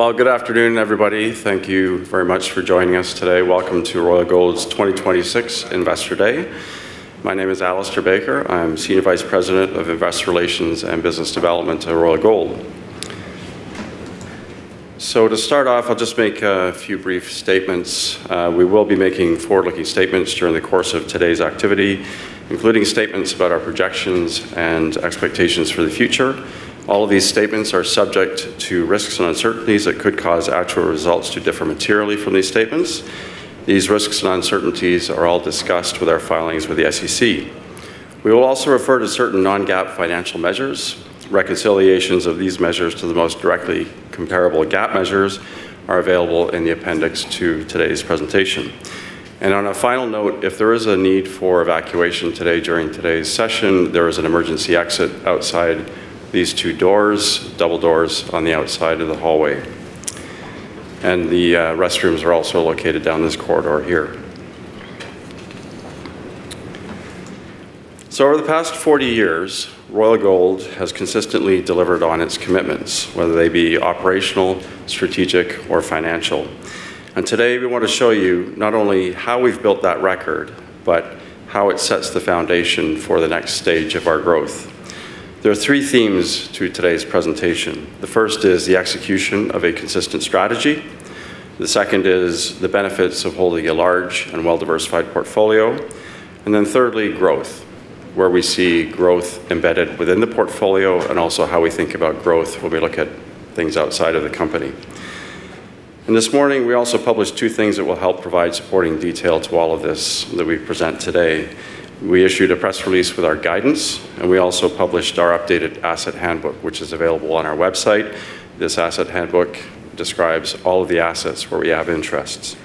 Well, good afternoon, everybody. Thank you very much for joining us today. Welcome to Royal Gold's 2026 Investor Day. My name is Alistair Baker. I'm Senior Vice President of Investor Relations and Business Development at Royal Gold. To start off, I'll just make a few brief statements. We will be making forward-looking statements during the course of today's activity, including statements about our projections and expectations for the future. All of these statements are subject to risks and uncertainties that could cause actual results to differ materially from these statements. These risks and uncertainties are all discussed with our filings with the SEC. We will also refer to certain non-GAAP financial measures. Reconciliations of these measures to the most directly comparable GAAP measures are available in the appendix to today's presentation. On a final note, if there is a need for evacuation today during today's session, there is an emergency exit outside these two doors, double doors on the outside of the hallway. The restrooms are also located down this corridor here. Over the past 40 years, Royal Gold has consistently delivered on its commitments, whether they be operational, strategic, or financial. Today, we want to show you not only how we've built that record, but how it sets the foundation for the next stage of our growth. There are three themes to today's presentation. The first is the execution of a consistent strategy. The second is the benefits of holding a large and well-diversified portfolio. Then thirdly, growth, where we see growth embedded within the portfolio and also how we think about growth when we look at things outside of the company. This morning, we also published two things that will help provide supporting detail to all of this that we present today. We issued a press release with our guidance, and we also published our updated Asset Handbook, which is available on our website. This Asset Handbook describes all of the assets where we have interests.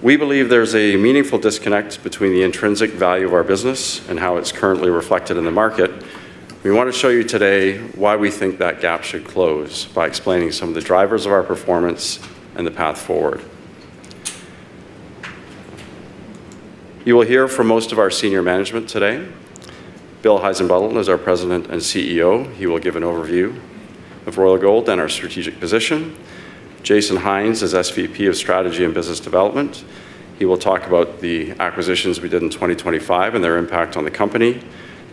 We believe there's a meaningful disconnect between the intrinsic value of our business and how it's currently reflected in the market. We want to show you today why we think that gap should close by explaining some of the drivers of our performance and the path forward. You will hear from most of our senior management today. Bill Heissenbuttel is our President and CEO. He will give an overview of Royal Gold and our strategic position. Jason Hynes is SVP of Strategy and Business Development. He will talk about the acquisitions we did in 2025 and their impact on the company.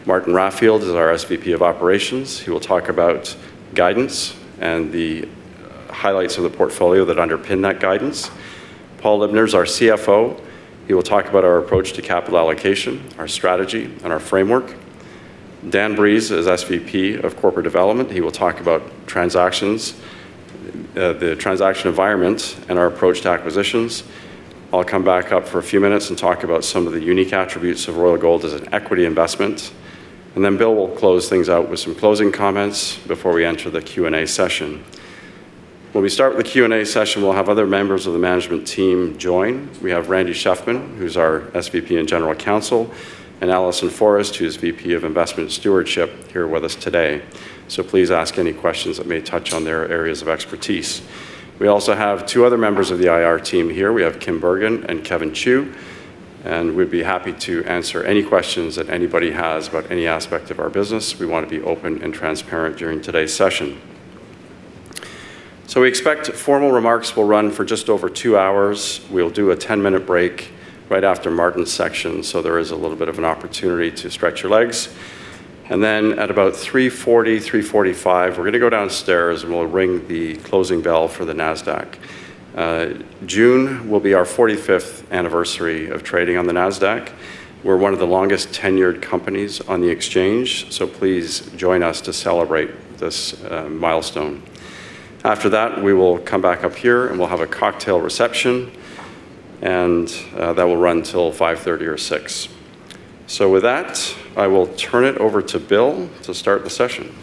Martin Raffield is our SVP of Operations. He will talk about guidance and the highlights of the portfolio that underpin that guidance. Paul Libner is our CFO. He will talk about our approach to capital allocation, our strategy, and our framework. Dan Breeze is SVP of Corporate Development. He will talk about transactions, the transaction environment and our approach to acquisitions. I'll come back up for a few minutes and talk about some of the unique attributes of Royal Gold as an equity investment. Bill will close things out with some closing comments before we enter the Q&A session. When we start the Q&A session, we'll have other members of the management team join. We have Randy Shefman, who's our SVP and General Counsel, and Allison Forrest, who's VP of Investment Stewardship, here with us today. Please ask any questions that may touch on their areas of expertise. We also have two other members of the IR team here. We have Kim Bergen and Kevin Chiew, and we'd be happy to answer any questions that anybody has about any aspect of our business. We want to be open and transparent during today's session. We expect formal remarks will run for just over two hours. We'll do a 10-minute break right after Martin's section, so there is a little bit of an opportunity to stretch your legs. At about 3:40 P.M., 3:45 P.M., we're gonna go downstairs, and we'll ring the closing bell for the Nasdaq. June will be our 45th anniversary of trading on the Nasdaq. We're one of the longest-tenured companies on the exchange, so please join us to celebrate this milestone. After that, we will come back up here, and we'll have a cocktail reception, and that will run till 5:30 P.M. or 6:00 P.M. With that, I will turn it over to Bill to start the session.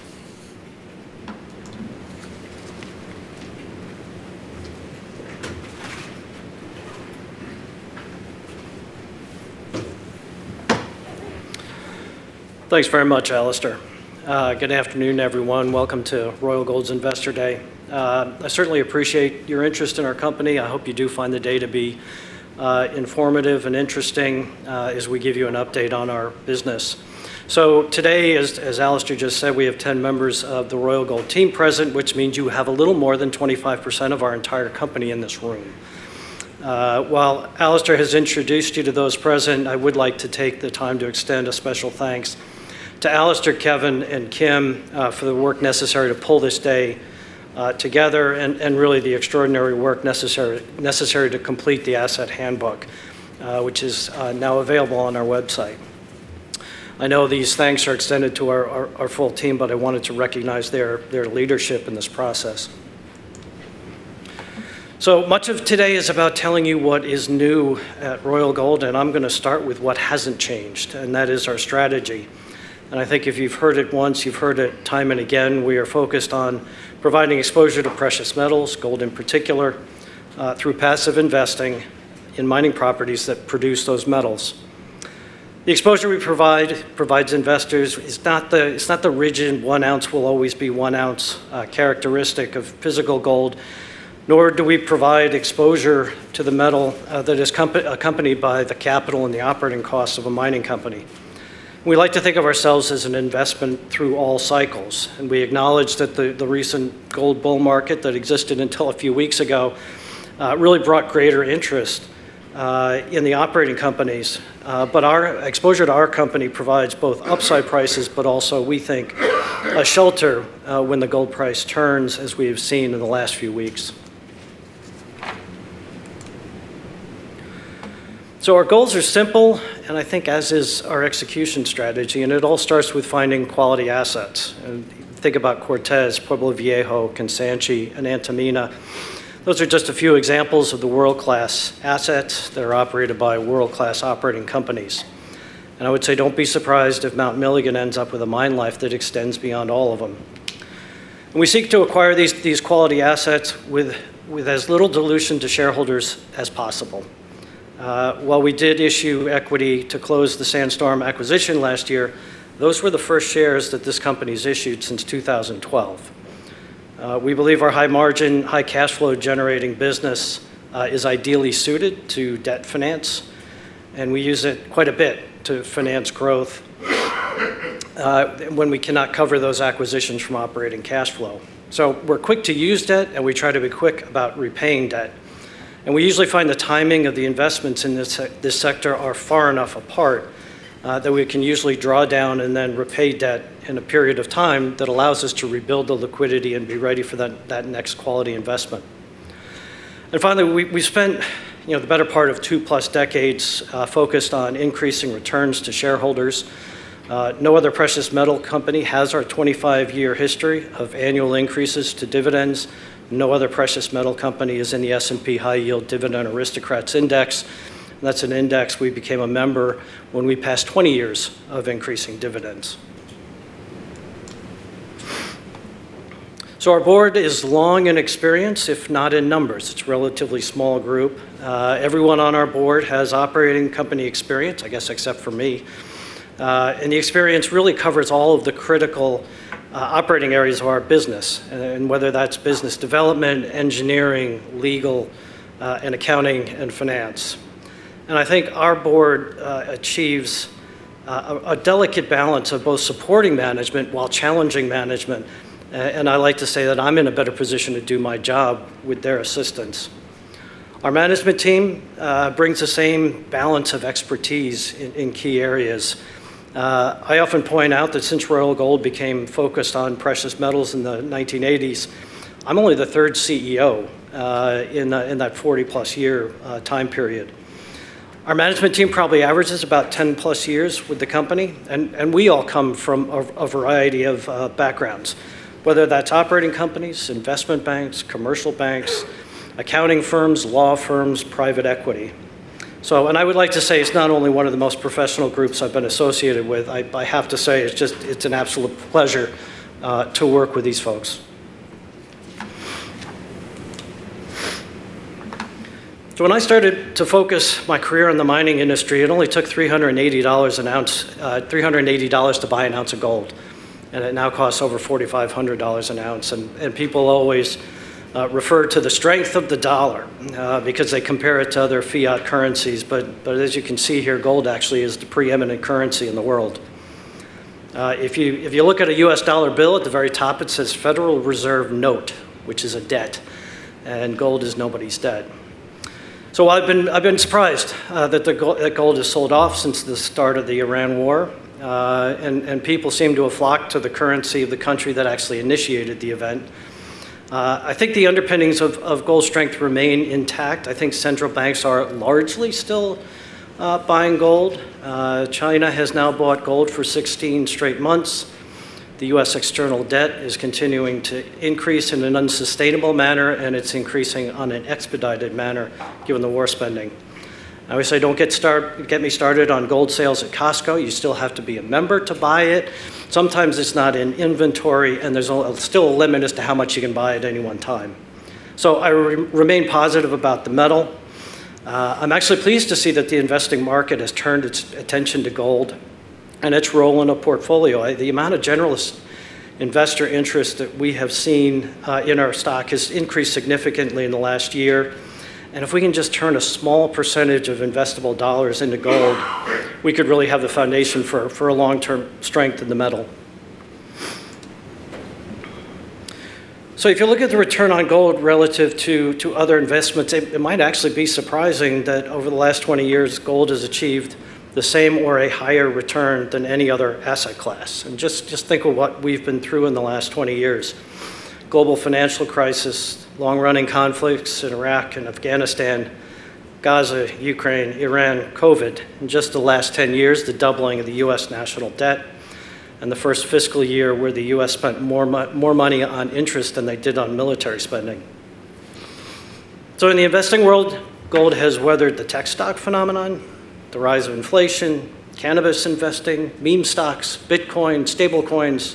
Thanks very much, Alistair. Good afternoon, everyone. Welcome to Royal Gold's Investor Day. I certainly appreciate your interest in our company. I hope you do find the day to be informative and interesting as we give you an update on our business. Today, as Alistair just said, we have 10 members of the Royal Gold team present, which means you have a little more than 25% of our entire company in this room. While Alistair has introduced you to those present, I would like to take the time to extend a special thanks to Alistair, Kevin, and Kim for the work necessary to pull this day together and really the extraordinary work necessary to complete the Asset Handbook, which is now available on our website. I know these thanks are extended to our full team, but I wanted to recognize their leadership in this process. Much of today is about telling you what is new at Royal Gold, and I'm gonna start with what hasn't changed, and that is our strategy. I think if you've heard it once, you've heard it time and again, we are focused on providing exposure to precious metals, gold in particular, through passive investing in mining properties that produce those metals. The exposure we provide, provides investors, it's not the rigid one ounce will always be one ounce characteristic of physical gold, nor do we provide exposure to the metal that is accompanied by the capital and the operating costs of a mining company. We like to think of ourselves as an investment through all cycles, and we acknowledge that the recent gold bull market that existed until a few weeks ago really brought greater interest in the operating companies. Our exposure to our company provides both upside prices, but also, we think, a shelter when the gold price turns, as we have seen in the last few weeks. Our goals are simple, and I think as is our execution strategy, and it all starts with finding quality assets. Think about Cortez, Pueblo Viejo, Kansanshi, and Antamina. Those are just a few examples of the world-class assets that are operated by world-class operating companies. I would say don't be surprised if Mount Milligan ends up with a mine life that extends beyond all of them. We seek to acquire these quality assets with as little dilution to shareholders as possible. While we did issue equity to close the Sandstorm acquisition last year, those were the first shares that this company has issued since 2012. We believe our high margin, high cash flow generating business is ideally suited to debt finance, and we use it quite a bit to finance growth when we cannot cover those acquisitions from operating cash flow. We're quick to use debt, and we try to be quick about repaying debt. We usually find the timing of the investments in this sector are far enough apart that we can usually draw down and then repay debt in a period of time that allows us to rebuild the liquidity and be ready for that next quality investment. Finally, we spent the better part of two-plus decades focused on increasing returns to shareholders. No other precious metal company has our 25-year history of annual increases to dividends. No other precious metal company is in the S&P High Yield Dividend Aristocrats Index. That's an index we became a member when we passed 20 years of increasing dividends. Our board is long in experience, if not in numbers. It's a relatively small group. Everyone on our board has operating company experience, I guess, except for me. The experience really covers all of the critical operating areas of our business, whether that's business development, engineering, legal, and accounting and finance. I think our board achieves a delicate balance of both supporting management while challenging management. I like to say that I'm in a better position to do my job with their assistance. Our management team brings the same balance of expertise in key areas. I often point out that since Royal Gold became focused on precious metals in the 1980s, I'm only the third CEO in that 40+ year time period. Our management team probably averages about 10+ years with the company. We all come from a variety of backgrounds, whether that's operating companies, investment banks, commercial banks, accounting firms, law firms, private equity. I would like to say it's not only one of the most professional groups I've been associated with. I have to say it's just, it's an absolute pleasure to work with these folks. When I started to focus my career on the mining industry, it only took $380/oz, $380 to buy an ounce of gold. It now costs over $4,500/oz. People always refer to the strength of the dollar because they compare it to other fiat currencies. As you can see here, gold actually is the preeminent currency in the world. If you look at a U.S. dollar bill at the very top, it says Federal Reserve Note, which is a debt. Gold is nobody's debt. I've been surprised that gold has sold off since the start of the Iran war. People seem to have flocked to the currency of the country that actually initiated the event. I think the underpinnings of gold strength remain intact. I think central banks are largely still buying gold. China has now bought gold for 16 straight months. The U.S. external debt is continuing to increase in an unsustainable manner. It's increasing on an expedited manner given the war spending. Obviously, don't get me started on gold sales at Costco. You still have to be a member to buy it. Sometimes it's not in inventory. There's still a limit as to how much you can buy at any one time. I remain positive about the metal. I'm actually pleased to see that the investing market has turned its attention to gold and its role in a portfolio. The amount of generalist investor interest that we have seen in our stock has increased significantly in the last year. If we can just turn a small percentage of investable dollars into gold, we could really have the foundation for a long-term strength in the metal. If you look at the return on gold relative to other investments, it might actually be surprising that over the last 20 years, gold has achieved the same or a higher return than any other asset class. Just think of what we've been through in the last 20 years. Global financial crisis, long-running conflicts in Iraq and Afghanistan, Gaza, Ukraine, Iran, COVID. In just the last 10 years, the doubling of the U.S. national debt and the first fiscal year where the U.S. spent more money on interest than they did on military spending. In the investing world, gold has weathered the tech stock phenomenon, the rise of inflation, cannabis investing, meme stocks, Bitcoin, stable coins.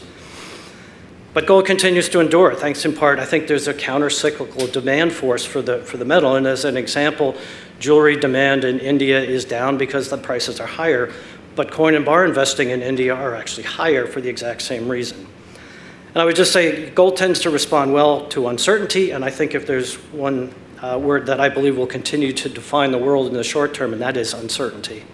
Gold continues to endure, thanks in part, I think there's a countercyclical demand force for the metal. As an example, jewelry demand in India is down because the prices are higher. Coin and bar investing in India are actually higher for the exact same reason. I would just say gold tends to respond well to uncertainty. I think if there's one word that I believe will continue to define the world in the short term, and that is uncertainty.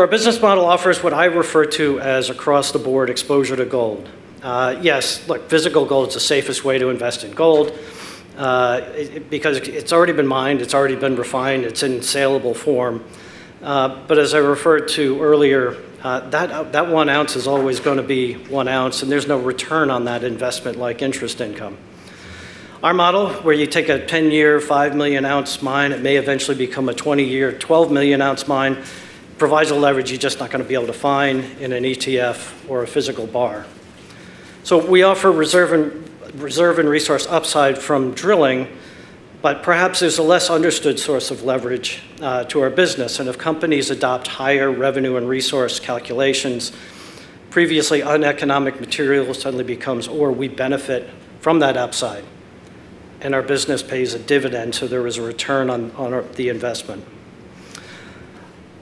Our business model offers what I refer to as across-the-board exposure to gold. Yes, look, physical gold is the safest way to invest in gold because it's already been mined, it's already been refined, it's in saleable form. As I referred to earlier, that one ounce is always going to be one ounce, and there's no return on that investment like interest income. Our model, where you take a 10-year, 5 million oz mine, it may eventually become a 20-year, 12 million oz mine, provides a leverage you're just not going to be able to find in an ETF or a physical bar. We offer reserve and resource upside from drilling, but perhaps there's a less understood source of leverage to our business. If companies adopt higher revenue and resource calculations, previously uneconomic material suddenly becomes ore. We benefit from that upside, and our business pays a dividend, so there is a return on the investment.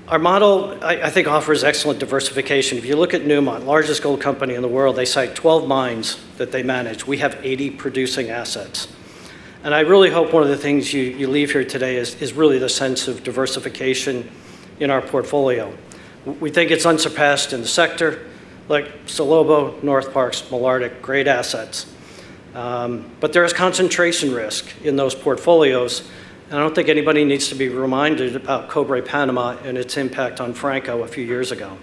Our model, I think, offers excellent diversification. If you look at Newmont, largest gold company in the world, they cite 12 mines that they manage. We have 80 producing assets. I really hope one of the things you leave here today is really the sense of diversification in our portfolio. We think it's unsurpassed in the sector, like Salobo, Northparkes, Malartic, great assets. There is concentration risk in those portfolios, and I don't think anybody needs to be reminded about Cobre Panamá and its impact on Franco a few years ago.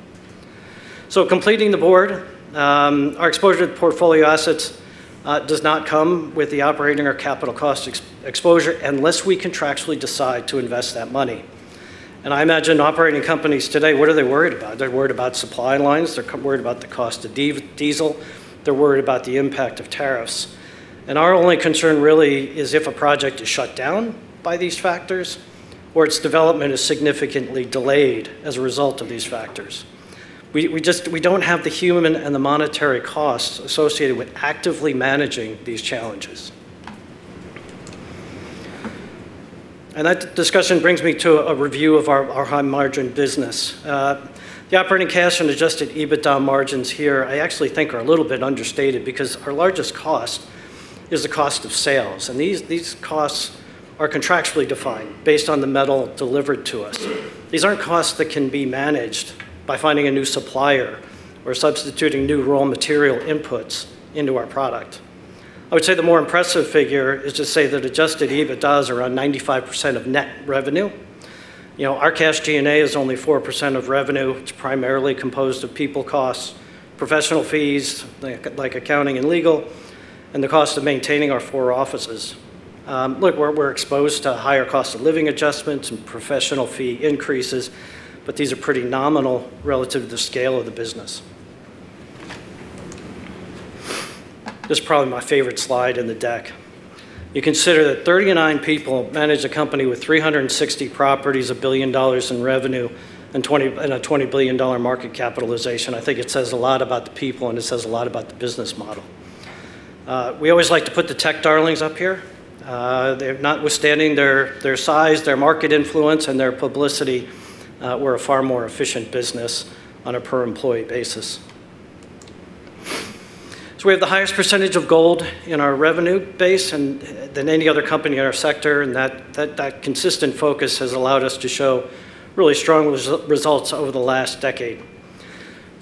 Completing the board, our exposure to portfolio assets does not come with the operating or capital cost exposure unless we contractually decide to invest that money. I imagine operating companies today, what are they worried about? They're worried about supply lines. They're worried about the cost of diesel. They're worried about the impact of tariffs. Our only concern really is if a project is shut down by these factors or its development is significantly delayed as a result of these factors. We just, we don't have the human and the monetary costs associated with actively managing these challenges. That discussion brings me to a review of our high margin business. The operating cash and adjusted EBITDA margins here, I actually think are a little bit understated because our largest cost is the cost of sales. These costs are contractually defined based on the metal delivered to us. These aren't costs that can be managed by finding a new supplier or substituting new raw material inputs into our product. I would say the more impressive figure is to say that adjusted EBITDA is around 95% of net revenue. You know, our cash G&A is only 4% of revenue. It's primarily composed of people costs, professional fees like accounting and legal, and the cost of maintaining our four offices. Look, we're exposed to higher cost of living adjustments and professional fee increases, but these are pretty nominal relative to the scale of the business. This is probably my favorite slide in the deck. You consider that 39 people manage a company with 360 properties, $1 billion in revenue, and a $20 billion market capitalization. I think it says a lot about the people, and it says a lot about the business model. We always like to put the tech darlings up here. Notwithstanding their size, their market influence, and their publicity, we're a far more efficient business on a per employee basis. We have the highest percentage of gold in our revenue base than any other company in our sector, and that consistent focus has allowed us to show really strong results over the last decade.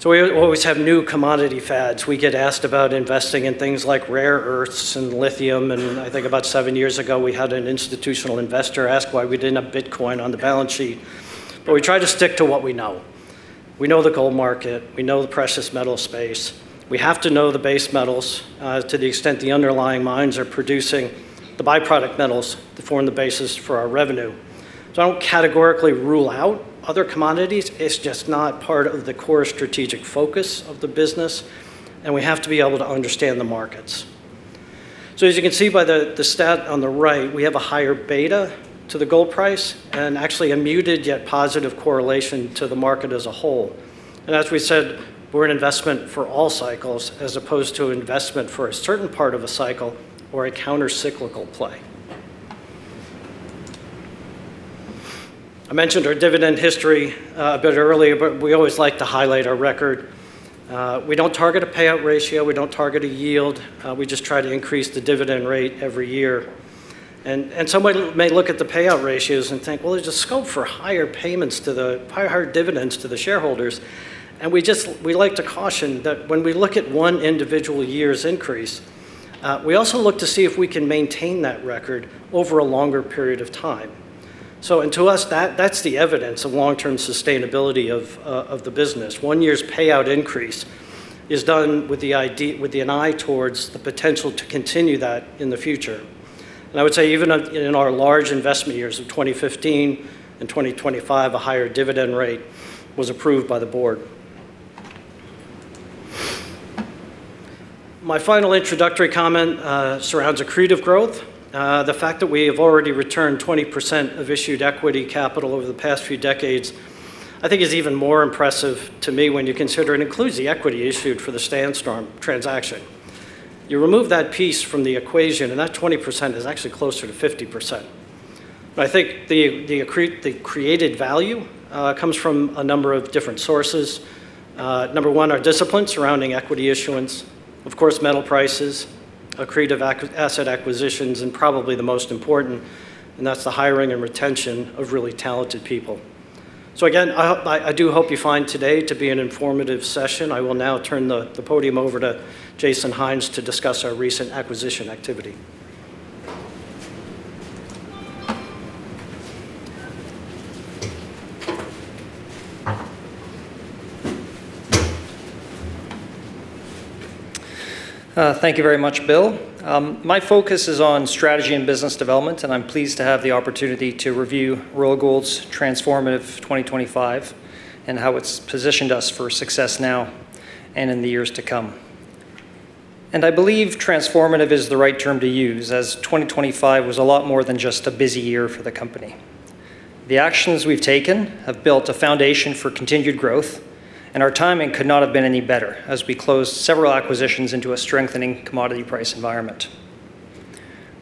We always have new commodity fads. We get asked about investing in things like rare earths and lithium, and I think about seven years ago we had an institutional investor ask why we didn't have Bitcoin on the balance sheet. But we try to stick to what we know. We know the gold market. We know the precious metal space. We have to know the base metals to the extent the underlying mines are producing the byproduct metals that form the basis for our revenue. I don't categorically rule out other commodities. It's just not part of the core strategic focus of the business, and we have to be able to understand the markets. As you can see by the stat on the right, we have a higher beta to the gold price and actually a muted yet positive correlation to the market as a whole. As we said, we're an investment for all cycles as opposed to an investment for a certain part of a cycle or a countercyclical play. I mentioned our dividend history a bit earlier, but we always like to highlight our record. We don't target a payout ratio. We don't target a yield. We just try to increase the dividend rate every year. Somebody may look at the payout ratios and think, well, there's a scope for higher payments to the higher dividends to the shareholders. We like to caution that when we look at one individual year's increase, we also look to see if we can maintain that record over a longer period of time. To us, that's the evidence of long-term sustainability of the business. One year's payout increase is done with an eye towards the potential to continue that in the future. I would say even in our large investment years of 2015 and 2025, a higher dividend rate was approved by the board. My final introductory comment surrounds accretive growth. The fact that we have already returned 20% of issued equity capital over the past few decades, I think, is even more impressive to me when you consider it includes the equity issued for the Sandstorm transaction. You remove that piece from the equation and that 20% is actually closer to 50%. I think the created value comes from a number of different sources. Number one, our discipline surrounding equity issuance, of course, metal prices, accretive asset acquisitions, and probably the most important, and that's the hiring and retention of really talented people. Again, I do hope you find today to be an informative session. I will now turn the podium over to Jason Hynes to discuss our recent acquisition activity. Thank you very much, Bill. My focus is on strategy and business development, and I'm pleased to have the opportunity to review Royal Gold's transformative 2025 and how it's positioned us for success now and in the years to come. I believe transformative is the right term to use, as 2025 was a lot more than just a busy year for the company. The actions we've taken have built a foundation for continued growth, and our timing could not have been any better as we closed several acquisitions into a strengthening commodity price environment.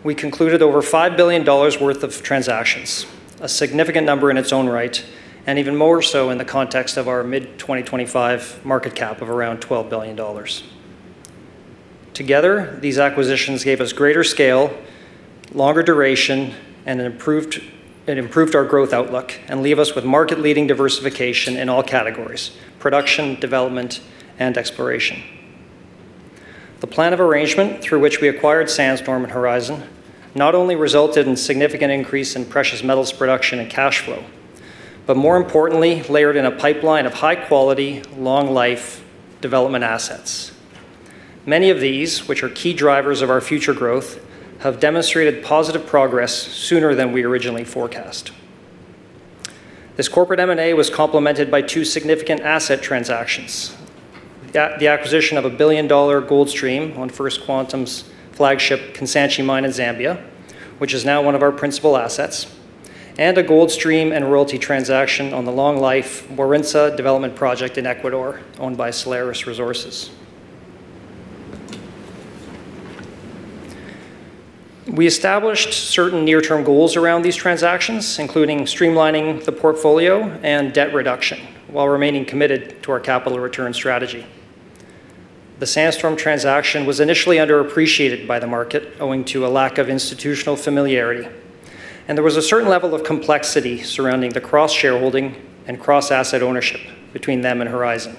We concluded over $5 billion worth of transactions, a significant number in its own right, and even more so in the context of our mid-2025 market cap of around $12 billion. Together, these acquisitions gave us greater scale, longer duration, and it improved our growth outlook and leave us with market-leading diversification in all categories, production, development, and exploration. The plan of arrangement through which we acquired Sandstorm and Horizon not only resulted in significant increase in precious metals production and cash flow, but more importantly, layered in a pipeline of high-quality, long-life development assets. Many of these, which are key drivers of our future growth, have demonstrated positive progress sooner than we originally forecast. This corporate M&A was complemented by two significant asset transactions. The acquisition of a billion-dollar gold stream on First Quantum's flagship Kansanshi mine in Zambia, which is now one of our principal assets, and a gold stream and royalty transaction on the long-life Warintza development project in Ecuador owned by Solaris Resources. We established certain near-term goals around these transactions, including streamlining the portfolio and debt reduction while remaining committed to our capital return strategy. The Sandstorm transaction was initially underappreciated by the market owing to a lack of institutional familiarity, and there was a certain level of complexity surrounding the cross-shareholding and cross-asset ownership between them and Horizon.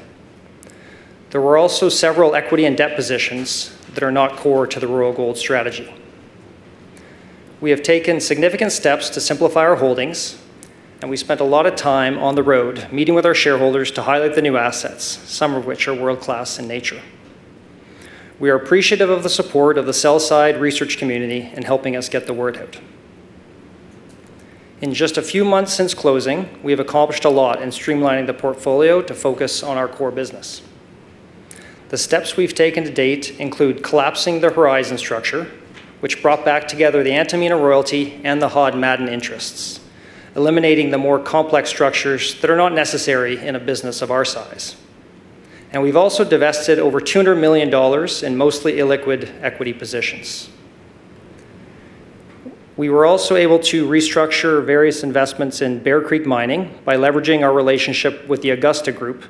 There were also several equity and debt positions that are not core to the Royal Gold strategy. We have taken significant steps to simplify our holdings, and we spent a lot of time on the road meeting with our shareholders to highlight the new assets, some of which are world-class in nature. We are appreciative of the support of the sell-side research community in helping us get the word out. In just a few months since closing, we have accomplished a lot in streamlining the portfolio to focus on our core business. The steps we've taken to date include collapsing the Horizon structure, which brought back together the Antamina royalty and the Hod Maden interests, eliminating the more complex structures that are not necessary in a business of our size. We've also divested over $200 million in mostly illiquid equity positions. We were also able to restructure various investments in Bear Creek Mining by leveraging our relationship with the Augusta Group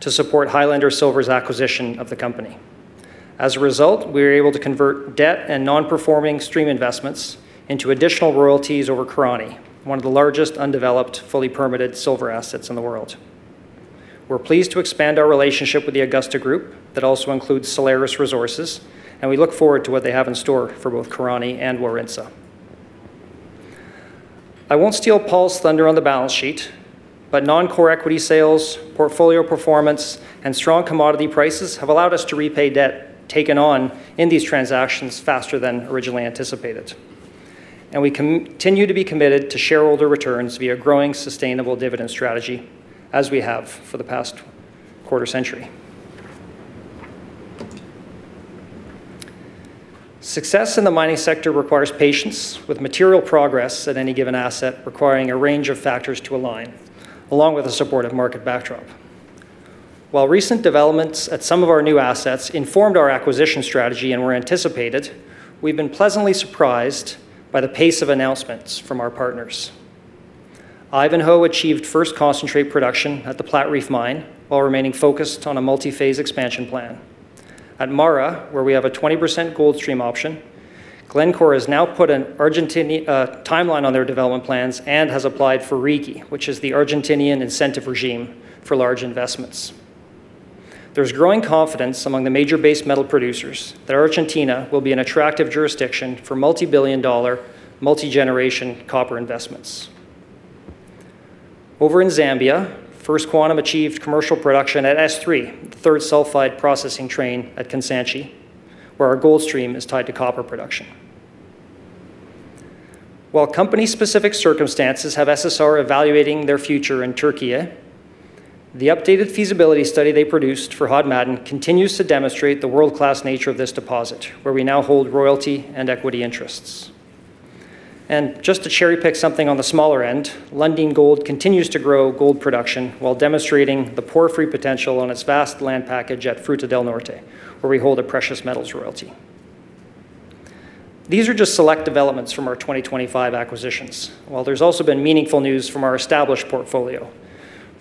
to support Highlander Silver's acquisition of the company. As a result, we were able to convert debt and non-performing stream investments into additional royalties over Corani, one of the largest undeveloped, fully permitted silver assets in the world. We're pleased to expand our relationship with the Augusta Group that also includes Solaris Resources, and we look forward to what they have in store for both Corani and Warintza. I won't steal Paul's thunder on the balance sheet, but non-core equity sales, portfolio performance, and strong commodity prices have allowed us to repay debt taken on in these transactions faster than originally anticipated. We continue to be committed to shareholder returns via growing sustainable dividend strategy as we have for the past quarter-century. Success in the mining sector requires patience with material progress at any given asset requiring a range of factors to align, along with the support of market backdrop. While recent developments at some of our new assets informed our acquisition strategy and were anticipated, we've been pleasantly surprised by the pace of announcements from our partners. Ivanhoe achieved first concentrate production at the Platreef mine while remaining focused on a multi-phase expansion plan. At MARA, where we have a 20% gold stream option, Glencore has now put an Argentine timeline on their development plans and has applied for RIGI, which is the Argentinian incentive regime for large investments. There's growing confidence among the major base metal producers that Argentina will be an attractive jurisdiction for multi-billion-dollar, multi-generation copper investments. Over in Zambia, First Quantum achieved commercial production at S3, the third sulfide processing train at Kansanshi, where our gold stream is tied to copper production. While company-specific circumstances have SSR evaluating their future in Türkiye, the updated feasibility study they produced for Hod Maden continues to demonstrate the world-class nature of this deposit, where we now hold royalty and equity interests. Just to cherry-pick something on the smaller end, Lundin Gold continues to grow gold production while demonstrating the porphyry potential on its vast land package at Fruta del Norte, where we hold a precious metals royalty. These are just select developments from our 2025 acquisitions, while there's also been meaningful news from our established portfolio.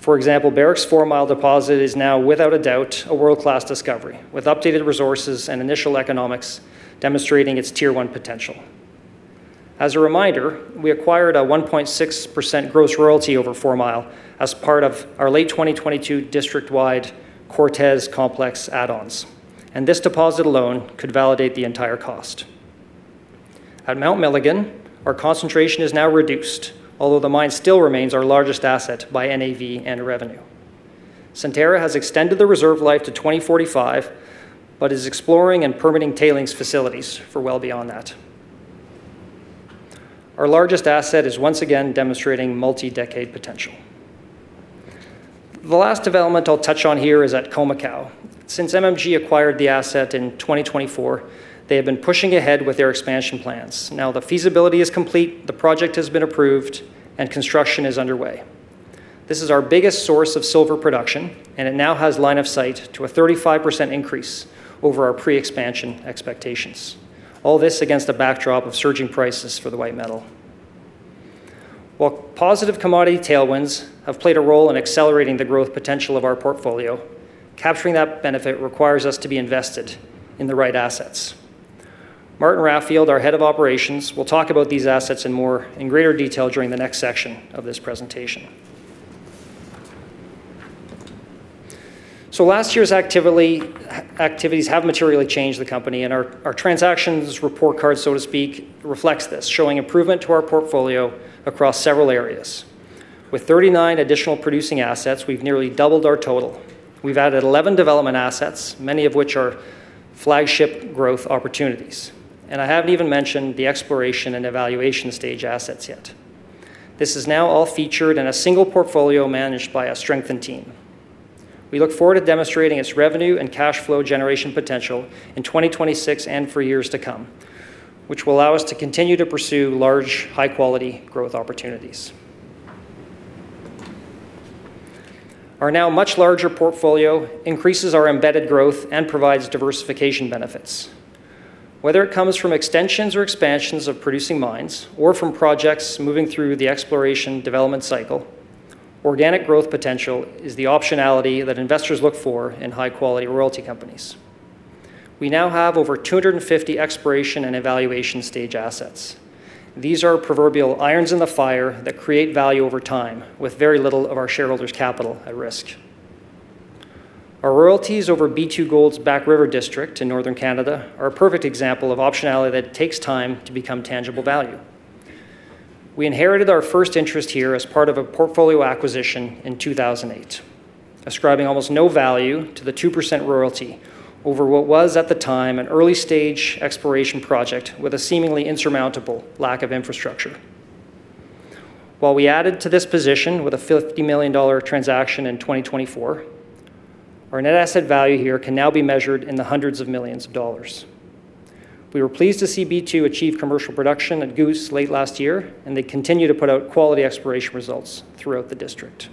For example, Barrick's Fourmile deposit is now, without a doubt, a world-class discovery, with updated resources and initial economics demonstrating its Tier One potential. As a reminder, we acquired a 1.6% gross royalty over Fourmile as part of our late 2022 district-wide Cortez Complex add-ons, and this deposit alone could validate the entire cost. At Mount Milligan, our concentration is now reduced, although the mine still remains our largest asset by NAV and revenue. Centerra has extended the reserve life to 2045 but is exploring and permitting tailings facilities for well beyond that. Our largest asset is once again demonstrating multi-decade potential. The last development I'll touch on here is at Khoemacau. Since MMG acquired the asset in 2024, they have been pushing ahead with their expansion plans. Now the feasibility is complete, the project has been approved, and construction is underway. This is our biggest source of silver production, and it now has line of sight to a 35% increase over our pre-expansion expectations. All this against a backdrop of surging prices for the white metal. While positive commodity tailwinds have played a role in accelerating the growth potential of our portfolio, capturing that benefit requires us to be invested in the right assets. Martin Raffield, our Head of Operations, will talk about these assets in greater detail during the next section of this presentation. Last year's activities have materially changed the company, and our transactions report card, so to speak, reflects this, showing improvement to our portfolio across several areas. With 39 additional producing assets, we've nearly doubled our total. We've added 11 development assets, many of which are flagship growth opportunities. I haven't even mentioned the exploration and evaluation stage assets yet. This is now all featured in a single portfolio managed by a strengthened team. We look forward to demonstrating its revenue and cash flow generation potential in 2026 and for years to come, which will allow us to continue to pursue large, high-quality growth opportunities. Our now much larger portfolio increases our embedded growth and provides diversification benefits. Whether it comes from extensions or expansions of producing mines or from projects moving through the exploration development cycle, organic growth potential is the optionality that investors look for in high-quality royalty companies. We now have over 250 exploration and evaluation stage assets. These are proverbial irons in the fire that create value over time with very little of our shareholders' capital at risk. Our royalties over B2Gold's Back River District in northern Canada are a perfect example of optionality that takes time to become tangible value. We inherited our first interest here as part of a portfolio acquisition in 2008, ascribing almost no value to the 2% royalty over what was, at the time, an early-stage exploration project with a seemingly insurmountable lack of infrastructure. While we added to this position with a $50 million transaction in 2024, our net asset value here can now be measured in the hundreds of millions of dollars. We were pleased to see B2 achieve commercial production at Goose late last year, and they continue to put out quality exploration results throughout the district.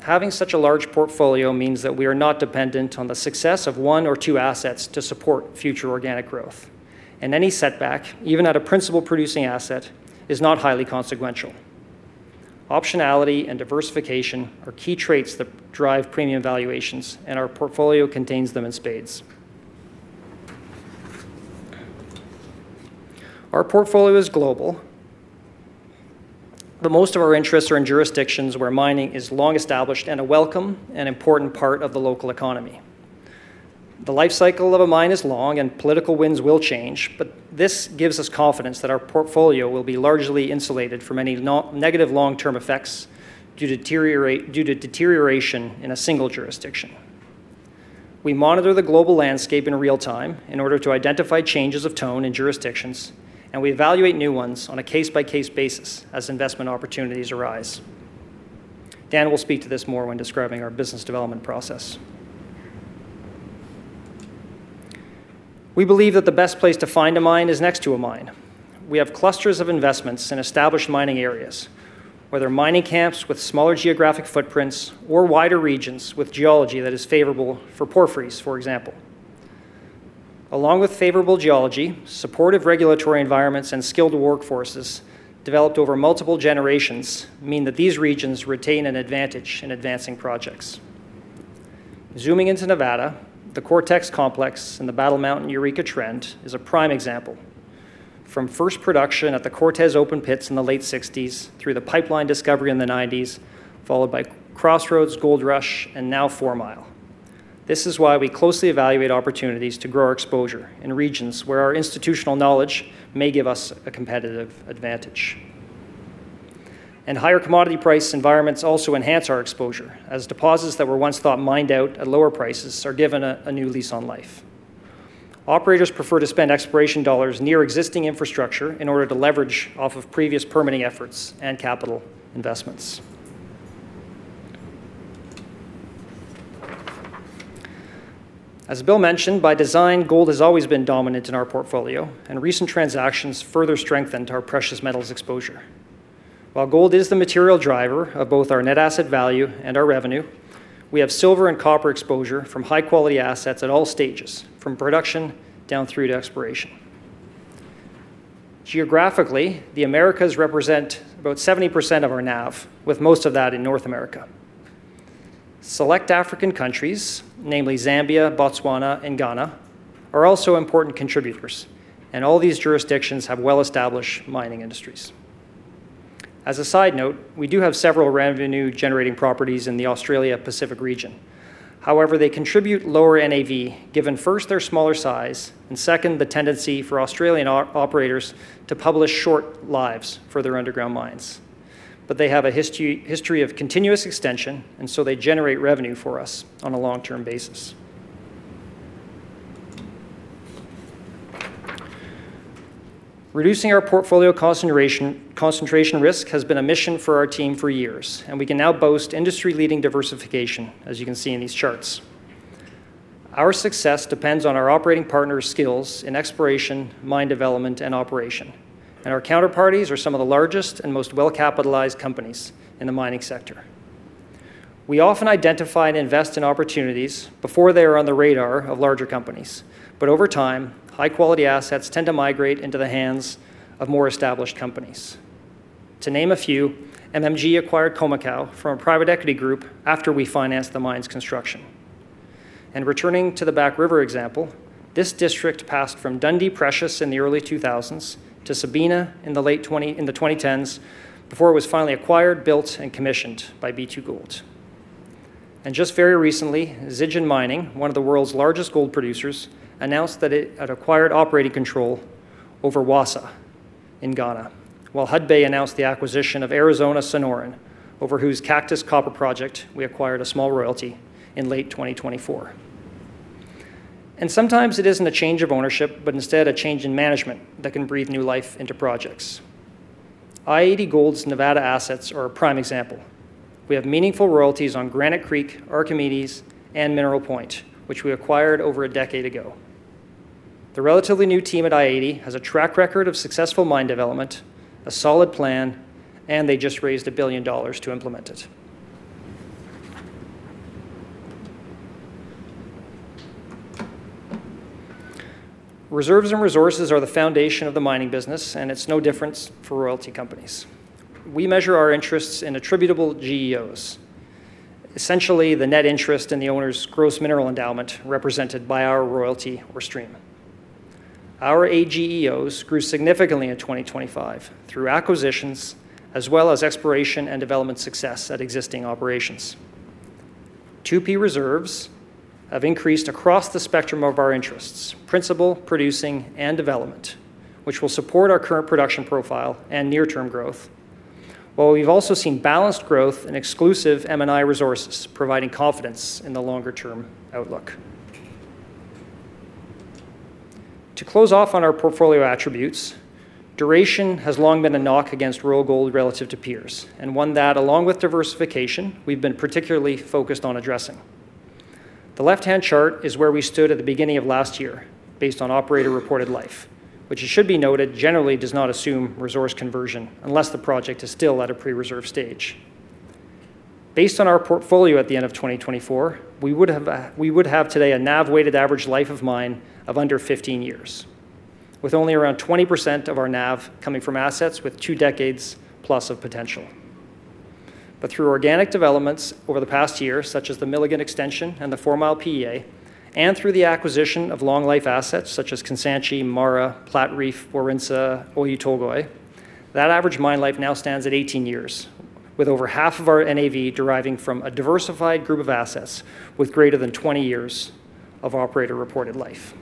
Having such a large portfolio means that we are not dependent on the success of one or two assets to support future organic growth, and any setback, even at a principal producing asset, is not highly consequential. Optionality and diversification are key traits that drive premium valuations, and our portfolio contains them in spades. Our portfolio is global, but most of our interests are in jurisdictions where mining is long established and a welcome and important part of the local economy. The life cycle of a mine is long and political winds will change, but this gives us confidence that our portfolio will be largely insulated from any negative long-term effects due to deterioration in a single jurisdiction. We monitor the global landscape in real time in order to identify changes of tone in jurisdictions, and we evaluate new ones on a case-by-case basis as investment opportunities arise. Dan will speak to this more when describing our business development process. We believe that the best place to find a mine is next to a mine. We have clusters of investments in established mining areas, whether mining camps with smaller geographic footprints or wider regions with geology that is favorable for porphyries, for example. Along with favorable geology, supportive regulatory environments and skilled workforces developed over multiple generations mean that these regions retain an advantage in advancing projects. Zooming into Nevada, the Cortez Complex and the Battle Mountain-Eureka Trend is a prime example. From first production at the Cortez open pits in the late 1960s through the Pipeline discovery in the 1990s, followed by Crossroads, Goldrush, and now Fourmile. This is why we closely evaluate opportunities to grow our exposure in regions where our institutional knowledge may give us a competitive advantage. Higher commodity price environments also enhance our exposure as deposits that were once thought mined out at lower prices are given a new lease on life. Operators prefer to spend exploration dollars near existing infrastructure in order to leverage off of previous permitting efforts and capital investments. As Bill mentioned, by design, gold has always been dominant in our portfolio, and recent transactions further strengthened our precious metals exposure. While gold is the material driver of both our net asset value and our revenue, we have silver and copper exposure from high-quality assets at all stages, from production down through to exploration. Geographically, the Americas represent about 70% of our NAV, with most of that in North America. Select African countries, namely Zambia, Botswana, and Ghana, are also important contributors, and all these jurisdictions have well-established mining industries. As a side note, we do have several revenue-generating properties in the Australia-Pacific region. However, they contribute lower NAV given first their smaller size and second the tendency for Australian operators to publish short lives for their underground mines. They have a history of continuous extension, and so they generate revenue for us on a long-term basis. Reducing our portfolio concentration risk has been a mission for our team for years, and we can now boast industry-leading diversification, as you can see in these charts. Our success depends on our operating partners' skills in exploration, mine development, and operation, and our counterparties are some of the largest and most well-capitalized companies in the mining sector. We often identify and invest in opportunities before they are on the radar of larger companies, but over time, high-quality assets tend to migrate into the hands of more established companies. To name a few, MMG acquired Khoemacau from a private equity group after we financed the mine's construction. Returning to the Back River example, this district passed from Dundee Precious in the early 2000s to Sabina in the 2010s before it was finally acquired, built, and commissioned by B2Gold. Just very recently, Zijin Mining, one of the world's largest gold producers, announced that it had acquired operating control over Wassa in Ghana, while Hudbay announced the acquisition of Arizona Sonoran, over whose Cactus copper project we acquired a small royalty in late 2024. Sometimes it isn't a change of ownership, but instead a change in management that can breathe new life into projects. i-80 Gold's Nevada assets are a prime example. We have meaningful royalties on Granite Creek, Archimedes, and Mineral Point, which we acquired over a decade ago. The relatively new team at i-80 has a track record of successful mine development, a solid plan, and they just raised $1 billion to implement it. Reserves and resources are the foundation of the mining business, and it's no different for royalty companies. We measure our interests in attributable GEOs, essentially the net interest in the owner's gross mineral endowment represented by our royalty or stream. Our AGEOs grew significantly in 2025 through acquisitions as well as exploration and development success at existing operations. 2P reserves have increased across the spectrum of our interests, principal, producing, and development, which will support our current production profile and near-term growth, while we've also seen balanced growth in exclusive M&I resources providing confidence in the longer-term outlook. To close off on our portfolio attributes, duration has long been a knock against Royal Gold relative to peers, and one that, along with diversification, we've been particularly focused on addressing. The left-hand chart is where we stood at the beginning of last year based on operator-reported life, which it should be noted generally does not assume resource conversion unless the project is still at a pre-reserve stage. Based on our portfolio at the end of 2024, we would have today a NAV-weighted average life of mine of under 15 years, with only around 20% of our NAV coming from assets with two decades plus of potential. Through organic developments over the past year, such as the Milligan extension and the Fourmile PEA, and through the acquisition of long-life assets such as Kansanshi, MARA, Platreef, Warintza, Oyu Tolgoi, that average mine life now stands at 18 years, with over half of our NAV deriving from a diversified group of assets with greater than 20 years of operator-reported life.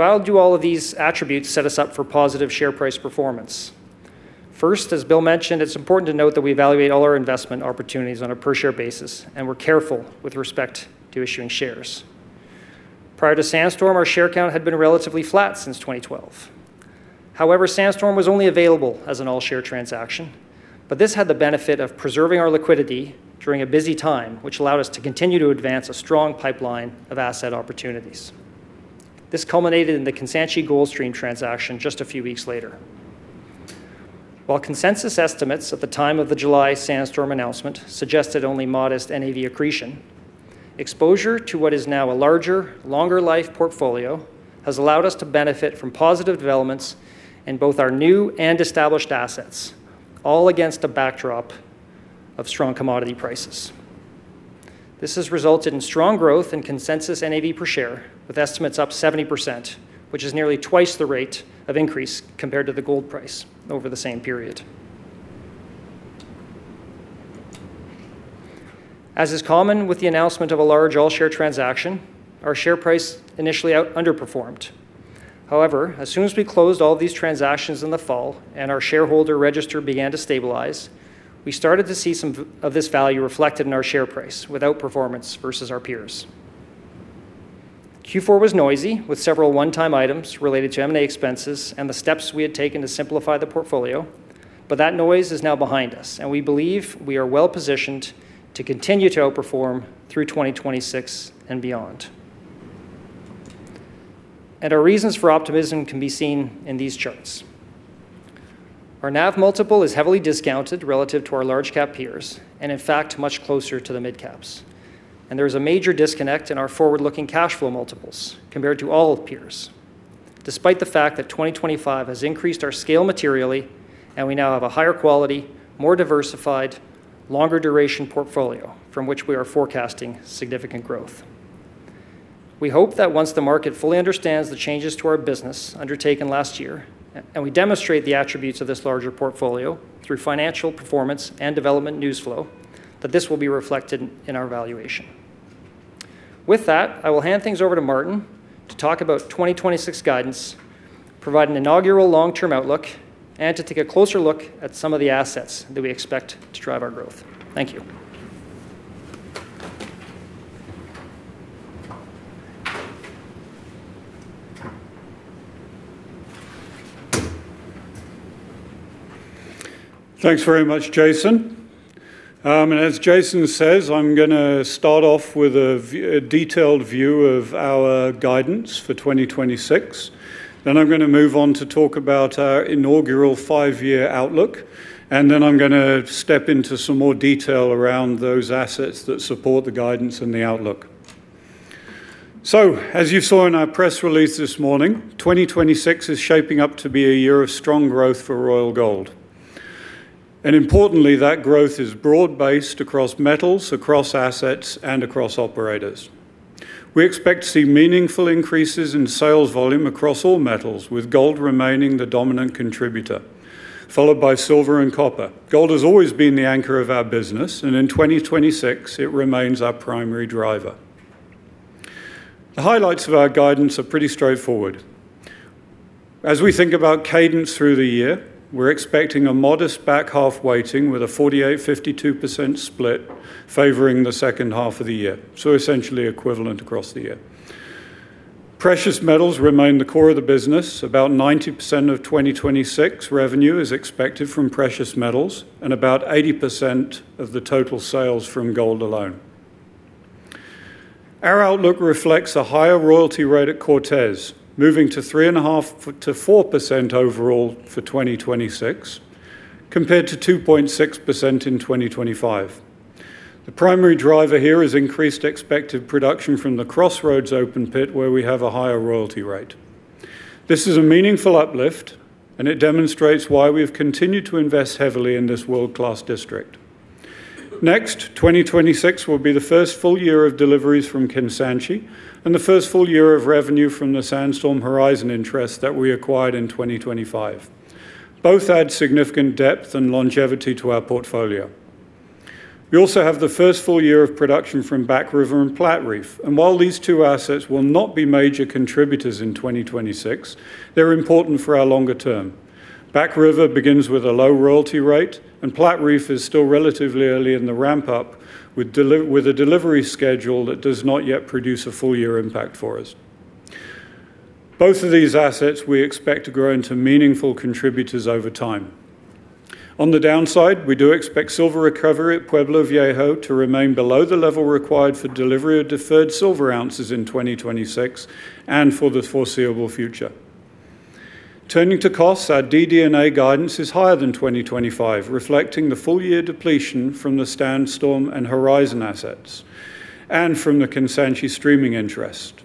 How do all of these attributes set us up for positive share price performance? First, as Bill mentioned, it's important to note that we evaluate all our investment opportunities on a per-share basis, and we're careful with respect to issuing shares. Prior to Sandstorm, our share count had been relatively flat since 2012. However, Sandstorm was only available as an all-share transaction, but this had the benefit of preserving our liquidity during a busy time, which allowed us to continue to advance a strong pipeline of asset opportunities. This culminated in the Kansanshi gold stream transaction just a few weeks later. While consensus estimates at the time of the July Sandstorm announcement suggested only modest NAV accretion, exposure to what is now a larger, longer-life portfolio has allowed us to benefit from positive developments in both our new and established assets, all against a backdrop of strong commodity prices. This has resulted in strong growth in consensus NAV per share, with estimates up 70%, which is nearly twice the rate of increase compared to the gold price over the same period. As is common with the announcement of a large all-share transaction, our share price initially underperformed. However, as soon as we closed all these transactions in the fall and our shareholder register began to stabilize, we started to see some of this value reflected in our share price without performance versus our peers. Q4 was noisy, with several one-time items related to M&A expenses and the steps we had taken to simplify the portfolio, but that noise is now behind us, and we believe we are well-positioned to continue to outperform through 2026 and beyond. Our reasons for optimism can be seen in these charts. Our NAV multiple is heavily discounted relative to our large-cap peers, and in fact much closer to the mid caps. There is a major disconnect in our forward-looking cash flow multiples compared to all peers, despite the fact that 2025 has increased our scale materially and we now have a higher quality, more diversified, longer duration portfolio from which we are forecasting significant growth. We hope that once the market fully understands the changes to our business undertaken last year and we demonstrate the attributes of this larger portfolio through financial performance and development news flow, that this will be reflected in our valuation. With that, I will hand things over to Martin to talk about 2026 guidance, provide an inaugural long-term outlook, and to take a closer look at some of the assets that we expect to drive our growth. Thank you. Thanks very much, Jason. As Jason says, I'm gonna start off with a detailed view of our guidance for 2026. I'm gonna move on to talk about our inaugural five-year outlook. I'm gonna step into some more detail around those assets that support the guidance and the outlook. As you saw in our press release this morning, 2026 is shaping up to be a year of strong growth for Royal Gold. Importantly, that growth is broad-based across metals, across assets, and across operators. We expect to see meaningful increases in sales volume across all metals, with gold remaining the dominant contributor, followed by silver and copper. Gold has always been the anchor of our business, and in 2026, it remains our primary driver. The highlights of our guidance are pretty straightforward. As we think about cadence through the year, we're expecting a modest back half weighting with a 48%-52% split favoring the second half of the year, so essentially equivalent across the year. Precious metals remain the core of the business. About 90% of 2026 revenue is expected from precious metals and about 80% of the total sales from gold alone. Our outlook reflects a higher royalty rate at Cortez, moving to 3.5%-4% overall for 2026 compared to 2.6% in 2025. The primary driver here is increased expected production from the Crossroads open pit where we have a higher royalty rate. This is a meaningful uplift, and it demonstrates why we have continued to invest heavily in this world-class district. Next, 2026 will be the first full year of deliveries from Kansanshi and the first full year of revenue from the Sandstorm/Horizon interest that we acquired in 2025. Both add significant depth and longevity to our portfolio. We also have the first full year of production from Back River and Platreef. While these two assets will not be major contributors in 2026, they're important for our longer term. Back River begins with a low royalty rate, and Platreef is still relatively early in the ramp up with a delivery schedule that does not yet produce a full year impact for us. Both of these assets we expect to grow into meaningful contributors over time. On the downside, we do expect silver recovery at Pueblo Viejo to remain below the level required for delivery of deferred silver ounces in 2026 and for the foreseeable future. Turning to costs, our DD&A guidance is higher than 2025, reflecting the full year depletion from the Sandstorm and Horizon assets and from the Kansanshi streaming interest.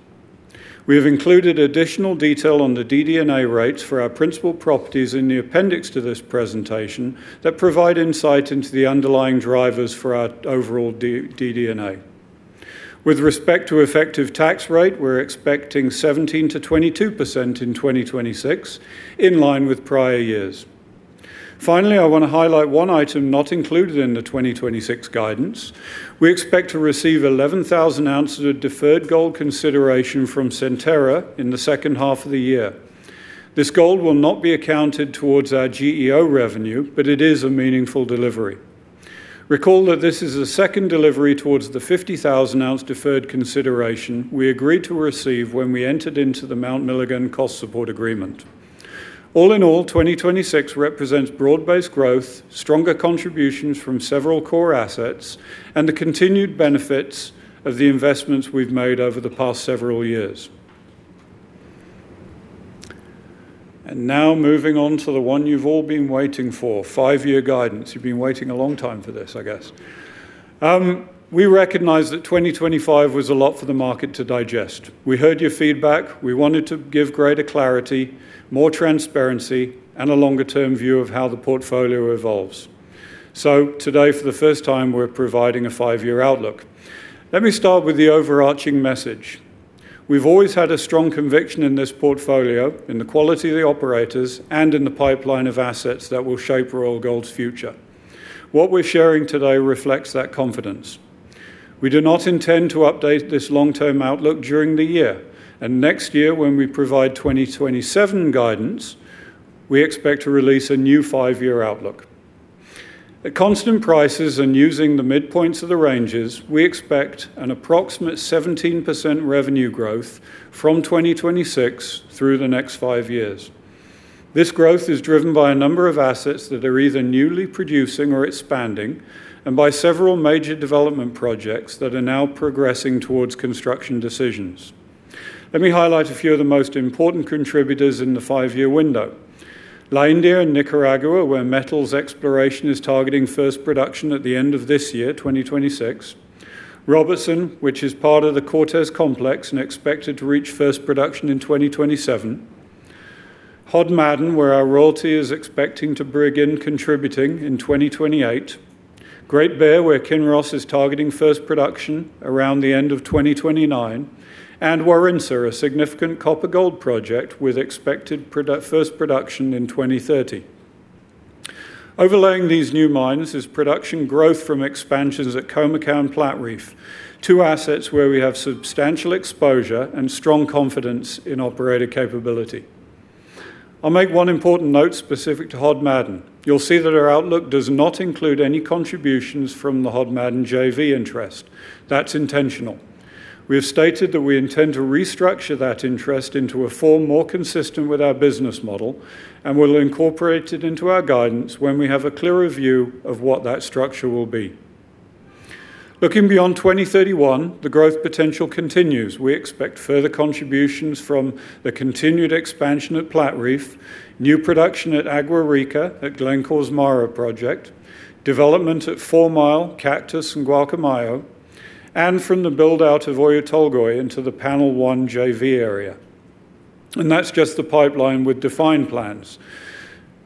We have included additional detail on the DD&A rates for our principal properties in the appendix to this presentation that provide insight into the underlying drivers for our overall DD&A. With respect to effective tax rate, we're expecting 17%-22% in 2026, in line with prior years. Finally, I want to highlight one item not included in the 2026 guidance. We expect to receive 11,000 oz of deferred gold consideration from Centerra in the second half of the year. This gold will not be accounted towards our GEO revenue, but it is a meaningful delivery. Recall that this is the second delivery towards the 50,000-oz deferred consideration we agreed to receive when we entered into the Mount Milligan cost support agreement. All in all, 2026 represents broad-based growth, stronger contributions from several core assets, and the continued benefits of the investments we've made over the past several years. Now moving on to the one you've all been waiting for, five-year guidance. You've been waiting a long time for this, I guess. We recognize that 2025 was a lot for the market to digest. We heard your feedback. We wanted to give greater clarity, more transparency, and a longer-term view of how the portfolio evolves. Today, for the first time, we're providing a five-year outlook. Let me start with the overarching message. We've always had a strong conviction in this portfolio, in the quality of the operators, and in the pipeline of assets that will shape Royal Gold's future. What we're sharing today reflects that confidence. We do not intend to update this long-term outlook during the year. Next year, when we provide 2027 guidance, we expect to release a new five-year outlook. At constant prices and using the midpoints of the ranges, we expect an approximate 17% revenue growth from 2026 through the next five years. This growth is driven by a number of assets that are either newly producing or expanding, and by several major development projects that are now progressing towards construction decisions. Let me highlight a few of the most important contributors in the five-year window. La India in Nicaragua, where Metals Exploration is targeting first production at the end of this year, 2026. Robertson, which is part of the Cortez Complex and expected to reach first production in 2027. Hod Maden, where our royalty is expected to begin contributing in 2028. Great Bear, where Kinross is targeting first production around the end of 2029. Warintza, a significant copper-gold project with expected first production in 2030. Overlaying these new mines is production growth from expansions at Khoemacau and Platreef, two assets where we have substantial exposure and strong confidence in operator capability. I'll make one important note specific to Hod Maden. You'll see that our outlook does not include any contributions from the Hod Maden JV interest. That's intentional. We have stated that we intend to restructure that interest into a form more consistent with our business model, and we'll incorporate it into our guidance when we have a clearer view of what that structure will be. Looking beyond 2031, the growth potential continues. We expect further contributions from the continued expansion at Platreef, new production at Agua Rica at Glencore's MARA project, development at Fourmile, Cactus, and Gualcamayo, and from the build-out of Oyu Tolgoi into the Panel 1 JV area. That's just the pipeline with defined plans.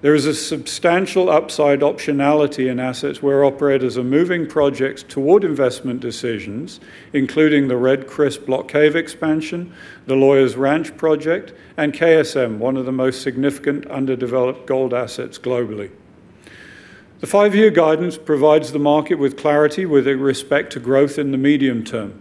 There is a substantial upside optionality in assets where operators are moving projects toward investment decisions, including the Red Chris block cave expansion, the Lawyers-Ranch project, and KSM, one of the most significant underdeveloped gold assets globally. The five-year guidance provides the market with clarity with respect to growth in the medium term.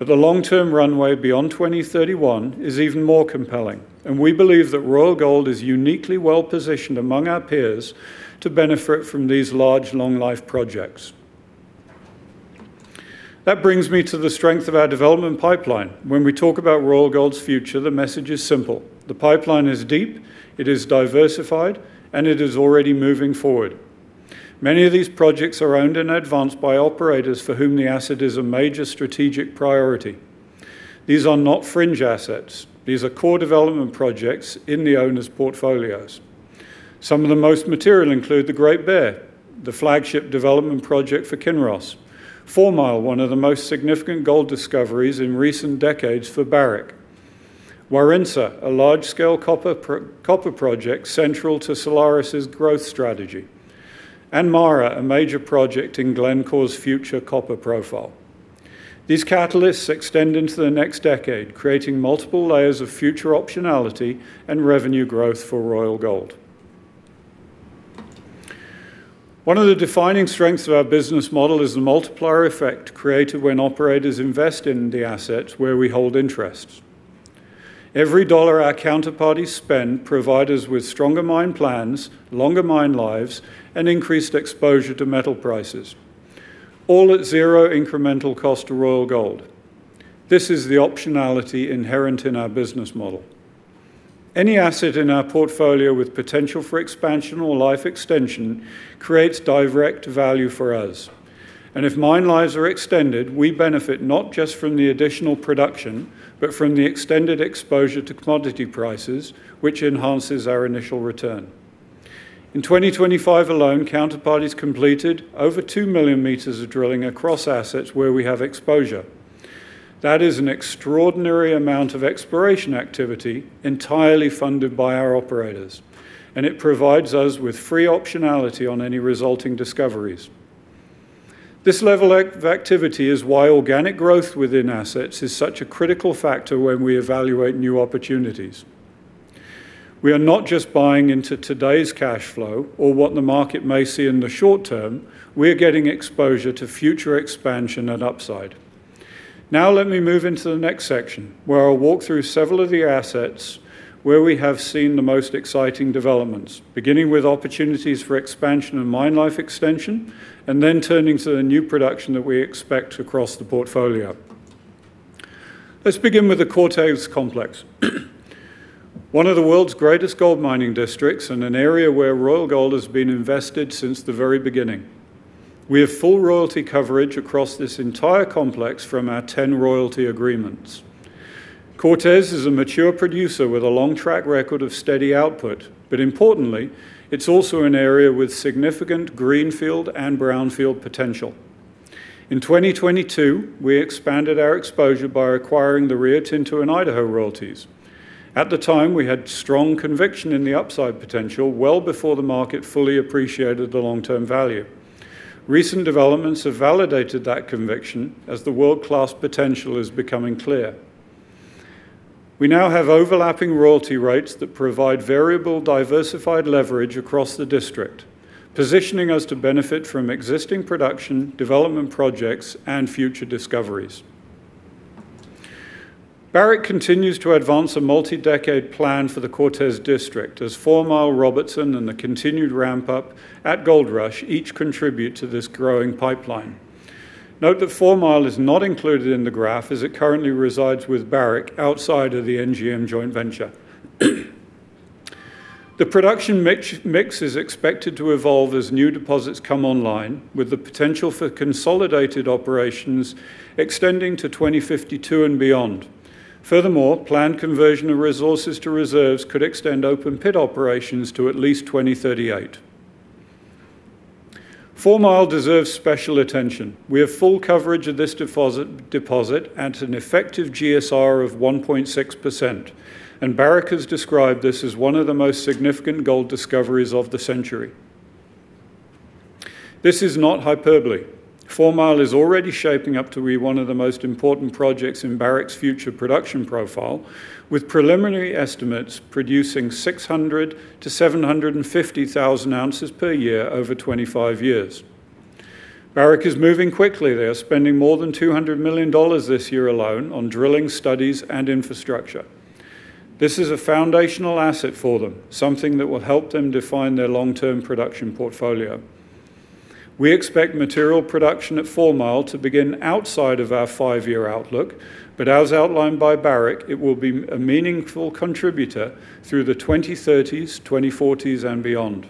The long-term runway beyond 2031 is even more compelling, and we believe that Royal Gold is uniquely well-positioned among our peers to benefit from these large, long-life projects. That brings me to the strength of our development pipeline. When we talk about Royal Gold's future, the message is simple. The pipeline is deep, it is diversified, and it is already moving forward. Many of these projects are owned and advanced by operators for whom the asset is a major strategic priority. These are not fringe assets. These are core development projects in the owners' portfolios. Some of the most material include the Great Bear, the flagship development project for Kinross, Fourmile, one of the most significant gold discoveries in recent decades for Barrick, Warintza, a large-scale copper project central to Solaris' growth strategy, and MARA, a major project in Glencore's future copper profile. These catalysts extend into the next decade, creating multiple layers of future optionality and revenue growth for Royal Gold. One of the defining strengths of our business model is the multiplier effect created when operators invest in the assets where we hold interest. Every dollar our counterparties spend provide us with stronger mine plans, longer mine lives, and increased exposure to metal prices, all at zero incremental cost to Royal Gold. This is the optionality inherent in our business model. Any asset in our portfolio with potential for expansion or life extension creates direct value for us. If mine lives are extended, we benefit not just from the additional production, but from the extended exposure to commodity prices, which enhances our initial return. In 2025 alone, counterparties completed over 2 million m of drilling across assets where we have exposure. That is an extraordinary amount of exploration activity entirely funded by our operators, and it provides us with free optionality on any resulting discoveries. This level of activity is why organic growth within assets is such a critical factor when we evaluate new opportunities. We are not just buying into today's cash flow or what the market may see in the short term, we're getting exposure to future expansion and upside. Now let me move into the next section, where I'll walk through several of the assets where we have seen the most exciting developments, beginning with opportunities for expansion and mine life extension, and then turning to the new production that we expect across the portfolio. Let's begin with the Cortez Complex, one of the world's greatest gold mining districts and an area where Royal Gold has been invested since the very beginning. We have full royalty coverage across this entire complex from our 10 royalty agreements. Cortez is a mature producer with a long track record of steady output, but importantly, it's also an area with significant greenfield and brownfield potential. In 2022, we expanded our exposure by acquiring the Rio Tinto and Idaho royalties. At the time, we had strong conviction in the upside potential well before the market fully appreciated the long-term value. Recent developments have validated that conviction as the world-class potential is becoming clear. We now have overlapping royalty rights that provide variable diversified leverage across the district, positioning us to benefit from existing production, development projects, and future discoveries. Barrick continues to advance a multi-decade plan for the Cortez District as Fourmile, Robertson, and the continued ramp up at Goldrush each contribute to this growing pipeline. Note that Fourmile is not included in the graph as it currently resides with Barrick outside of the NGM joint venture. The production mix is expected to evolve as new deposits come online, with the potential for consolidated operations extending to 2052 and beyond. Furthermore, planned conversion of resources to reserves could extend open pit operations to at least 2038. Fourmile deserves special attention. We have full coverage of this deposit at an effective GSR of 1.6%, and Barrick has described this as one of the most significant gold discoveries of the century. This is not hyperbole. Fourmile is already shaping up to be one of the most important projects in Barrick's future production profile, with preliminary estimates producing 600,000-750,000 oz/yr over 25 years. Barrick is moving quickly. They are spending more than $200 million this year alone on drilling studies and infrastructure. This is a foundational asset for them, something that will help them define their long-term production portfolio. We expect material production at Fourmile to begin outside of our five-year outlook, but as outlined by Barrick, it will be a meaningful contributor through the 2030s, 2040s, and beyond.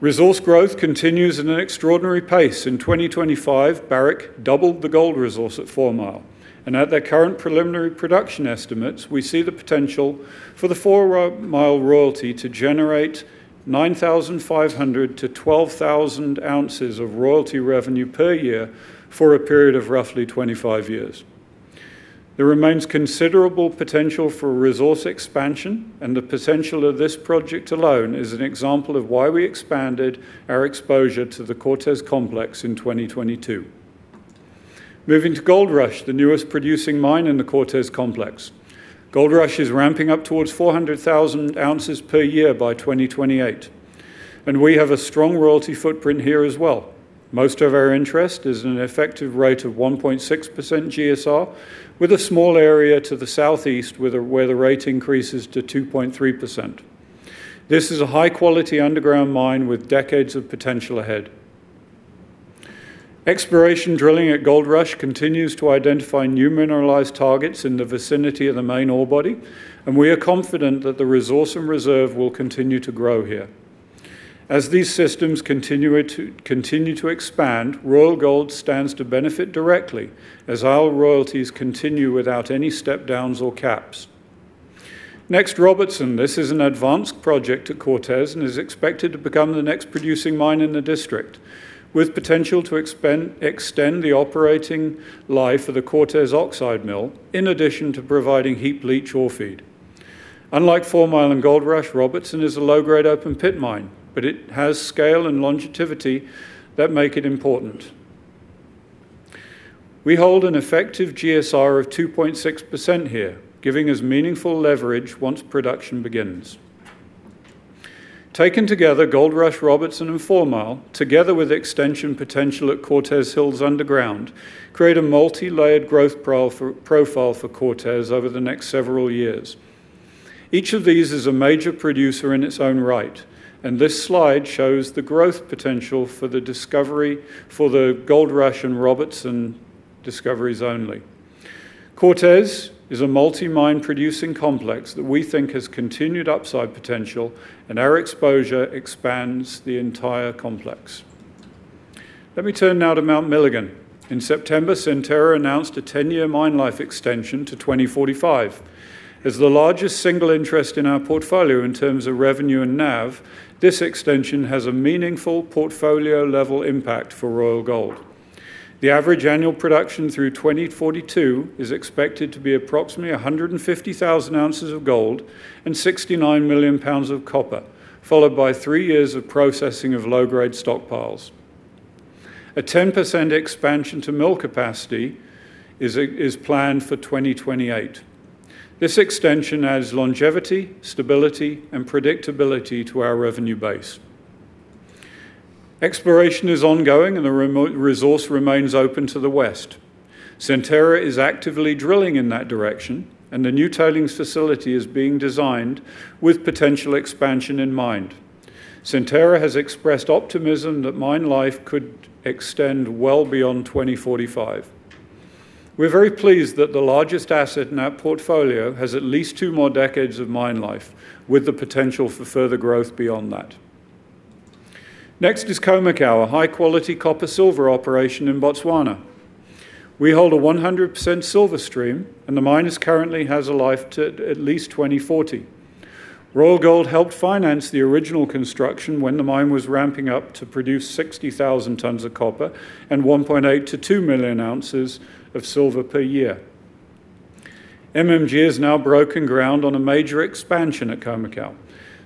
Resource growth continues at an extraordinary pace. In 2025, Barrick doubled the gold resource at Fourmile, and at their current preliminary production estimates, we see the potential for the Fourmile royalty to generate 9,500-12,000 oz of royalty revenue per year for a period of roughly 25 years. There remains considerable potential for resource expansion, and the potential of this project alone is an example of why we expanded our exposure to the Cortez Complex in 2022. Moving to Goldrush, the newest producing mine in the Cortez Complex. Goldrush is ramping up towards 400,000 oz per year by 2028, and we have a strong royalty footprint here as well. Most of our interest is in an effective rate of 1.6% GSR, with a small area to the southeast where the rate increases to 2.3%. This is a high-quality underground mine with decades of potential ahead. Exploration drilling at Goldrush continues to identify new mineralized targets in the vicinity of the main ore body, and we are confident that the resource and reserve will continue to grow here. As these systems continue to expand, Royal Gold stands to benefit directly as our royalties continue without any step downs or caps. Next, Robertson. This is an advanced project at Cortez and is expected to become the next producing mine in the district, with potential to extend the operating life of the Cortez oxide mill in addition to providing heap leach ore feed. Unlike Fourmile and Goldrush, Robertson is a low-grade open pit mine, but it has scale and longevity that make it important. We hold an effective GSR of 2.6% here, giving us meaningful leverage once production begins. Taken together, Goldrush, Robertson, and Fourmile, together with extension potential at Cortez Hills underground, create a multilayered growth profile for Cortez over the next several years. Each of these is a major producer in its own right, and this slide shows the growth potential for the discovery for the Goldrush and Robertson discoveries only. Cortez is a multi-mine producing complex that we think has continued upside potential, and our exposure expands the entire complex. Let me turn now to Mount Milligan. In September, Centerra announced a 10-year mine life extension to 2045. As the largest single interest in our portfolio in terms of revenue and NAV, this extension has a meaningful portfolio-level impact for Royal Gold. The average annual production through 2042 is expected to be approximately 150,000 oz of gold and 69 million lbs of copper, followed by three years of processing of low-grade stockpiles. A 10% expansion to mill capacity is planned for 2028. This extension adds longevity, stability, and predictability to our revenue base. Exploration is ongoing, and the resource remains open to the west. Centerra is actively drilling in that direction, and a new tailings facility is being designed with potential expansion in mind. Centerra has expressed optimism that mine life could extend well beyond 2045. We're very pleased that the largest asset in our portfolio has at least two more decades of mine life, with the potential for further growth beyond that. Next is Khoemacau, a high-quality copper-silver operation in Botswana. We hold a 100% silver stream, and the mine currently has a life to at least 2040. Royal Gold helped finance the original construction when the mine was ramping up to produce 60,000 tons of copper and 1.8 million-2 million oz of silver per year. MMG has now broken ground on a major expansion at Khoemacau.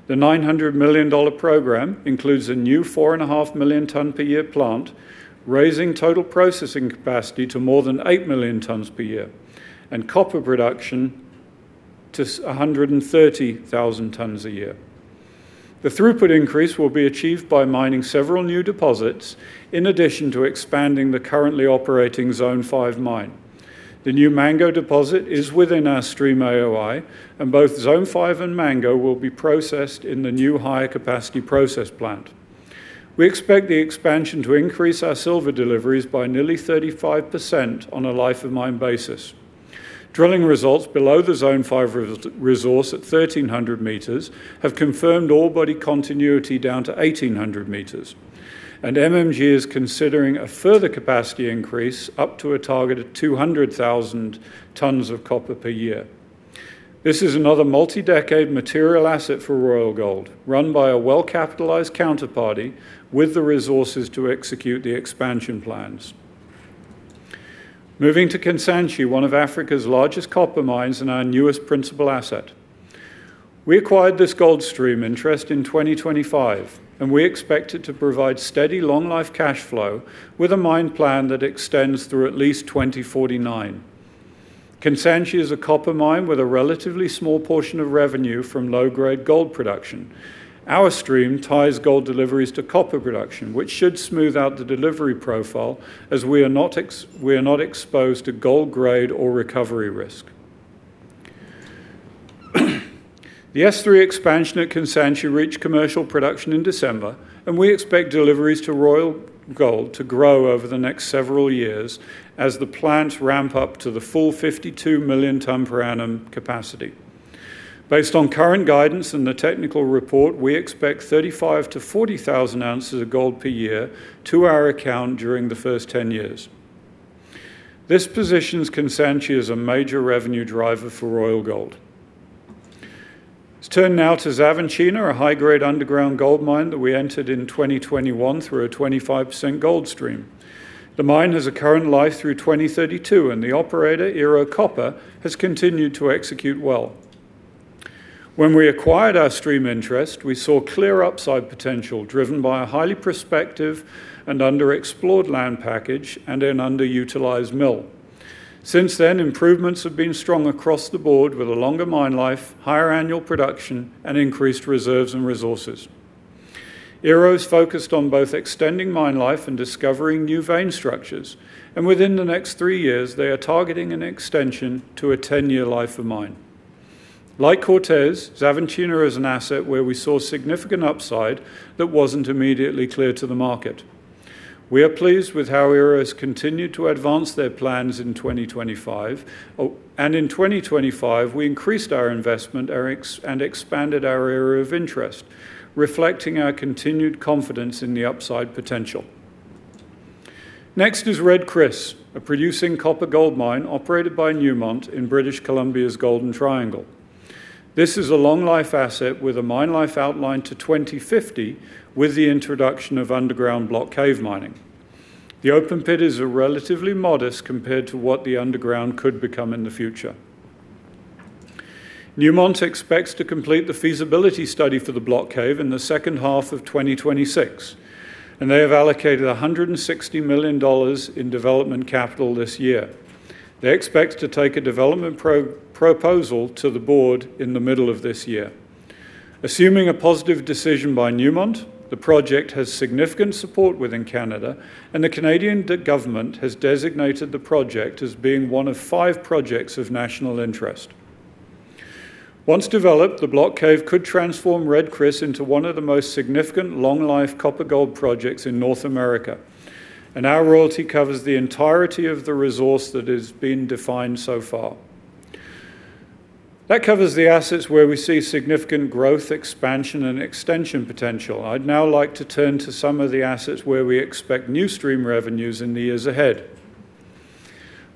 The $900 million program includes a new 4.5 million tons per year plant, raising total processing capacity to more than 8 million tons per year and copper production to 130,000 tons a year. The throughput increase will be achieved by mining several new deposits in addition to expanding the currently operating Zone 5 mine. The new Mango deposit is within our stream AOI, and both Zone 5 and Mango will be processed in the new higher capacity process plant. We expect the expansion to increase our silver deliveries by nearly 35% on a life of mine basis. Drilling results below the Zone 5 resource at 1,300 m have confirmed ore body continuity down to 1,800 m, and MMG is considering a further capacity increase up to a target of 200,000 tons of copper per year. This is another multi-decade material asset for Royal Gold, run by a well-capitalized counterparty with the resources to execute the expansion plans. Moving to Kansanshi, one of Africa's largest copper mines and our newest principal asset. We acquired this gold stream interest in 2025, and we expect it to provide steady long-life cash flow with a mine plan that extends through at least 2049. Kansanshi is a copper mine with a relatively small portion of revenue from low-grade gold production. Our stream ties gold deliveries to copper production, which should smooth out the delivery profile as we are not exposed to gold grade or recovery risk. The S3 expansion at Kansanshi reached commercial production in December, and we expect deliveries to Royal Gold to grow over the next several years as the plants ramp up to the full 52 million ton per annum capacity. Based on current guidance and the technical report, we expect 35,000-40,000 oz of gold per year to our account during the first 10 years. This positions Kansanshi as a major revenue driver for Royal Gold. Let's turn now to Xavantina, a high-grade underground gold mine that we entered in 2021 through a 25% gold stream. The mine has a current life through 2032, and the operator, Ero Copper, has continued to execute well. When we acquired our stream interest, we saw clear upside potential driven by a highly prospective and underexplored land package and an underutilized mill. Since then, improvements have been strong across the board with a longer mine life, higher annual production, and increased reserves and resources. Ero is focused on both extending mine life and discovering new vein structures, and within the next three years, they are targeting an extension to a 10-year life of mine. Like Cortez, Xavantina is an asset where we saw significant upside that wasn't immediately clear to the market. We are pleased with how Ero has continued to advance their plans in 2025, and in 2025, we increased our investment and expanded our area of interest, reflecting our continued confidence in the upside potential. Next is Red Chris, a producing copper gold mine operated by Newmont in British Columbia's Golden Triangle. This is a long-life asset with a mine life outline to 2050 with the introduction of underground block cave mining. The open pit is relatively modest compared to what the underground could become in the future. Newmont expects to complete the feasibility study for the block cave in the second half of 2026, and they have allocated $160 million in development capital this year. They expect to take a development proposal to the board in the middle of this year. Assuming a positive decision by Newmont, the project has significant support within Canada, and the Canadian government has designated the project as being one of five projects of national interest. Once developed, the block cave could transform Red Chris into one of the most significant long-life copper gold projects in North America, and our royalty covers the entirety of the resource that has been defined so far. That covers the assets where we see significant growth, expansion, and extension potential. I'd now like to turn to some of the assets where we expect new stream revenues in the years ahead.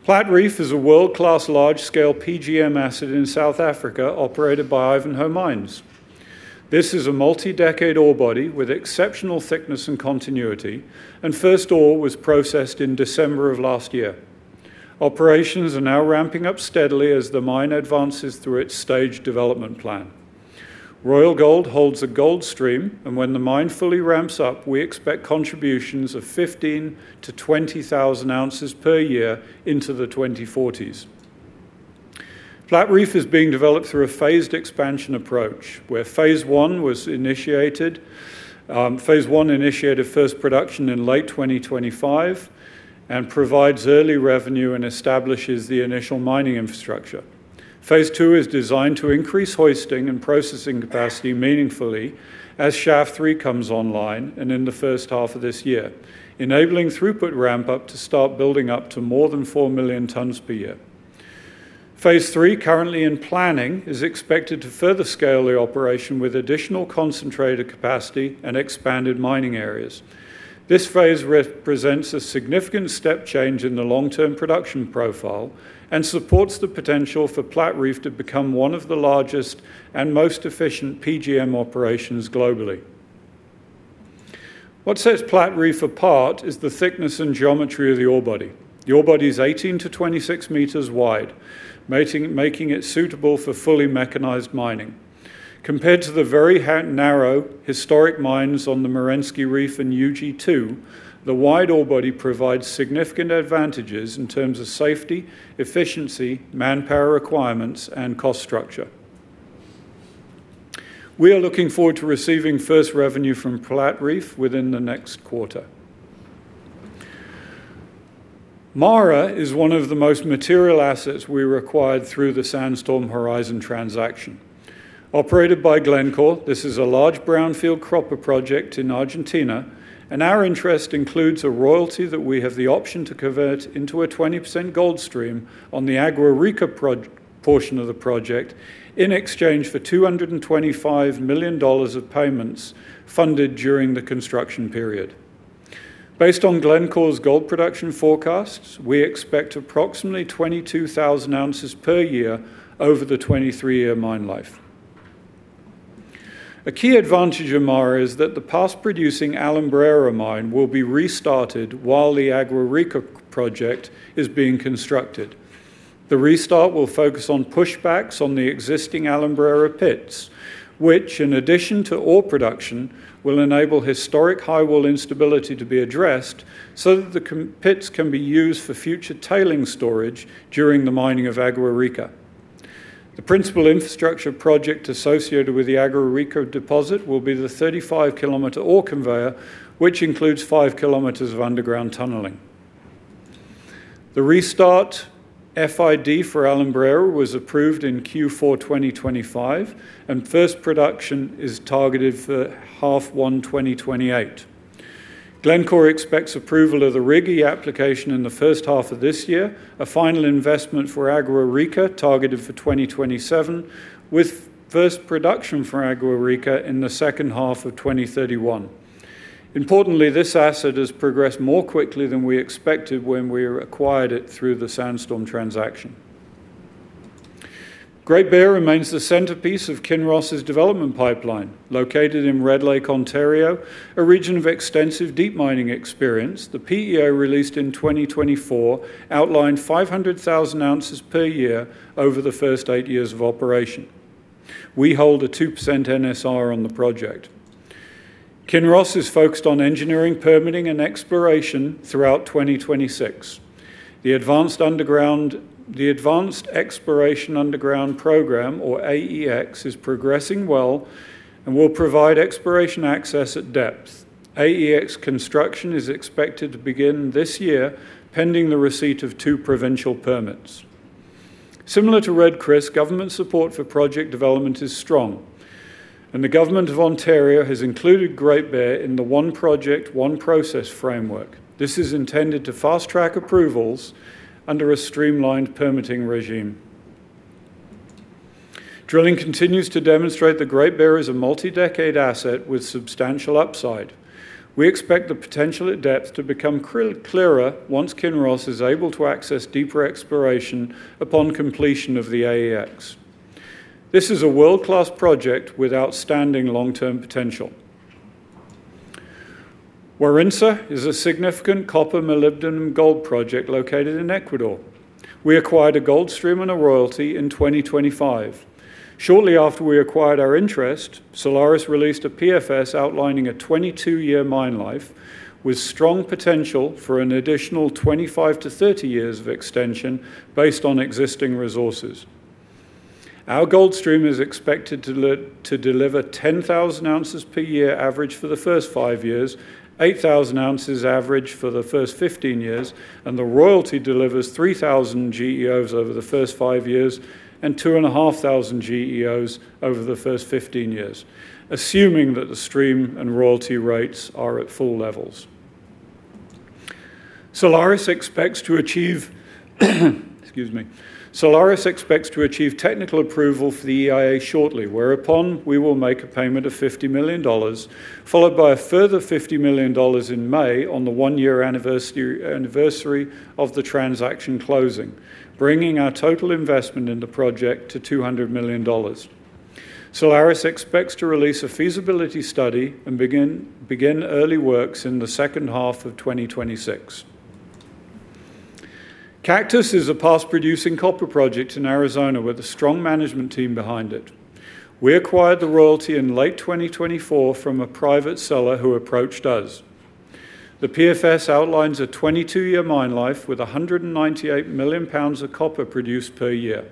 Platreef is a world-class large-scale PGM asset in South Africa operated by Ivanhoe Mines. This is a multi-decade ore body with exceptional thickness and continuity, and first ore was processed in December of last year. Operations are now ramping up steadily as the mine advances through its stage development plan. Royal Gold holds a gold stream, and when the mine fully ramps up, we expect contributions of 15,000-20,000 oz per year into the 2040s. Platreef is being developed through a phased expansion approach, where Phase 1 was initiated, Phase 1 initiated first production in late 2025 and provides early revenue and establishes the initial mining infrastructure. Phase 2 is designed to increase hoisting and processing capacity meaningfully as Shaft #3 comes online and in the first half of this year, enabling throughput ramp up to start building up to more than 4 million tons per year. Phase 3, currently in planning, is expected to further scale the operation with additional concentrator capacity and expanded mining areas. This phase represents a significant step change in the long-term production profile and supports the potential for Platreef to become one of the largest and most efficient PGM operations globally. What sets Platreef apart is the thickness and geometry of the ore body. The ore body is 18-26 m wide, making it suitable for fully mechanized mining. Compared to the very narrow historic mines on the Merensky Reef and UG2, the wide ore body provides significant advantages in terms of safety, efficiency, manpower requirements, and cost structure. We are looking forward to receiving first revenue from Platreef within the next quarter. MARA is one of the most material assets we acquired through the Sandstorm/Horizon transaction. Operated by Glencore, this is a large brownfield copper project in Argentina, and our interest includes a royalty that we have the option to convert into a 20% gold stream on the Agua Rica portion of the project in exchange for $225 million of payments funded during the construction period. Based on Glencore's gold production forecasts, we expect approximately 22,000 oz per year over the 23-year mine life. A key advantage of MARA is that the past-producing Alumbrera mine will be restarted while the Agua Rica project is being constructed. The restart will focus on pushbacks on the existing Alumbrera pits, which, in addition to ore production, will enable historic high wall instability to be addressed so that the combined pits can be used for future tailings storage during the mining of Agua Rica. The principal infrastructure project associated with the Agua Rica deposit will be the 35-km ore conveyor, which includes 5 km of underground tunneling. The restart FID for Alumbrera was approved in Q4 2025, and first production is targeted for H1 2028. Glencore expects approval of the RIGI application in the first half of this year, a final investment for Agua Rica targeted for 2027, with first production for Agua Rica in the second half of 2031. Importantly, this asset has progressed more quickly than we expected when we acquired it through the Sandstorm transaction. Great Bear remains the centerpiece of Kinross's development pipeline. Located in Red Lake, Ontario, a region of extensive deep mining experience, the PEA released in 2024 outlined 500,000 oz/yr over the first eight years of operation. We hold a 2% NSR on the project. Kinross is focused on engineering, permitting, and exploration throughout 2026. The Advanced Exploration Underground Program, or AEX, is progressing well and will provide exploration access at depth. AEX construction is expected to begin this year, pending the receipt of two provincial permits. Similar to Red Chris, government support for project development is strong, and the government of Ontario has included Great Bear in the One Project, One Process framework. This is intended to fast-track approvals under a streamlined permitting regime. Drilling continues to demonstrate that Great Bear is a multi-decade asset with substantial upside. We expect the potential at depth to become clearer once Kinross is able to access deeper exploration upon completion of the AEX. This is a world-class project with outstanding long-term potential. Warintza is a significant copper, molybdenum, gold project located in Ecuador. We acquired a gold stream and a royalty in 2025. Shortly after we acquired our interest, Solaris released a PFS outlining a 22-year mine life with strong potential for an additional 25-30 years of extension based on existing resources. Our gold stream is expected to deliver 10,000 oz/yr average for the first five years, 8,000 oz average for the first 15 years, and the royalty delivers 3,000 GEOs over the first five years and 2,500 GEOs over the first 15 years, assuming that the stream and royalty rates are at full levels. Solaris expects to achieve technical approval for the EIA shortly, whereupon we will make a payment of $50 million, followed by a further $50 million in May on the one-year anniversary of the transaction closing, bringing our total investment in the project to $200 million. Solaris expects to release a feasibility study and begin early works in the second half of 2026. Cactus is a past-producing copper project in Arizona with a strong management team behind it. We acquired the royalty in late 2024 from a private seller who approached us. The PFS outlines a 22-year mine life with 198 million lbs of copper produced per year.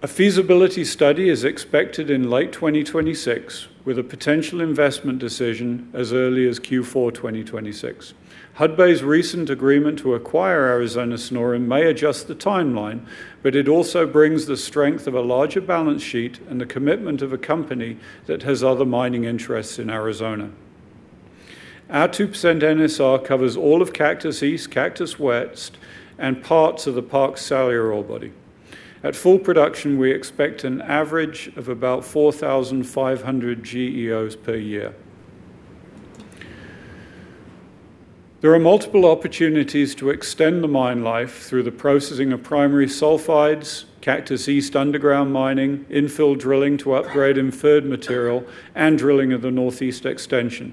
A feasibility study is expected in late 2026, with a potential investment decision as early as Q4 2026. Hudbay's recent agreement to acquire Arizona Sonoran may adjust the timeline, but it also brings the strength of a larger balance sheet and the commitment of a company that has other mining interests in Arizona. Our 2% NSR covers all of Cactus East, Cactus West, and parts of the Parks/Salyer ore body. At full production, we expect an average of about 4,500 GEOs per year. There are multiple opportunities to extend the mine life through the processing of primary sulfides, Cactus East underground mining, infill drilling to upgrade inferred material, and drilling of the northeast extension.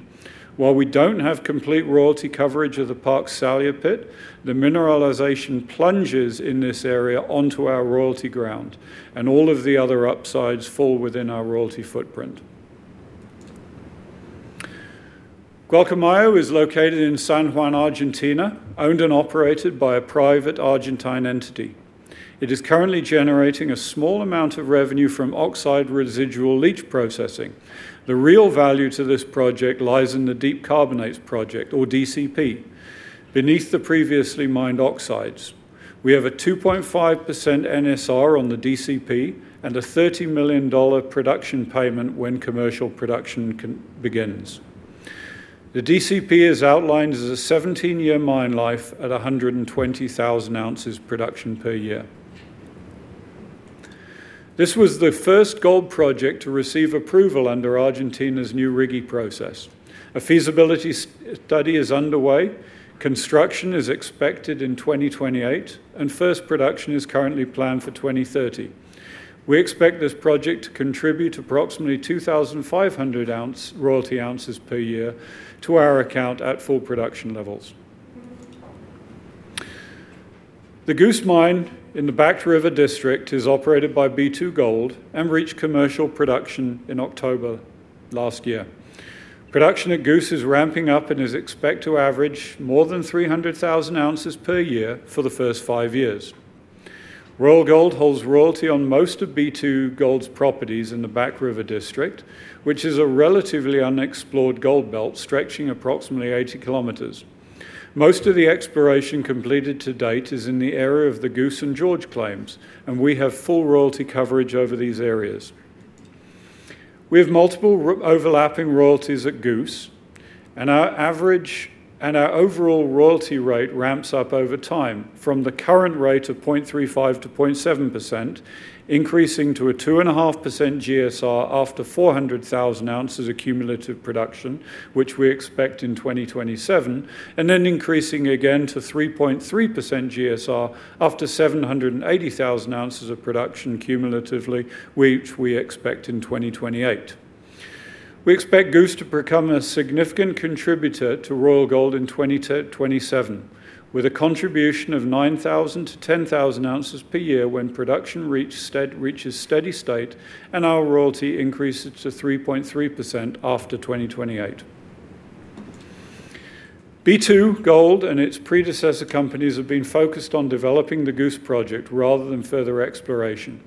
While we don't have complete royalty coverage of the Parks/Salyer pit, the mineralization plunges in this area onto our royalty ground, and all of the other upsides fall within our royalty footprint. Gualcamayo is located in San Juan, Argentina, owned and operated by a private Argentine entity. It is currently generating a small amount of revenue from oxide residual leach processing. The real value to this project lies in the Deep Carbonate Project, or DCP, beneath the previously mined oxides. We have a 2.5% NSR on the DCP and a $30 million production payment when commercial production begins. The DCP is outlined as a 17-year mine life at 120,000 oz production per year. This was the first gold project to receive approval under Argentina's new RIGI process. A feasibility study is underway. Construction is expected in 2028, and first production is currently planned for 2030. We expect this project to contribute approximately 2,500 royalty oz/yr to our account at full production levels. The Goose Mine in the Back River District is operated by B2Gold and reached commercial production in October last year. Production at Goose is ramping up and is expected to average more than 300,000 oz/yr for the first five years. Royal Gold holds royalty on most of B2Gold's properties in the Back River District, which is a relatively unexplored gold belt stretching approximately 80 km. Most of the exploration completed to date is in the area of the Goose and George claims, and we have full royalty coverage over these areas. We have multiple overlapping royalties at Goose, and our overall royalty rate ramps up over time from the current rate of 0.35%-0.7%, increasing to a 2.5% GSR after 400,000 oz of cumulative production, which we expect in 2027, and then increasing again to 3.3% GSR after 780,000 oz of production cumulatively, which we expect in 2028. We expect Goose to become a significant contributor to Royal Gold in 2027, with a contribution of 9,000-10,000 oz per year when production reaches steady state and our royalty increases to 3.3% after 2028. B2Gold and its predecessor companies have been focused on developing the Goose project rather than further exploration.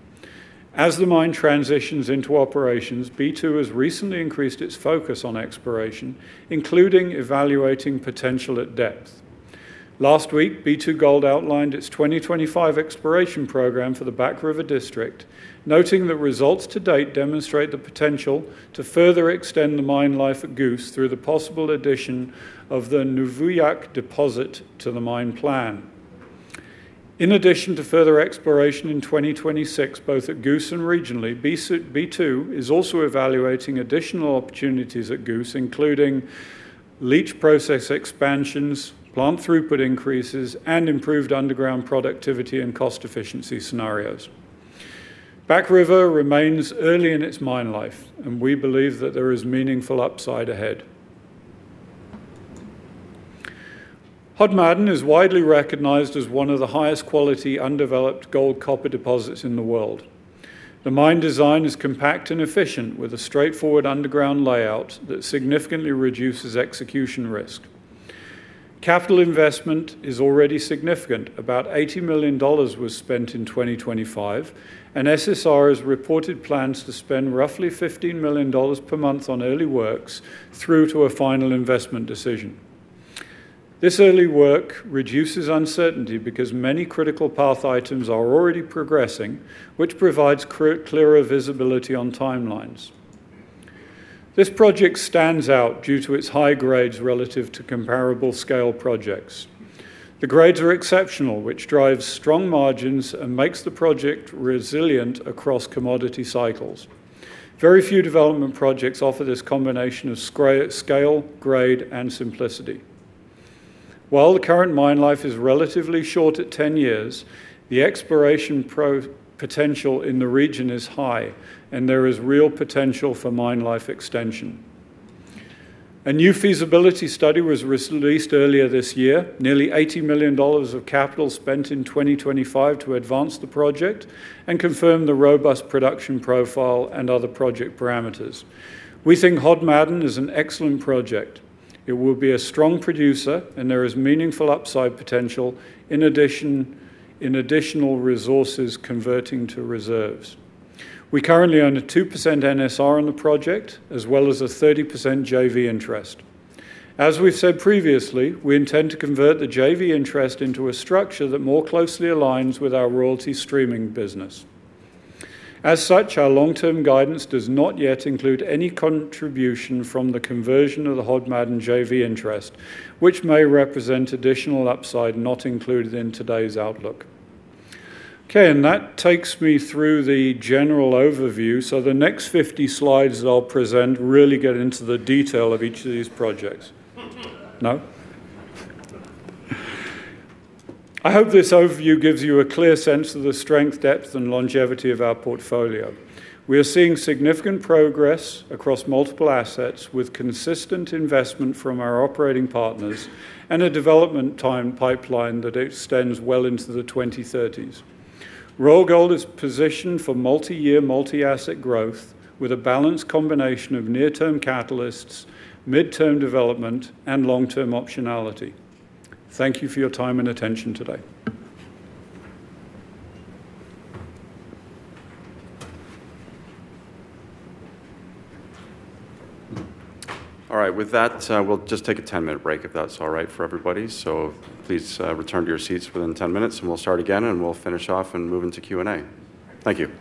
As the mine transitions into operations, B2 has recently increased its focus on exploration, including evaluating potential at depth. Last week, B2Gold outlined its 2025 exploration program for the Back River District, noting that results to date demonstrate the potential to further extend the mine life at Goose through the possible addition of the Nuvuyak deposit to the mine plan. In addition to further exploration in 2026, both at Goose and regionally, B2 is also evaluating additional opportunities at Goose, including leach process expansions, plant throughput increases, and improved underground productivity and cost efficiency scenarios. Back River remains early in its mine life, and we believe that there is meaningful upside ahead. Hod Maden is widely recognized as one of the highest quality undeveloped gold-copper deposits in the world. The mine design is compact and efficient, with a straightforward underground layout that significantly reduces execution risk. Capital investment is already significant. About $80 million was spent in 2025, and SSR has reported plans to spend roughly $15 million per month on early works through to a final investment decision. This early work reduces uncertainty because many critical path items are already progressing, which provides clearer visibility on timelines. This project stands out due to its high grades relative to comparable scale projects. The grades are exceptional, which drives strong margins and makes the project resilient across commodity cycles. Very few development projects offer this combination of scale, grade, and simplicity. While the current mine life is relatively short at 10 years, the exploration potential in the region is high, and there is real potential for mine life extension. A new feasibility study was released earlier this year. Nearly $80 million of capital spent in 2025 to advance the project and confirm the robust production profile and other project parameters. We think Hod Maden is an excellent project. It will be a strong producer, and there is meaningful upside potential in additional resources converting to reserves. We currently own a 2% NSR on the project as well as a 30% JV interest. As we've said previously, we intend to convert the JV interest into a structure that more closely aligns with our royalty streaming business. As such, our long-term guidance does not yet include any contribution from the conversion of the Hod Maden JV interest, which may represent additional upside not included in today's outlook. Okay, and that takes me through the general overview. The next 50 slides that I'll present really get into the detail of each of these projects. No? I hope this overview gives you a clear sense of the strength, depth, and longevity of our portfolio. We are seeing significant progress across multiple assets with consistent investment from our operating partners and a development time pipeline that extends well into the 2030s. Royal Gold is positioned for multi-year, multi-asset growth with a balanced combination of near-term catalysts, mid-term development, and long-term optionality. Thank you for your time and attention today. All right. With that, we'll just take a 10-minute break if that's all right for everybody. Please, return to your seats within 10 minutes, and we'll start again, and we'll finish off and move into Q&A. Thank you.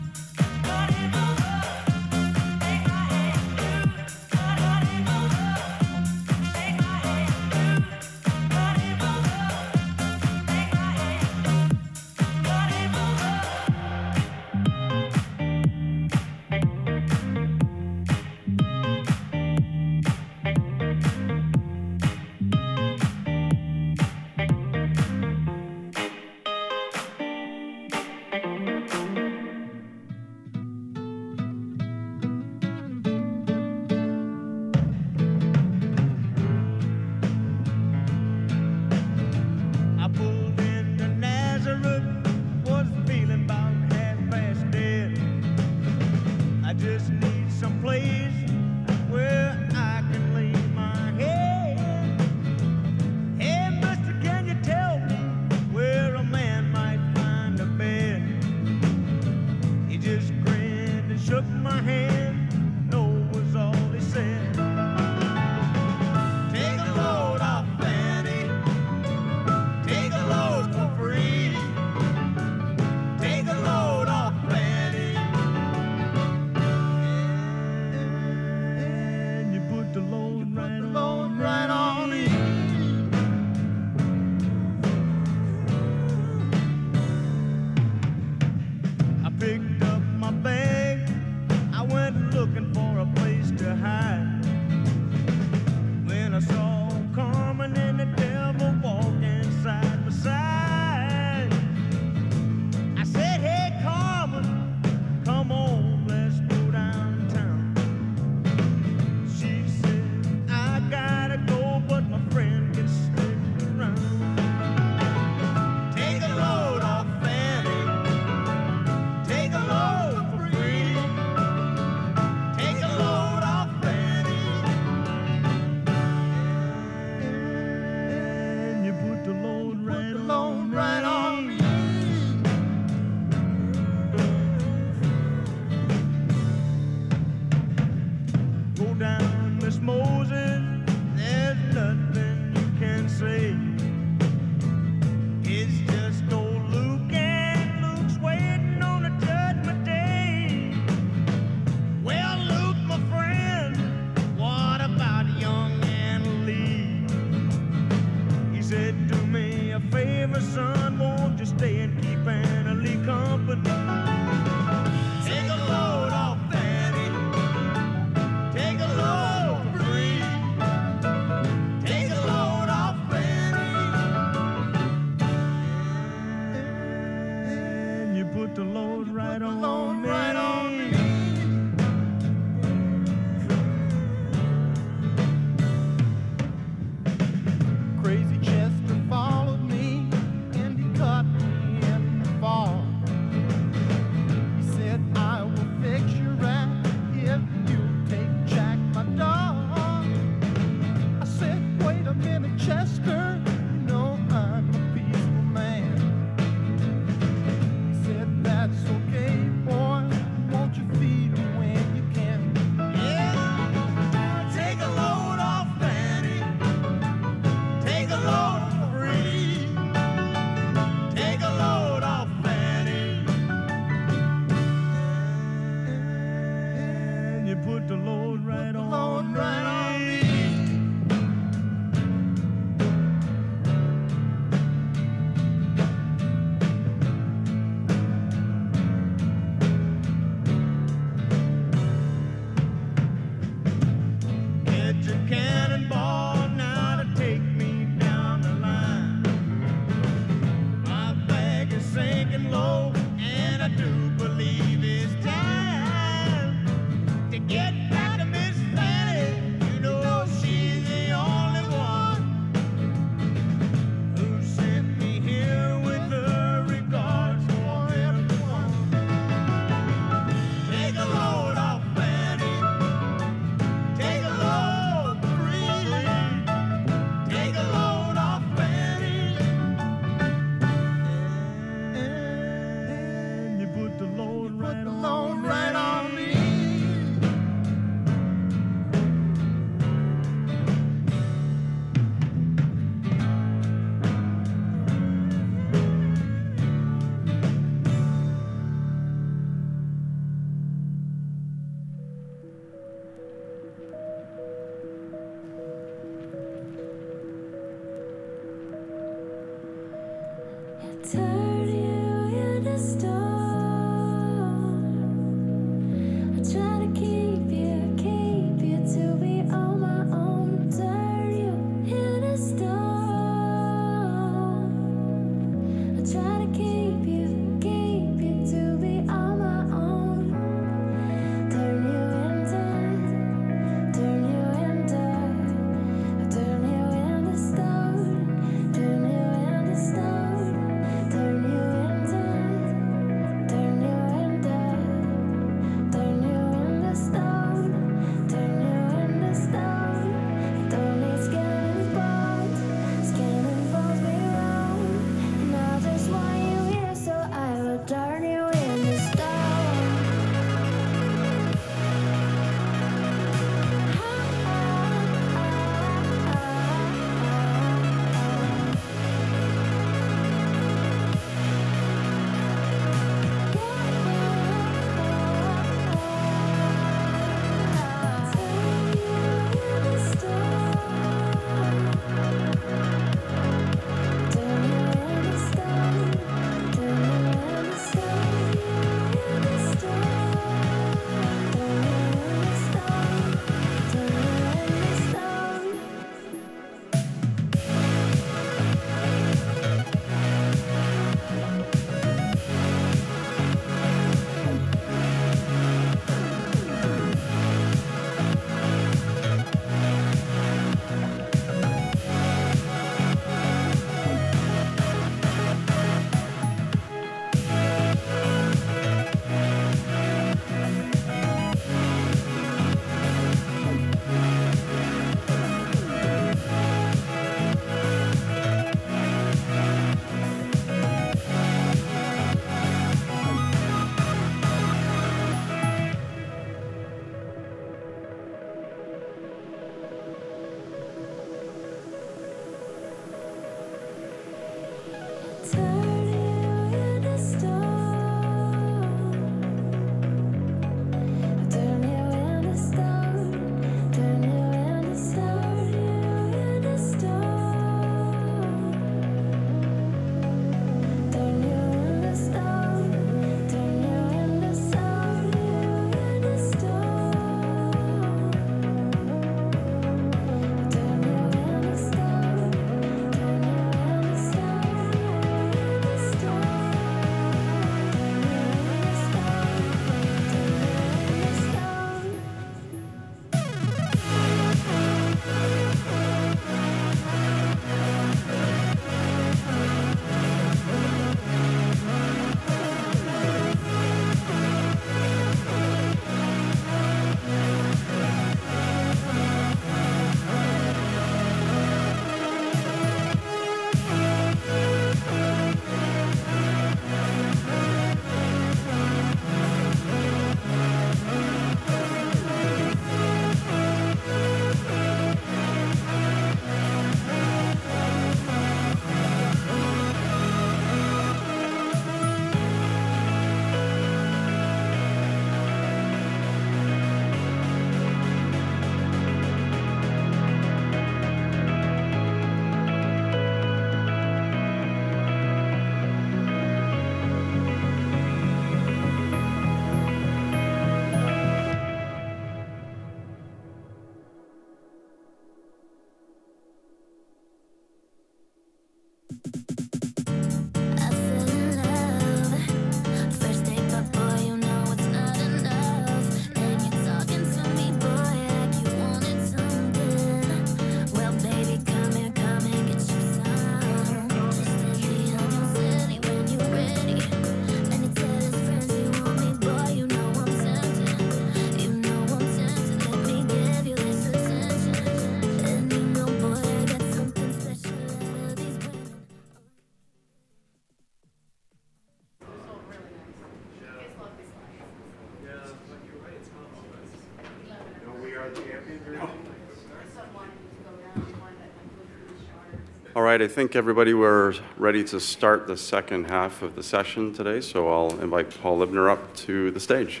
All right, I think everybody, we're ready to start the second half of the session today, so I'll invite Paul Libner up to the stage.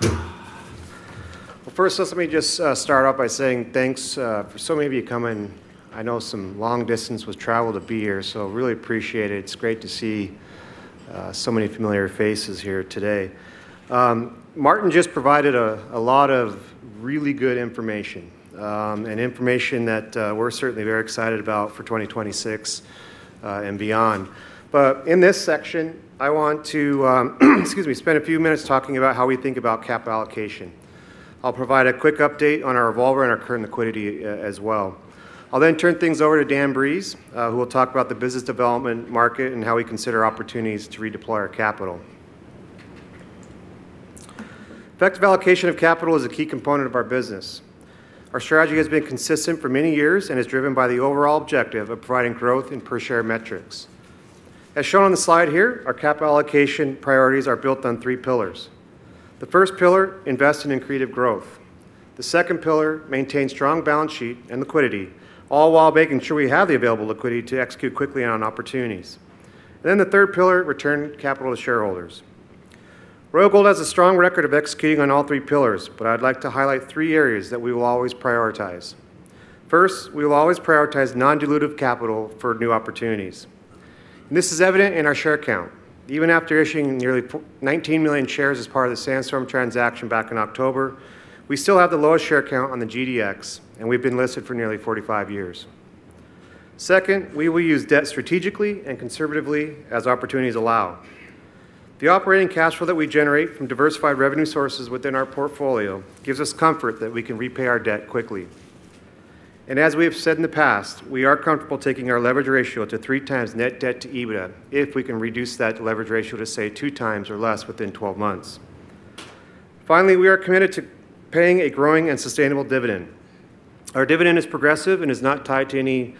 Well, first, let me just start off by saying thanks for so many of you coming. I know some long distance was traveled to be here, so really appreciate it. It's great to see so many familiar faces here today. Martin just provided a lot of really good information and information that we're certainly very excited about for 2026 and beyond. In this section, I want to, excuse me, spend a few minutes talking about how we think about capital allocation. I'll provide a quick update on our revolver and our current liquidity as well. I'll then turn things over to Dan Breeze, who will talk about the business development market and how we consider opportunities to redeploy our capital. Effective allocation of capital is a key component of our business. Our strategy has been consistent for many years and is driven by the overall objective of providing growth in per share metrics. As shown on the slide here, our capital allocation priorities are built on three pillars. The first pillar, investing in accretive growth. The second pillar, maintain strong balance sheet and liquidity, all while making sure we have the available liquidity to execute quickly on opportunities. The third pillar, return capital to shareholders. Royal Gold has a strong record of executing on all three pillars, but I'd like to highlight three areas that we will always prioritize. First, we will always prioritize non-dilutive capital for new opportunities. This is evident in our share count. Even after issuing nearly 19 million shares as part of the Sandstorm transaction back in October, we still have the lowest share count on the GDX, and we've been listed for nearly 45 years. Second, we will use debt strategically and conservatively as opportunities allow. The operating cash flow that we generate from diversified revenue sources within our portfolio gives us comfort that we can repay our debt quickly. As we have said in the past, we are comfortable taking our leverage ratio to 3x net debt to EBITDA if we can reduce that leverage ratio to, say, 2x or less within 12 months. Finally, we are committed to paying a growing and sustainable dividend. Our dividend is progressive and is not tied to any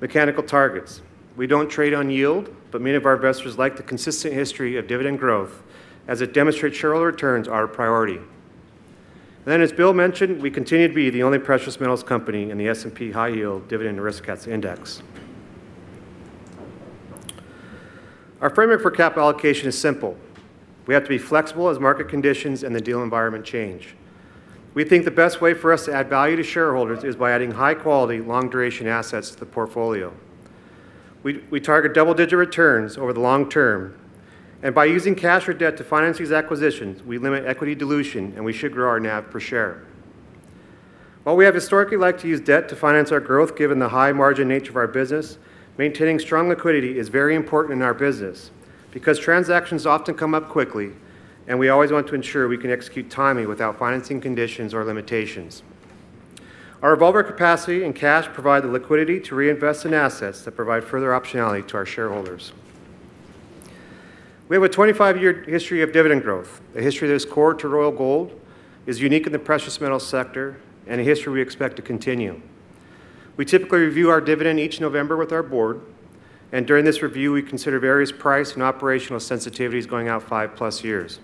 mechanical targets. We don't trade on yield, but many of our investors like the consistent history of dividend growth as it demonstrates shareholder returns are a priority. As Bill mentioned, we continue to be the only precious metals company in the S&P High Yield Dividend Aristocrats Index. Our framework for capital allocation is simple. We have to be flexible as market conditions and the deal environment change. We think the best way for us to add value to shareholders is by adding high-quality, long-duration assets to the portfolio. We target double-digit returns over the long term, and by using cash or debt to finance these acquisitions, we limit equity dilution, and we should grow our NAV per share. While we have historically liked to use debt to finance our growth given the high-margin nature of our business, maintaining strong liquidity is very important in our business because transactions often come up quickly, and we always want to ensure we can execute timely without financing conditions or limitations. Our revolver capacity and cash provide the liquidity to reinvest in assets that provide further optionality to our shareholders. We have a 25-year history of dividend growth, a history that is core to Royal Gold, is unique in the precious metal sector, and a history we expect to continue. We typically review our dividend each November with our board, and during this review, we consider various price and operational sensitivities going out five-plus years.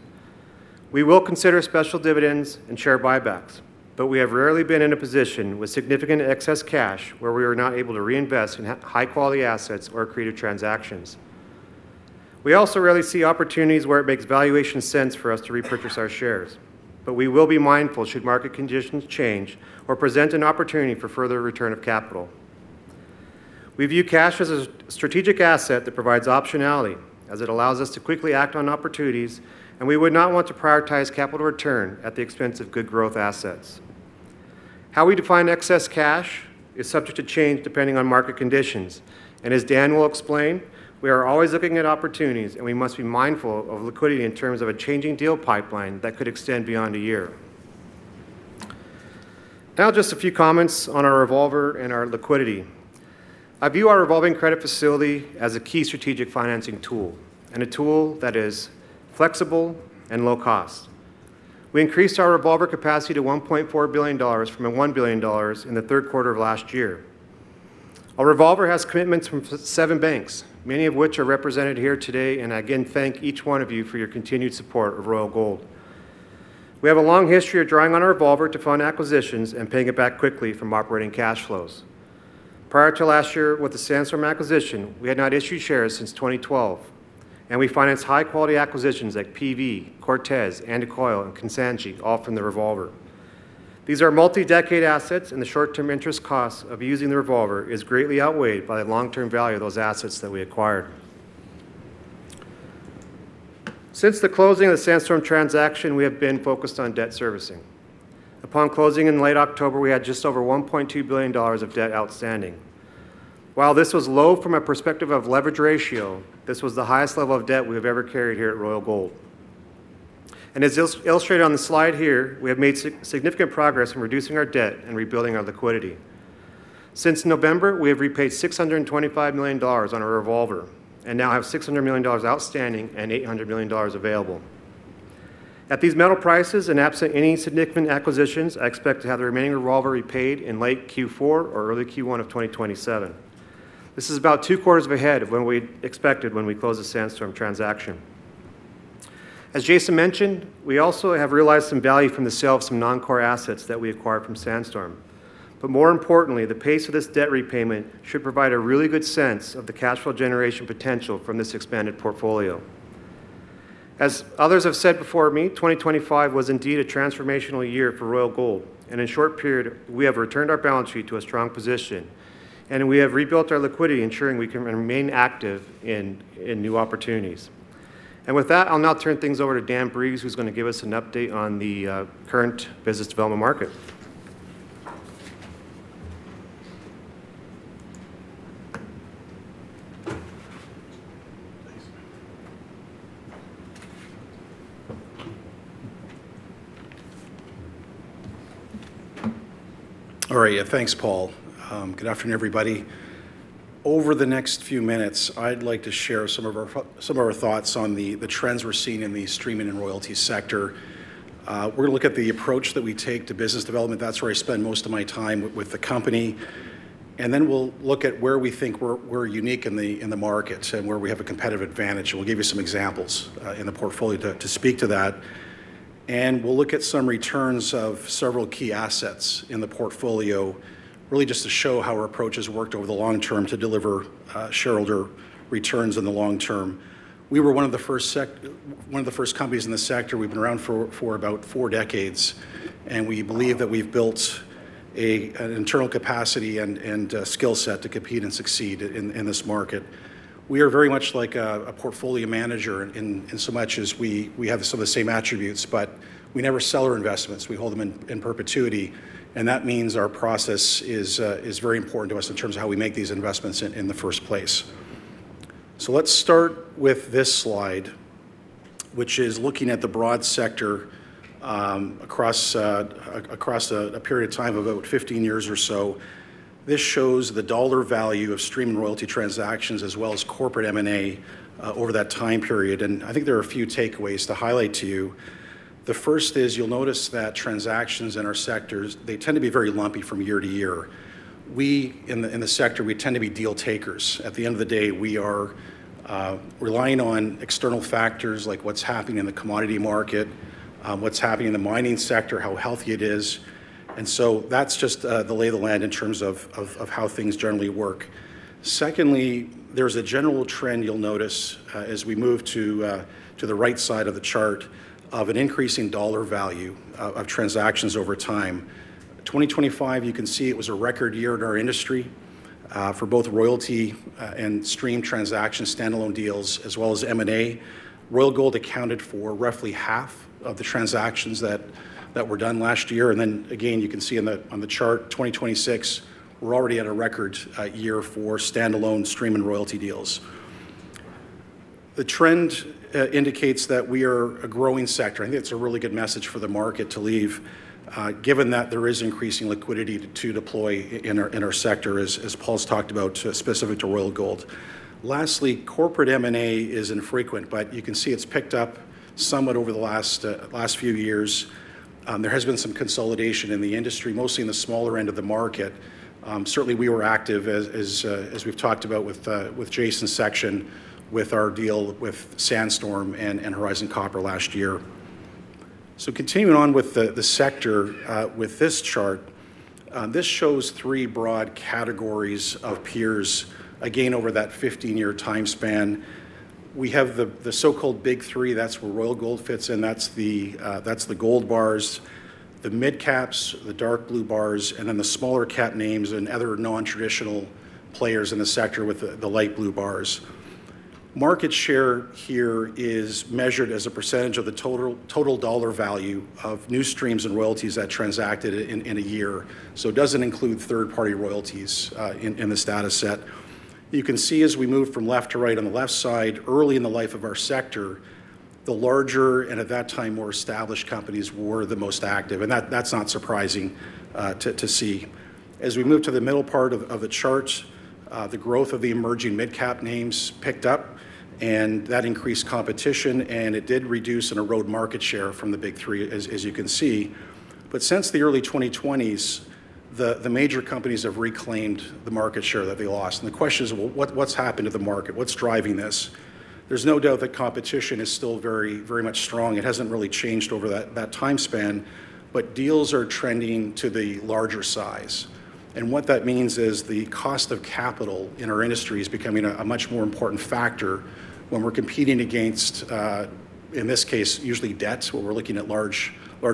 We will consider special dividends and share buybacks, but we have rarely been in a position with significant excess cash where we are not able to reinvest in high-quality assets or accretive transactions. We also rarely see opportunities where it makes valuation sense for us to repurchase our shares, but we will be mindful should market conditions change or present an opportunity for further return of capital. We view cash as a strategic asset that provides optionality, as it allows us to quickly act on opportunities, and we would not want to prioritize capital return at the expense of good growth assets. How we define excess cash is subject to change depending on market conditions, and as Dan will explain, we are always looking at opportunities, and we must be mindful of liquidity in terms of a changing deal pipeline that could extend beyond a year. Now just a few comments on our revolver and our liquidity. I view our revolving credit facility as a key strategic financing tool and a tool that is flexible and low cost. We increased our revolver capacity to $1.4 billion from $1 billion in the third quarter of last year. Our revolver has commitments from seven banks, many of which are represented here today, and I again thank each one of you for your continued support of Royal Gold. We have a long history of drawing on our revolver to fund acquisitions and paying it back quickly from operating cash flows. Prior to last year with the Sandstorm acquisition, we had not issued shares since 2012, and we financed high-quality acquisitions like PV, Cortez, Andacollo, and Kansanshi all from the revolver. These are multi-decade assets, and the short-term interest cost of using the revolver is greatly outweighed by the long-term value of those assets that we acquired. Since the closing of the Sandstorm transaction, we have been focused on debt servicing. Upon closing in late October, we had just over $1.2 billion of debt outstanding. While this was low from a perspective of leverage ratio, this was the highest level of debt we have ever carried here at Royal Gold. As illustrated on the slide here, we have made significant progress in reducing our debt and rebuilding our liquidity. Since November, we have repaid $625 million on our revolver and now have $600 million outstanding and $800 million available. At these metal prices and absent any significant acquisitions, I expect to have the remaining revolver repaid in late Q4 or early Q1 of 2027. This is about two quarters ahead of when we expected when we closed the Sandstorm transaction. As Jason mentioned, we also have realized some value from the sale of some non-core assets that we acquired from Sandstorm. But more importantly, the pace of this debt repayment should provide a really good sense of the cash flow generation potential from this expanded portfolio. As others have said before me, 2025 was indeed a transformational year for Royal Gold, and in a short period, we have returned our balance sheet to a strong position, and we have rebuilt our liquidity, ensuring we can remain active in new opportunities. With that, I'll now turn things over to Dan Breeze, who's gonna give us an update on the current business development market. Please. All right. Thanks, Paul. Good afternoon, everybody. Over the next few minutes, I'd like to share some of our thoughts on the trends we're seeing in the streaming and royalty sector. We're gonna look at the approach that we take to business development. That's where I spend most of my time with the company. We'll look at where we think we're unique in the market and where we have a competitive advantage. We'll give you some examples in the portfolio to speak to that. We'll look at some returns of several key assets in the portfolio, really just to show how our approach has worked over the long term to deliver shareholder returns in the long term. We were one of the first companies in the sector. We've been around for about four decades, and we believe that we've built an internal capacity and skill set to compete and succeed in this market. We are very much like a portfolio manager in so much as we have some of the same attributes, but we never sell our investments. We hold them in perpetuity, and that means our process is very important to us in terms of how we make these investments in the first place. Let's start with this slide, which is looking at the broad sector across a period of time of about 15 years or so. This shows the dollar value of streaming royalty transactions as well as corporate M&A over that time period and I think there are a few takeaways to highlight to you. The first is you'll notice that transactions in our sectors, they tend to be very lumpy from year to year. We in the sector, we tend to be deal takers. At the end of the day, we are relying on external factors like what's happening in the commodity market, what's happening in the mining sector, how healthy it is and so, that's just the lay of the land in terms of how things generally work. Secondly, there's a general trend you'll notice as we move to the right side of the chart of an increasing dollar value of transactions over time. 2025, you can see it was a record year in our industry for both royalty and stream transactions, standalone deals, as well as M&A. Royal Gold accounted for roughly half of the transactions that were done last year, and then again, you can see on the chart 2026, we're already at a record year for standalone stream and royalty deals. The trend indicates that we are a growing sector. I think it's a really good message for the market to leave given that there is increasing liquidity to deploy in our sector, as Paul has talked about specific to Royal Gold. Lastly, corporate M&A is infrequent, but you can see it's picked up somewhat over the last few years. There has been some consolidation in the industry, mostly in the smaller end of the market. Certainly, we were active as we've talked about with Jason's section with our deal with Sandstorm and Horizon Copper last year. Continuing on with the sector with this chart, this shows three broad categories of peers again over that 15-year time span. We have the so-called big three, that's where Royal Gold fits in. That's the gold bars, the mid-caps, the dark blue bars, and then the smaller cap names and other non-traditional players in the sector with the light blue bars. Market share here is measured as a percent of the total dollar value of new streams and royalties that transacted in a year. It doesn't include third-party royalties in this data set. You can see as we move from left to right on the left side, early in the life of our sector, the larger and at that time more established companies were the most active and that's not surprising to see. As we move to the middle part of the chart, the growth of the emerging mid-cap names picked up and that increased competition and it did reduce and erode market share from the big three as you can see. Since the early 2020s, the major companies have reclaimed the market share that they lost and the question is what's happened to the market? What's driving this? There's no doubt that competition is still very much strong. It hasn't really changed over that time span, but deals are trending to the larger size and what that means is the cost of capital in our industry is becoming a much more important factor when we're competing against, in this case, usually where we're looking at large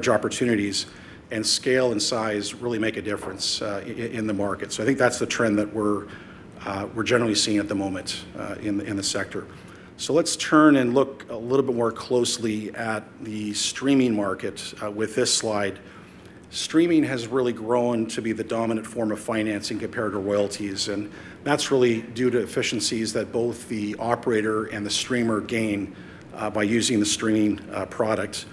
opportunities and scale and size really make a difference in the market. I think that's the trend that we're generally seeing at the moment in the sector. Let's turn and look a little bit more closely at the streaming market with this slide. Streaming has really grown to be the dominant form of financing compared to royalties and that's really due to efficiencies that both the operator and the streamer gain by using the streaming product.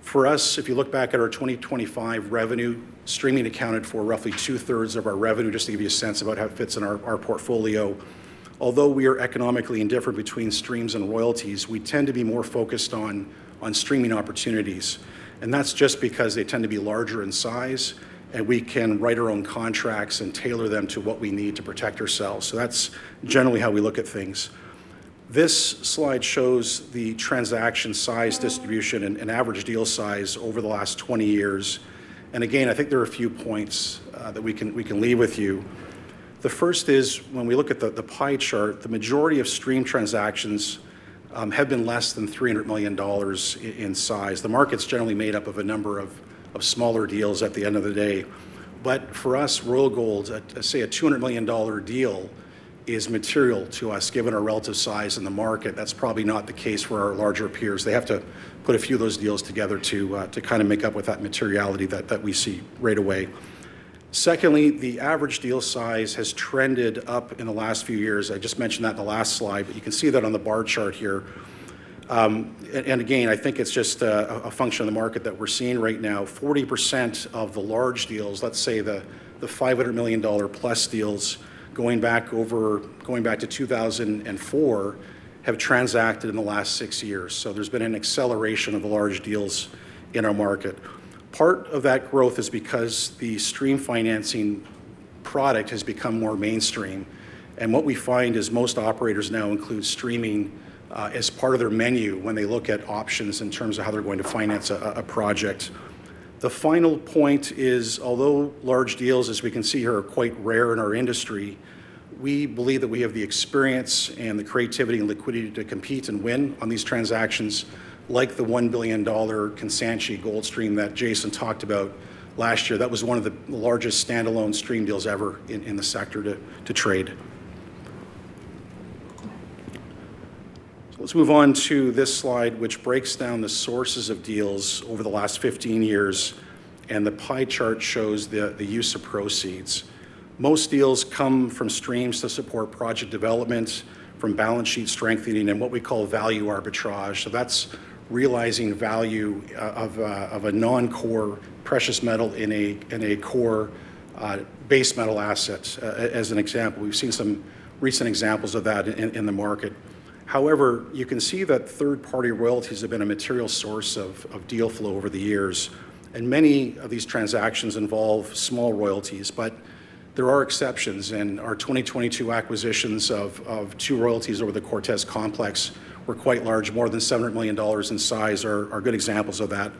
For us, if you look back at our 2025 revenue, streaming accounted for roughly 2/3 of our revenue just to give you a sense about how it fits in our portfolio. Although we are economically indifferent between streams and royalties, we tend to be more focused on streaming opportunities and that's just because they tend to be larger in size and we can write our own contracts and tailor them to what we need to protect ourselves. That's generally how we look at things. This slide shows the transaction size distribution and average deal size over the last 20 years and again, I think there are a few points that we can leave with you. The first is, when we look at the pie chart, the majority of stream transactions have been less than $300 million in size. The market's generally made up of a number of smaller deals at the end of the day, but for us, Royal Gold, say a $200 million deal is material to us given our relative size in the market. That's probably not the case for our larger peers. They have to put a few of those deals together to kind of make up with that materiality that we see right away. Secondly, the average deal size has trended up in the last few years. I just mentioned that in the last slide, but you can see that on the bar chart here. Again, I think it's just a function of the market that we're seeing right now. 40% of the large deals, let's say the $500 million+ deals going back to 2004 have transacted in the last six years. There's been an acceleration of the large deals in our market. Part of that growth is because the stream financing product has become more mainstream. What we find is most operators now include streaming as part of their menu when they look at options in terms of how they're going to finance a project. The final point is although large deals, as we can see here, are quite rare in our industry, we believe that we have the experience and the creativity and liquidity to compete and win on these transactions like the $1 billion Kansanshi gold stream that Jason talked about last year. That was one of the largest standalone stream deals ever in the sector to trade. Let's move on to this slide, which breaks down the sources of deals over the last 15 years. The pie chart shows the use of proceeds. Most deals come from streams to support project development, from balance sheet strengthening and what we call value arbitrage. That's realizing value of a non-core precious metal in a core base metal asset. As an example, we've seen some recent examples of that in the market. However, you can see that third-party royalties have been a material source of deal flow over the years. Many of these transactions involve small royalties, but there are exceptions. Our 2022 acquisitions of two royalties over the Cortez Complex were quite large, more than $700 million in size, are good examples of that.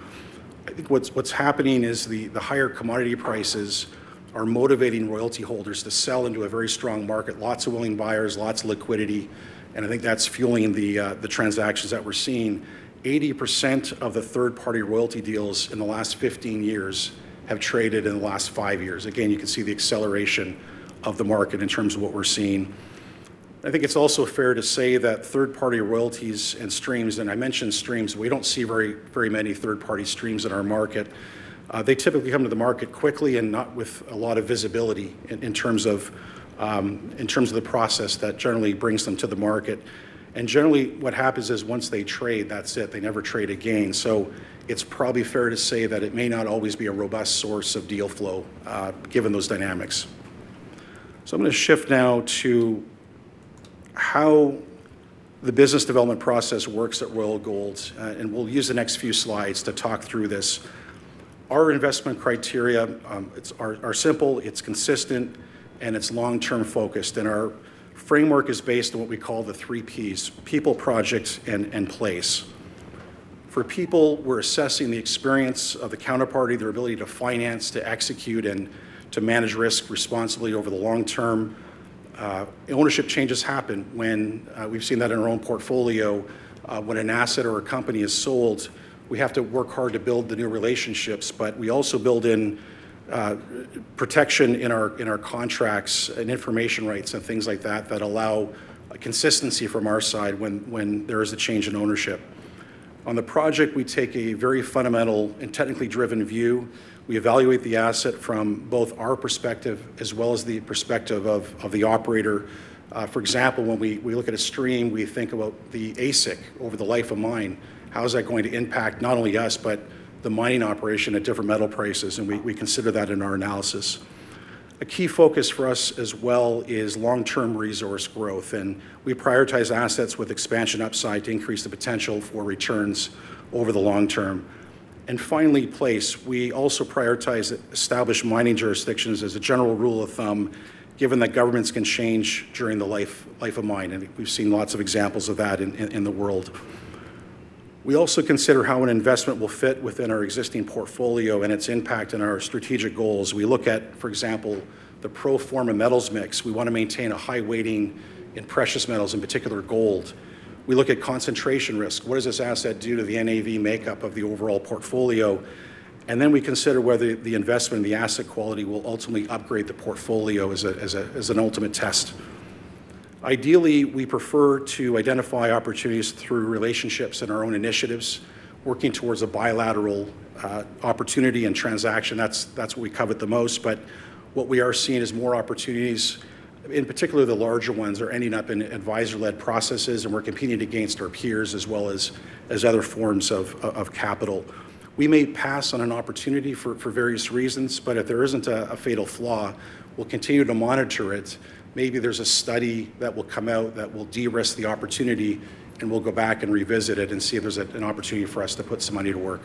I think what's happening is, the higher commodity prices are motivating royalty holders to sell into a very strong market. Lots of willing buyers, lots of liquidity. I think that's fueling the transactions that we're seeing. 80% of the third-party royalty deals in the last 15 years have traded in the last five years. Again, you can see the acceleration of the market in terms of what we're seeing. I think it's also fair to say that third-party royalties and streams, and I mentioned streams, we don't see very many third-party streams in our market. They typically come to the market quickly and not with a lot of visibility in terms of the process that generally brings them to the market. Generally what happens is once they trade, that's it, they never trade again. It's probably fair to say that it may not always be a robust source of deal flow given those dynamics. I'm going to shift now to how the business development process works at Royal Gold. We'll use the next few slides to talk through this. Our investment criteria are simple, it's consistent, and it's long-term focused. Our framework is based on what we call the three Ps, people, projects, and place. For people, we're assessing the experience of the counterparty, their ability to finance, to execute, and to manage risk responsibly over the long term. Ownership changes happen when, we've seen that in our own portfolio. When an asset or a company is sold, we have to work hard to build the new relationships, but we also build in protection in our contracts and information rights and things like that that allow consistency from our side when there is a change in ownership. On the project, we take a very fundamental and technically driven view. We evaluate the asset from both our perspective as well as the perspective of the operator. For example, when we look at a stream, we think about the AISC over the life of mine. How is that going to impact not only us, but the mining operation at different metal prices? We consider that in our analysis. A key focus for us as well is long-term resource growth. We prioritize assets with expansion upside to increase the potential for returns over the long term. Finally, place. We also prioritize established mining jurisdictions as a general rule of thumb, given that governments can change during the life of mine. We've seen lots of examples of that in the world. We also consider how an investment will fit within our existing portfolio and its impact on our strategic goals. We look at, for example, the pro forma metals mix. We want to maintain a high weighting in precious metals, in particular gold. We look at concentration risk. What does this asset do to the NAV makeup of the overall portfolio? We consider whether the investment and the asset quality will ultimately upgrade the portfolio as an ultimate test. Ideally, we prefer to identify opportunities through relationships and our own initiatives, working towards a bilateral opportunity and transaction. That's what we covet the most. What we are seeing is more opportunities, in particular the larger ones, are ending up in advisor-led processes. We're competing against our peers as well as other forms of capital. We may pass on an opportunity for various reasons, but if there isn't a fatal flaw, we'll continue to monitor it. Maybe there's a study that will come out that will de-risk the opportunity, and we'll go back and revisit it and see if there's an opportunity for us to put some money to work.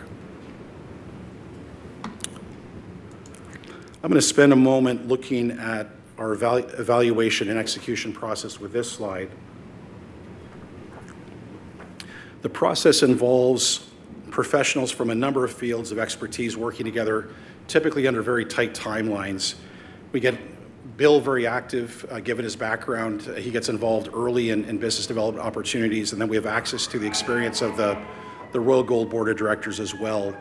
I'm going to spend a moment looking at our evaluation and execution process with this slide. The process involves professionals from a number of fields of expertise working together, typically under very tight timelines. We get Bill, very active, given his background. He gets involved early in business development opportunities, and then we have access to the experience of the Royal Gold Board of Directors as well.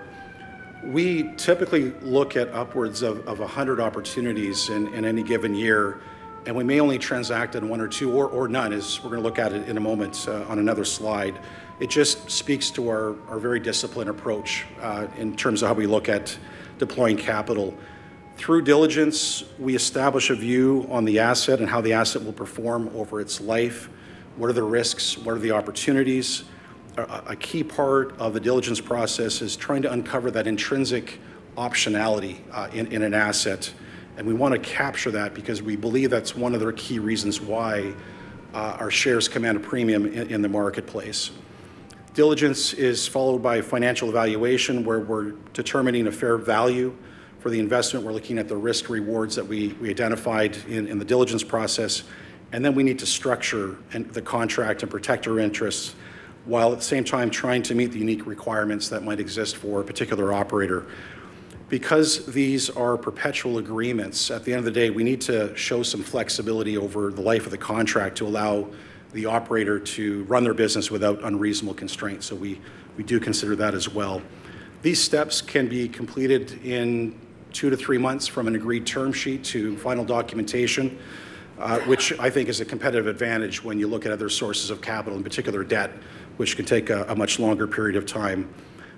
We typically look at upwards of 100 opportunities in any given year, and we may only transact in one or two or none, as we're going to look at it in a moment on another slide. It just speaks to our very disciplined approach in terms of how we look at deploying capital. Through diligence, we establish a view on the asset and how the asset will perform over its life. What are the risks? What are the opportunities? A key part of the diligence process is trying to uncover that intrinsic optionality in an asset, and we wanna capture that because we believe that's one of their key reasons why our shares command a premium in the marketplace. Diligence is followed by a financial evaluation where we're determining a fair value for the investment. We're looking at the risk rewards that we identified in the diligence process, and then we need to structure the contract and protect our interests, while at the same time trying to meet the unique requirements that might exist for a particular operator. Because these are perpetual agreements, at the end of the day, we need to show some flexibility over the life of the contract to allow the operator to run their business without unreasonable constraints. We do consider that as well. These steps can be completed in two to three months from an agreed term sheet to final documentation, which I think is a competitive advantage when you look at other sources of capital, in particular debt, which can take a much longer period of time.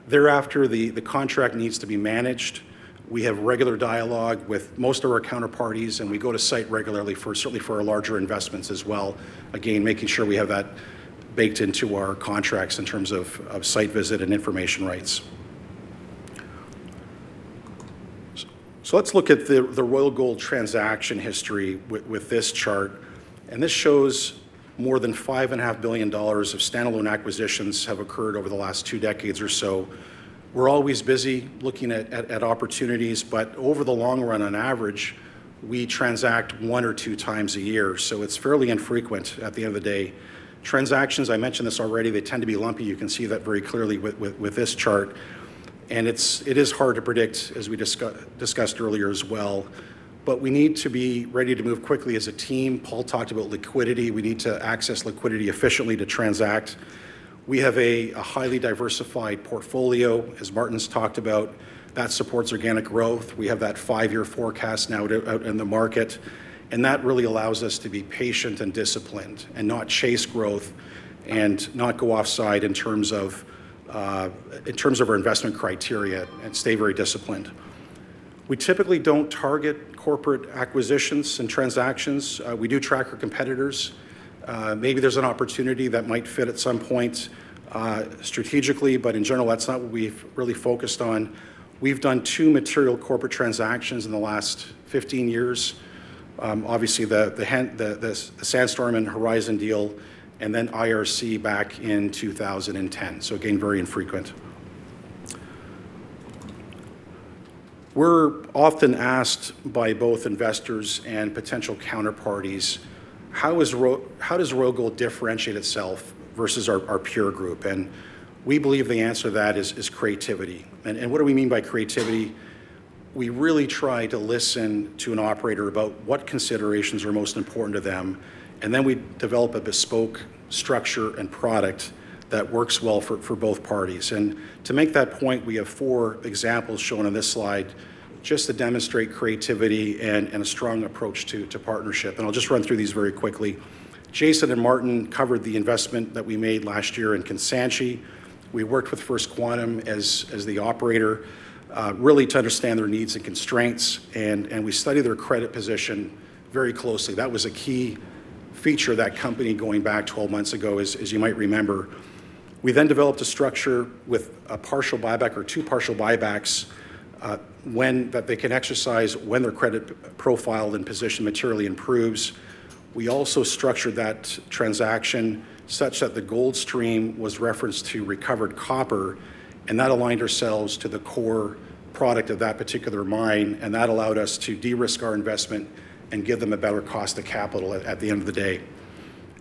Thereafter, the contract needs to be managed. We have regular dialogue with most of our counterparties, and we go to site regularly, certainly for our larger investments as well, again, making sure we have that baked into our contracts in terms of site visit and information rights. Let's look at the Royal Gold transaction history with this chart, and this shows more than $5.5 billion of standalone acquisitions have occurred over the last two decades or so. We're always busy looking at opportunities, but over the long run, on average, we transact one or two times a year. It's fairly infrequent at the end of the day. Transactions, I mentioned this already, they tend to be lumpy. You can see that very clearly with this chart, and it is hard to predict as we discussed earlier as well. We need to be ready to move quickly as a team. Paul talked about liquidity. We need to access liquidity efficiently to transact. We have a highly diversified portfolio, as Martin has talked about, that supports organic growth. We have that five-year forecast now out in the market, and that really allows us to be patient and disciplined and not chase growth and not go offside in terms of our investment criteria and stay very disciplined. We typically don't target corporate acquisitions and transactions. We do track our competitors. Maybe there's an opportunity that might fit at some point, strategically, but in general, that's not what we've really focused on. We've done two material corporate transactions in the last 15 years. Obviously, the Sandstorm and Horizon deal and then IRC back in 2010. Again, very infrequent. We're often asked by both investors and potential counterparties, how does Royal Gold differentiate itself versus our peer group? We believe the answer to that is creativity. What do we mean by creativity? We really try to listen to an operator about what considerations are most important to them, and then we develop a bespoke structure and product that works well for both parties. To make that point, we have four examples shown on this slide just to demonstrate creativity and a strong approach to partnership. I'll just run through these very quickly. Jason and Martin covered the investment that we made last year in Kansanshi. We worked with First Quantum as the operator really to understand their needs and constraints, and we studied their credit position very closely. That was a key feature of that company going back 12 months ago, as you might remember. We then developed a structure with a partial buyback or two partial buybacks when they can exercise, when their credit profile and position materially improves. We also structured that transaction such that the gold stream was referenced to recovered copper, and that aligned ourselves to the core product of that particular mine, and that allowed us to de-risk our investment and give them a better cost of capital at the end of the day.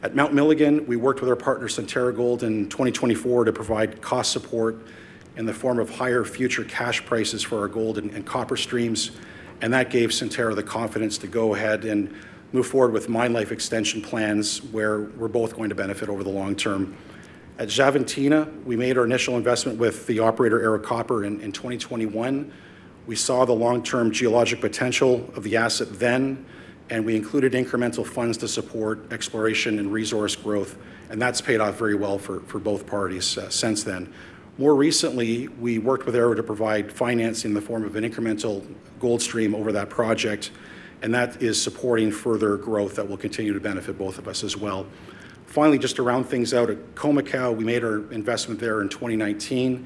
At Mount Milligan, we worked with our partner Centerra Gold in 2024 to provide cost support in the form of higher future cash prices for our gold and copper streams, and that gave Centerra the confidence to go ahead and move forward with mine life extension plans, where we're both going to benefit over the long term. At Xavantina, we made our initial investment with the operator Ero Copper in 2021. We saw the long-term geologic potential of the asset then, and we included incremental funds to support exploration and resource growth, and that's paid off very well for both parties since then. More recently, we worked with Ero to provide financing in the form of an incremental gold stream over that project, and that is supporting further growth that will continue to benefit both of us as well. Finally, just to round things out, at Khoemacau, we made our investment there in 2019,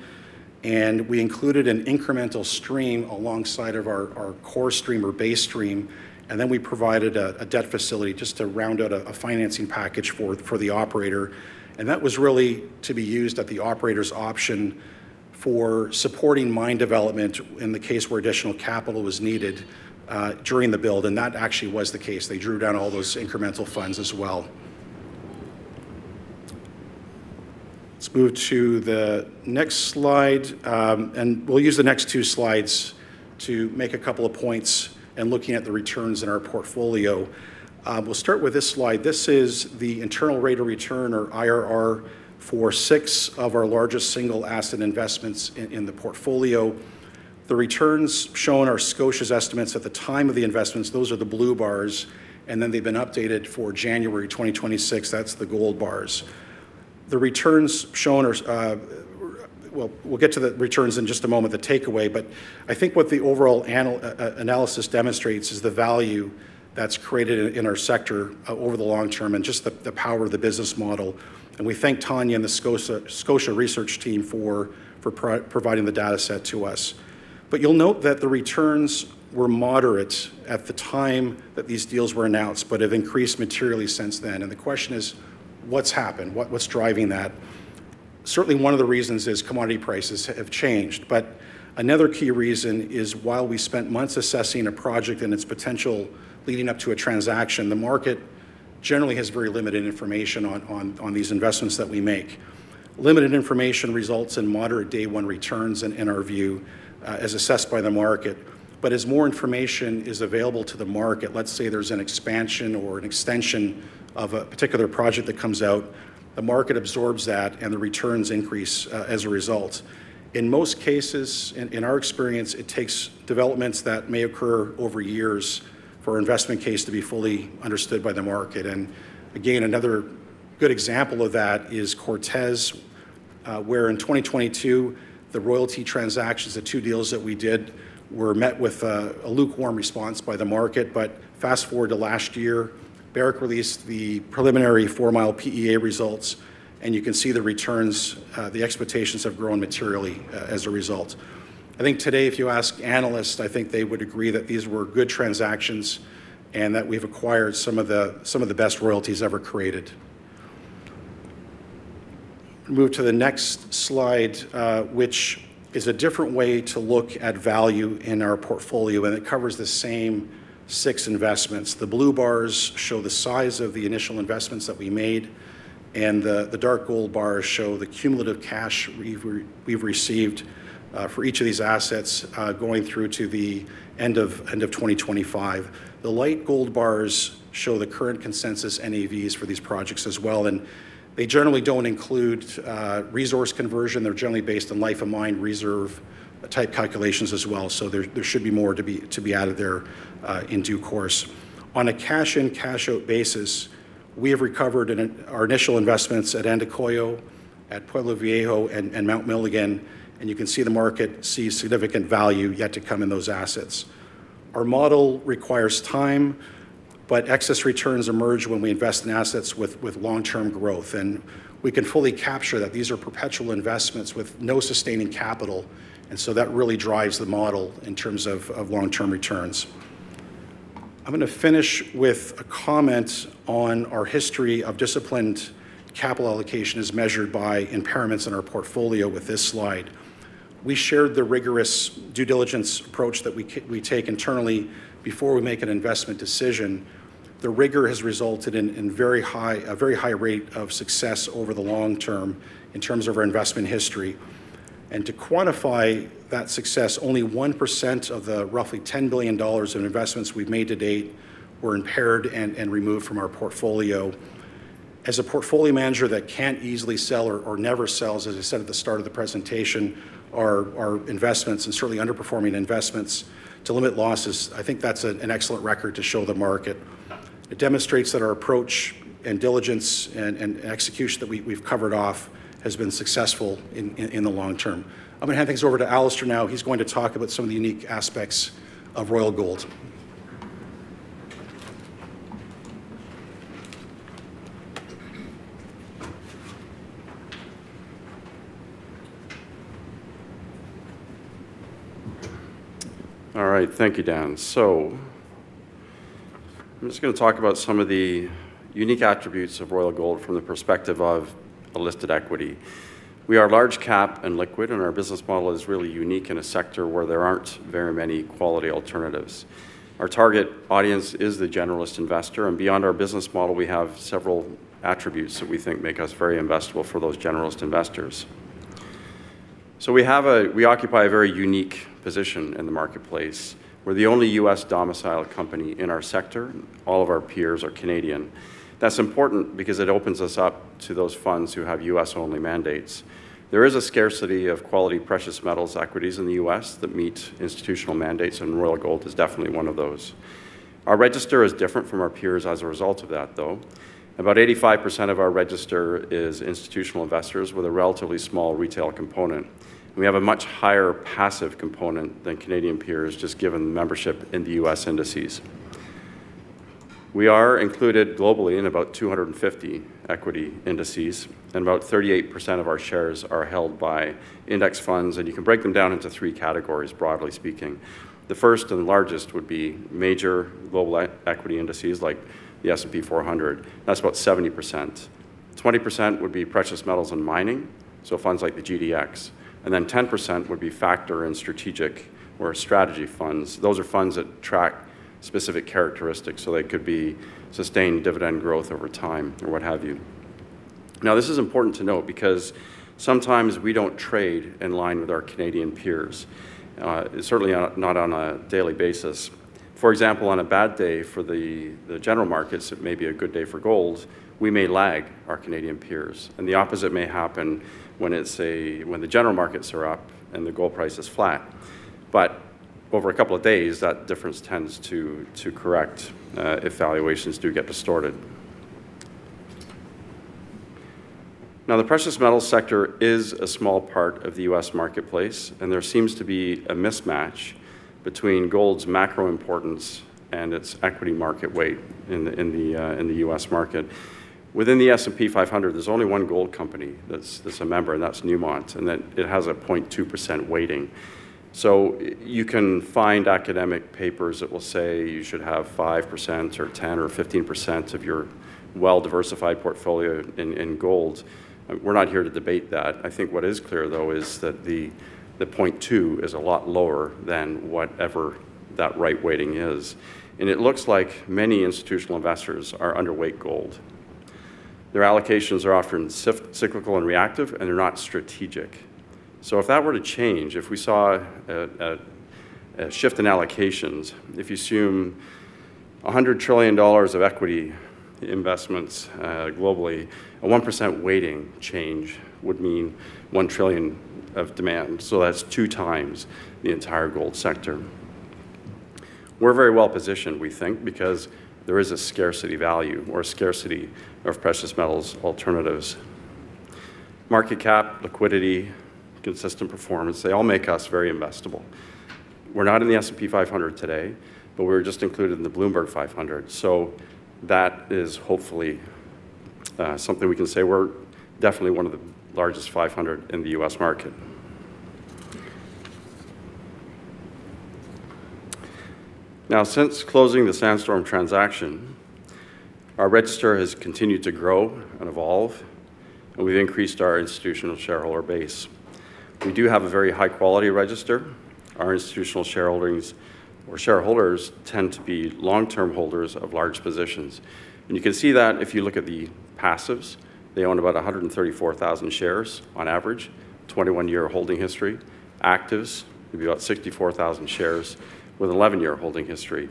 and we included an incremental stream alongside of our core stream or base stream, and then we provided a debt facility just to round out a financing package for the operator. That was really to be used at the operator's option for supporting mine development in the case where additional capital was needed during the build, and that actually was the case. They drew down all those incremental funds as well. Let's move to the next slide, and we'll use the next two slides to make a couple of points in looking at the returns in our portfolio. We'll start with this slide. This is the internal rate of return or IRR for six of our largest single asset investments in the portfolio. The returns shown are Scotia's estimates at the time of the investments. Those are the blue bars, and then they've been updated for January 2026. That's the gold bars. The returns shown are. We'll get to the returns in just a moment, the takeaway, but I think what the overall analysis demonstrates is the value that's created in our sector over the long term and just the power of the business model, and we thank Tanya and the Scotia research team for providing the data set to us. You'll note that the returns were moderate at the time that these deals were announced, but have increased materially since then, and the question is, what's happened? What's driving that? Certainly, one of the reasons is commodity prices have changed, but another key reason is while we spent months assessing a project and its potential leading up to a transaction, the market generally has very limited information on these investments that we make. Limited information results in moderate day one returns, in our view, as assessed by the market. As more information is available to the market, let's say there's an expansion or an extension of a particular project that comes out, the market absorbs that and the returns increase, as a result. In most cases, in our experience, it takes developments that may occur over years for our investment case to be fully understood by the market. Again, another good example of that is Cortez, where in 2022, the royalty transactions, the two deals that we did, were met with a lukewarm response by the market. Fast-forward to last year, Barrick released the preliminary Fourmile PEA results, and you can see the returns, the expectations have grown materially, as a result. I think today if you ask analysts, I think they would agree that these were good transactions and that we've acquired some of the best royalties ever created. Move to the next slide, which is a different way to look at value in our portfolio, and it covers the same six investments. The blue bars show the size of the initial investments that we made, and the dark gold bars show the cumulative cash we've received for each of these assets going through to the end of 2025. The light gold bars show the current consensus NAVs for these projects as well, and they generally don't include resource conversion. They're generally based on life of mine reserve type calculations as well, so there should be more to be out of there in due course. On a cash in, cash out basis, we have recovered in our initial investments at Andacollo, at Pueblo Viejo, and Mount Milligan, and you can see the market sees significant value yet to come in those assets. Our model requires time, but excess returns emerge when we invest in assets with long-term growth, and we can fully capture that these are perpetual investments with no sustaining capital, and so that really drives the model in terms of long-term returns. I'm gonna finish with a comment on our history of disciplined capital allocation as measured by impairments in our portfolio with this slide. We shared the rigorous due diligence approach that we take internally before we make an investment decision. The rigor has resulted in a very high rate of success over the long term in terms of our investment history. To quantify that success, only 1% of the roughly $10 billion in investments we've made to date were impaired and removed from our portfolio. As a portfolio manager that can't easily sell or never sells, as I said at the start of the presentation, our investments and certainly underperforming investments to limit losses, I think that's an excellent record to show the market. It demonstrates that our approach and diligence and execution that we've covered off has been successful in the long term. I'm gonna hand things over to Alistair now. He's going to talk about some of the unique aspects of Royal Gold. All right. Thank you, Dan. I'm just gonna talk about some of the unique attributes of Royal Gold from the perspective of a listed equity. We are large-cap and liquid, and our business model is really unique in a sector where there aren't very many quality alternatives. Our target audience is the generalist investor, and beyond our business model, we have several attributes that we think make us very investable for those generalist investors. We occupy a very unique position in the marketplace. We're the only U.S.-domiciled company in our sector. All of our peers are Canadian. That's important because it opens us up to those funds who have U.S.-only mandates. There is a scarcity of quality precious metals equities in the U.S. that meet institutional mandates, and Royal Gold is definitely one of those. Our register is different from our peers as a result of that, though. About 85% of our register is institutional investors with a relatively small retail component. We have a much higher passive component than Canadian peers just given membership in the U.S. indices. We are included globally in about 250 equity indices, and about 38% of our shares are held by index funds, and you can break them down into three categories, broadly speaking. The first and largest would be major global equity indices like the S&P 400. That's about 70%. 20% would be precious metals and mining, so funds like the GDX. 10% would be factor and strategic or strategy funds. Those are funds that track specific characteristics, so they could be sustained dividend growth over time or what have you. Now, this is important to note because sometimes we don't trade in line with our Canadian peers, certainly not on a daily basis. For example, on a bad day for the general markets, it may be a good day for gold, we may lag our Canadian peers, and the opposite may happen when the general markets are up and the gold price is flat. Over a couple of days, that difference tends to correct if valuations do get distorted. Now, the precious metals sector is a small part of the U.S. marketplace, and there seems to be a mismatch between gold's macro importance and its equity market weight in the U.S. market. Within the S&P 500, there's only one gold company that's a member, and that's Newmont, and it has a 0.2% weighting. You can find academic papers that will say you should have 5% or 10% or 15% of your well-diversified portfolio in gold. We're not here to debate that. I think what is clear, though, is that the 0.2% is a lot lower than whatever that right weighting is. It looks like many institutional investors are underweight gold. Their allocations are often cyclical and reactive, and they're not strategic. If that were to change, if we saw a shift in allocations, if you assume $100 trillion of equity investments globally, a 1% weighting change would mean $1 trillion of demand. That's two times the entire gold sector. We're very well positioned, we think, because there is a scarcity value or scarcity of precious metals alternatives. Market cap, liquidity, consistent performance, they all make us very investable. We're not in the S&P 500 today, but we were just included in the Bloomberg 500. That is hopefully something we can say. We're definitely one of the largest 500 in the U.S. market. Now, since closing the Sandstorm transaction, our register has continued to grow and evolve, and we've increased our institutional shareholder base. We do have a very high-quality register. Our institutional shareholders tend to be long-term holders of large positions. You can see that if you look at the passives. They own about 134,000 shares on average, 21-year holding history. Actives would be about 64,000 shares with an 11-year holding history.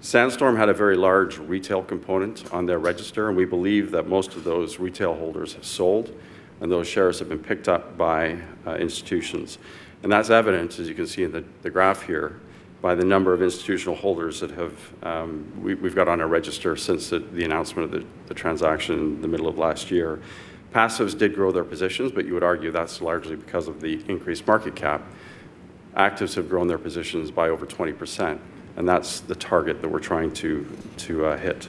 Sandstorm had a very large retail component on their register, and we believe that most of those retail holders have sold, and those shares have been picked up by institutions. That's evidenced, as you can see in the graph here, by the number of institutional holders that we've got on our register since the announcement of the transaction in the middle of last year. Passives did grow their positions, but you would argue that's largely because of the increased market cap. Actives have grown their positions by over 20%, and that's the target that we're trying to hit.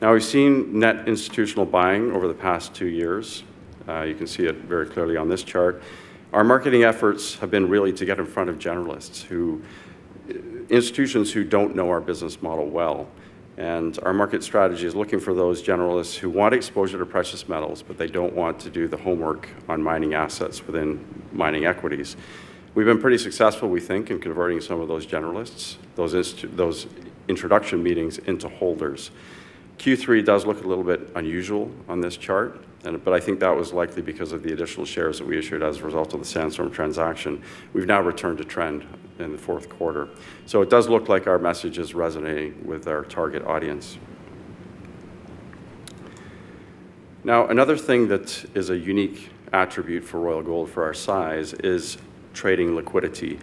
Now, we've seen net institutional buying over the past two years. You can see it very clearly on this chart. Our marketing efforts have been really to get in front of generalists, institutions who don't know our business model well. Our market strategy is looking for those generalists who want exposure to precious metals, but they don't want to do the homework on mining assets within mining equities. We've been pretty successful, we think, in converting some of those generalists, those introduction meetings into holders. Q3 does look a little bit unusual on this chart, but I think that was likely because of the additional shares that we issued as a result of the Sandstorm transaction. We've now returned to trend in the fourth quarter. It does look like our message is resonating with our target audience. Now, another thing that is a unique attribute for Royal Gold for our size is trading liquidity.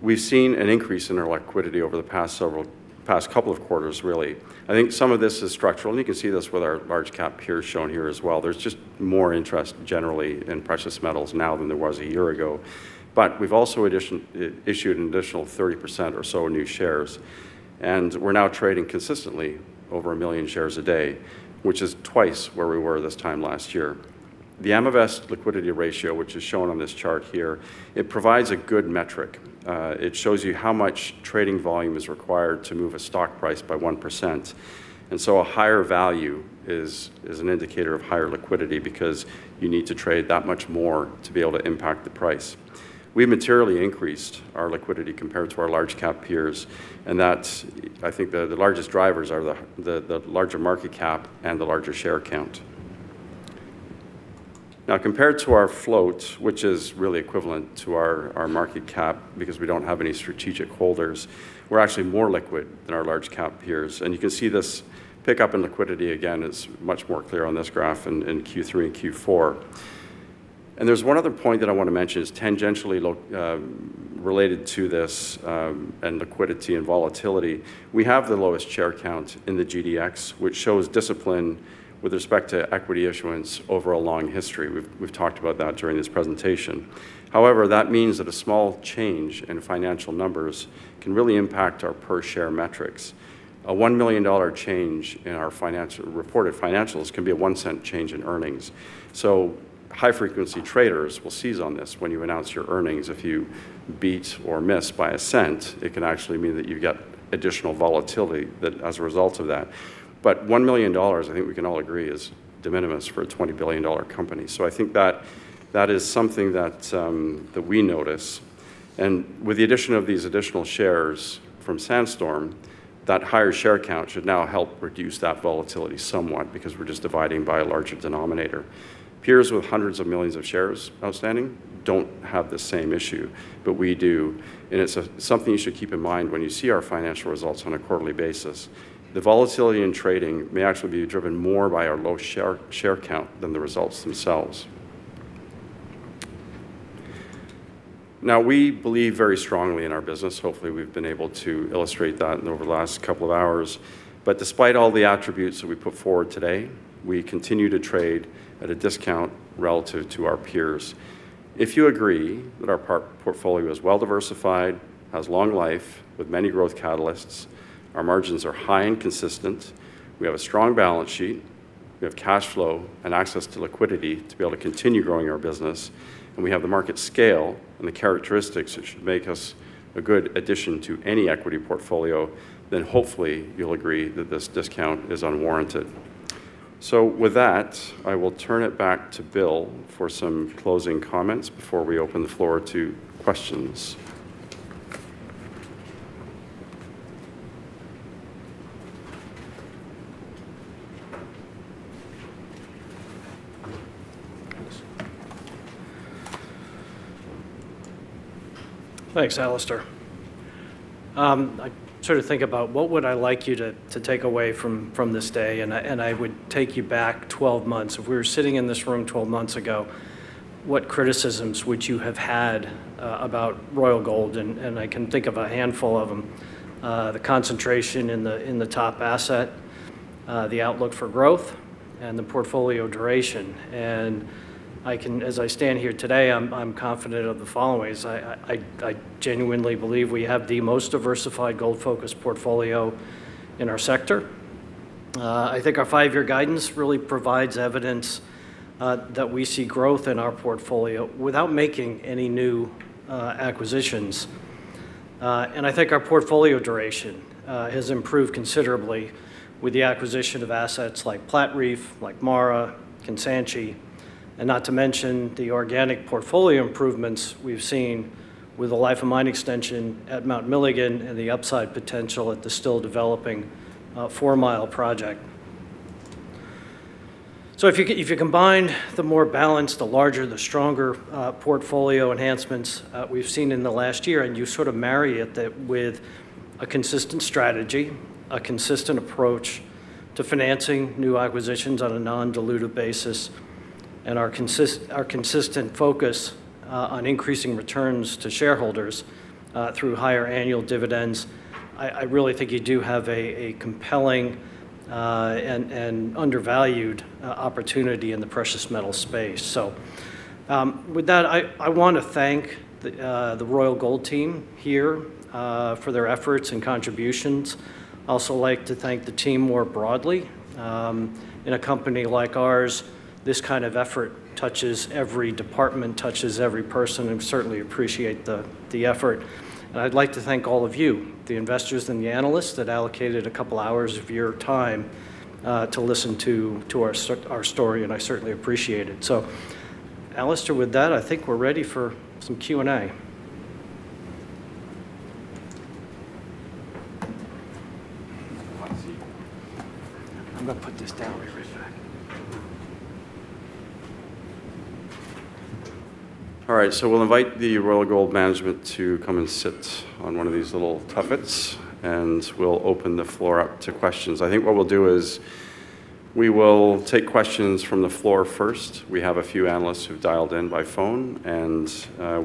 We've seen an increase in our liquidity over the past several, past couple of quarters, really. I think some of this is structural, and you can see this with our large-cap peers shown here as well. There's just more interest generally in precious metals now than there was a year ago. We've also issued an additional 30% or so new shares, and we're now trading consistently over 1 million shares a day, which is twice where we were this time last year. The Amivest Liquidity Ratio, which is shown on this chart here, it provides a good metric. It shows you how much trading volume is required to move a stock price by 1%. A higher value is an indicator of higher liquidity because you need to trade that much more to be able to impact the price. We've materially increased our liquidity compared to our large-cap peers, and that's, I think the largest drivers are the larger market cap and the larger share count. Now, compared to our float, which is really equivalent to our market cap because we don't have any strategic holders, we're actually more liquid than our large-cap peers. You can see this pickup in liquidity, again, is much more clear on this graph in Q3 and Q4. There's one other point that I want to mention is tangentially related to this and liquidity and volatility. We have the lowest share count in the GDX, which shows discipline with respect to equity issuance over a long history. We've talked about that during this presentation. However, that means that a small change in financial numbers can really impact our per share metrics. A $1 million change in our reported financials can be a $0.01 change in earnings. High-frequency traders will seize on this when you announce your earnings. If you beat or miss by $0.01, it can actually mean that you get additional volatility as a result of that. But $1 million, I think we can all agree, is de minimis for a $20 billion company. I think that is something that we notice. With the addition of these additional shares from Sandstorm, that higher share count should now help reduce that volatility somewhat because we're just dividing by a larger denominator. Peers with hundreds of millions of shares outstanding don't have the same issue, but we do. It's something you should keep in mind when you see our financial results on a quarterly basis. The volatility in trading may actually be driven more by our low share count than the results themselves. Now, we believe very strongly in our business. Hopefully, we've been able to illustrate that and over the last couple of hours. Despite all the attributes that we put forward today, we continue to trade at a discount relative to our peers. If you agree that our portfolio is well-diversified, has long life with many growth catalysts, our margins are high and consistent, we have a strong balance sheet, we have cash flow and access to liquidity to be able to continue growing our business, and we have the market scale and the characteristics that should make us a good addition to any equity portfolio, then hopefully you'll agree that this discount is unwarranted. With that, I will turn it back to Bill for some closing comments before we open the floor to questions. Thanks, Alistair. I sort of think about what would I like you to take away from this day, and I would take you back 12 months. If we were sitting in this room 12 months ago, what criticisms would you have had about Royal Gold? I can think of a handful of them. The concentration in the top asset, the outlook for growth, and the portfolio duration. As I stand here today, I'm confident of the followings. I genuinely believe we have the most diversified gold-focused portfolio in our sector. I think our five-year guidance really provides evidence that we see growth in our portfolio without making any new acquisitions. I think our portfolio duration has improved considerably with the acquisition of assets like Platreef, like MARA, Kansanshi, and not to mention the organic portfolio improvements we've seen with the life of mine extension at Mount Milligan and the upside potential at the still developing Fourmile project. If you combine the more balanced, the larger, the stronger portfolio enhancements we've seen in the last year and you sort of marry that with a consistent strategy, a consistent approach to financing new acquisitions on a non-dilutive basis, and our consistent focus on increasing returns to shareholders through higher annual dividends, I really think you do have a compelling and undervalued opportunity in the precious metal space. With that, I wanna thank the Royal Gold team here for their efforts and contributions. I'd also like to thank the team more broadly. In a company like ours, this kind of effort touches every department, touches every person, and certainly appreciate the effort. I'd like to thank all of you, the investors and the analysts that allocated a couple hours of your time to listen to our story, and I certainly appreciate it. Alistair, with that, I think we're ready for some Q&A. Hot seat. I'm gonna put this down. Be right back. All right, we'll invite the Royal Gold management to come and sit on one of these little tuffets, and we'll open the floor up to questions. I think what we'll do is we will take questions from the floor first. We have a few analysts who've dialed in by phone, and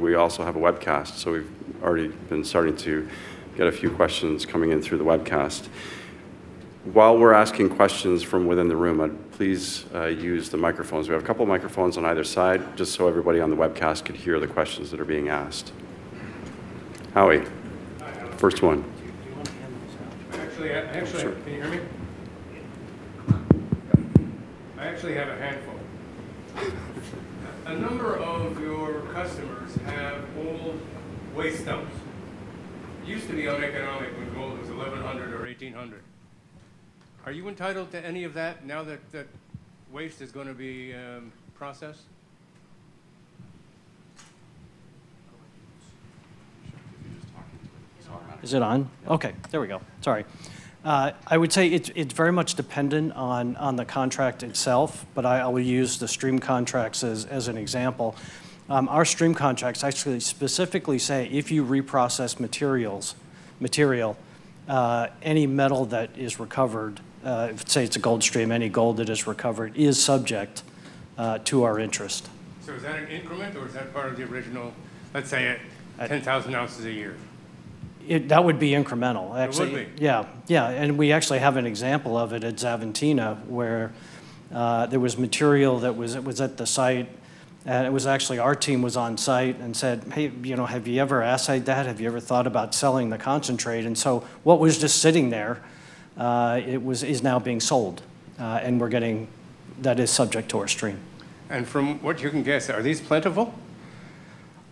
we also have a webcast, so we've already been starting to get a few questions coming in through the webcast. While we're asking questions from within the room, please use the microphones. We have a couple microphones on either side, just so everybody on the webcast can hear the questions that are being asked. Howie. Hi, Alistair. First one. Do you want the handheld mic? Actually, actually. Sure. Can you hear me? Yeah. I actually have a handful. A number of your customers have old waste dumps that used to be uneconomic when gold was $1,100 or $1,800. Are you entitled to any of that now that that waste is gonna be processed? Make sure that he's talking to it. It's on. Is it on? Yeah. Okay, there we go. Sorry. I would say it's very much dependent on the contract itself, but I will use the stream contracts as an example. Our stream contracts actually specifically say if you reprocess materials, any metal that is recovered, if, say, it's a gold stream, any gold that is recovered is subject to our interest. Is that an increment, or is that part of the original, let's say at 10,000 oz a year? That would be incremental, actually. It would be? Yeah, yeah, we actually have an example of it at Xavantina where there was material that was at the site, and it was actually our team was on site and said, "Hey, you know, have you ever assayed that? Have you ever thought about selling the concentrate?" What was just sitting there is now being sold, and we're getting that. That is subject to our stream. From what you can guess, are these plentiful?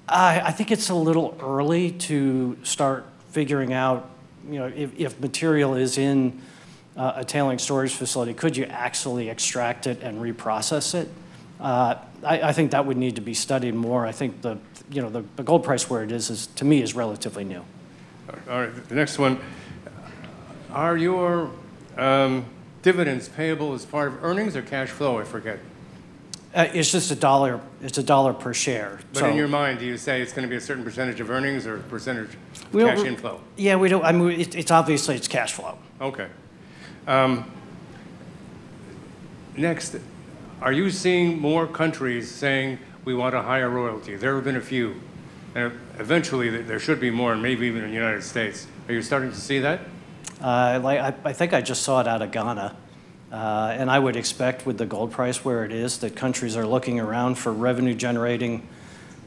I think it's a little early to start figuring out, you know, if material is in a tailings storage facility, could you actually extract it and reprocess it? I think that would need to be studied more. I think, you know, the gold price where it is, to me, is relatively new. All right, the next one. Are your dividends payable as part of earnings or cash flow? I forget. It's just $1. It's $1 per share. In your mind, do you say it's gonna be a certain percentage of earnings or percentage? We don't. Of cash inflow? I mean, it's obviously cash flow. Okay. Next, are you seeing more countries saying, "We want a higher royalty?" There have been a few, and eventually there should be more, and maybe even in the United States. Are you starting to see that? Like, I think, I just saw it out of Ghana. I would expect with the gold price where it is that countries are looking around for revenue-generating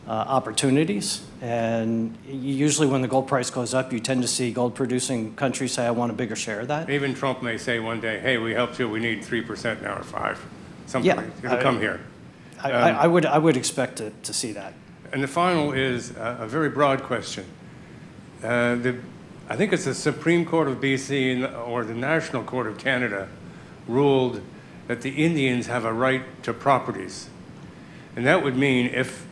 opportunities. Usually when the gold price goes up, you tend to see gold-producing countries say, "I want a bigger share of that." Even Trump may say one day, "Hey, we helped you. We need 3% now or 5%," something. Yeah. Is gonna come here. I would expect to see that. The final is a very broad question. I think it's the Supreme Court of B.C. or the National Court of Canada ruled that the Indians have a right to properties, and that would mean if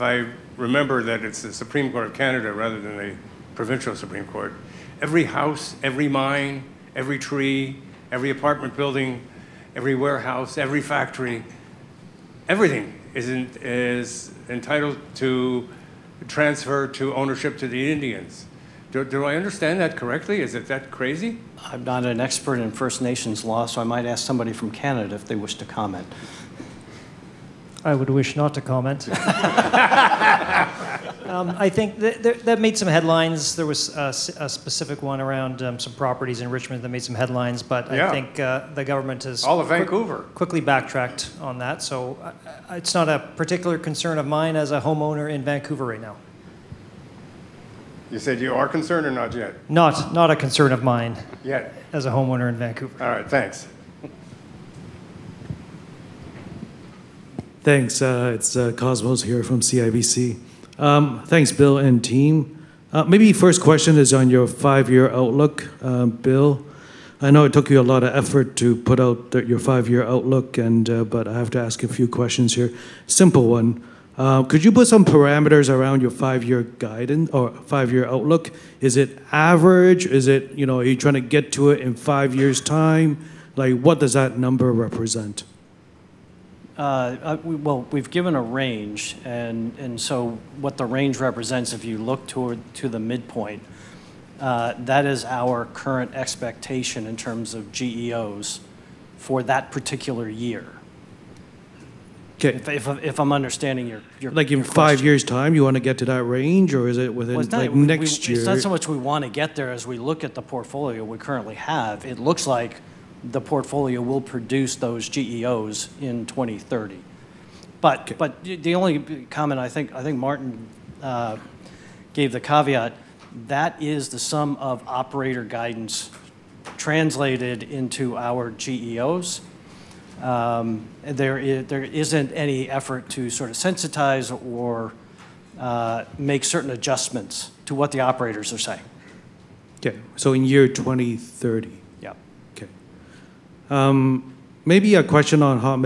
I remember that it's the Supreme Court of Canada rather than a provincial Supreme Court, every house, every mine, every tree, every apartment building, every warehouse, every factory, everything is entitled to transfer to ownership to the Indians. Do I understand that correctly? Is it that crazy? I'm not an expert in First Nations law, so I might ask somebody from Canada if they wish to comment. I would wish not to comment. I think that made some headlines. There was a specific one around some properties in Richmond that made some headlines, but I think. Yeah. The government has. All of Vancouver. Quickly backtracked on that, so it's not a particular concern of mine as a homeowner in Vancouver right now. You said you are concerned or not yet? Not a concern of mine. Yet? As a homeowner in Vancouver. All right, thanks. Thanks. It's Cosmos here from CIBC. Thanks, Bill and team. Maybe first question is on your five-year outlook, Bill. I know it took you a lot of effort to put out your five-year outlook, but I have to ask a few questions here. Simple one, could you put some parameters around your five-year guidance or five-year outlook? Is it average? Is it, you know, are you trying to get to it in five years' time? Like, what does that number represent? Well, we've given a range and so what the range represents if you look toward to the midpoint, that is our current expectation in terms of GEOs for that particular year. Okay. If I'm understanding your question. Like in five years' time, you wanna get to that range, or is it within like next year? Well, it's not so much we wanna get there as we look at the portfolio we currently have. It looks like the portfolio will produce those GEOs in 2030. Okay. The only comment I think, I think Martin gave the caveat, that is the sum of operator guidance translated into our GEOs. There isn't any effort to sort of sensitize or make certain adjustments to what the operators are saying. Okay. In year 2030? Yeah. Okay. Maybe a question on Hod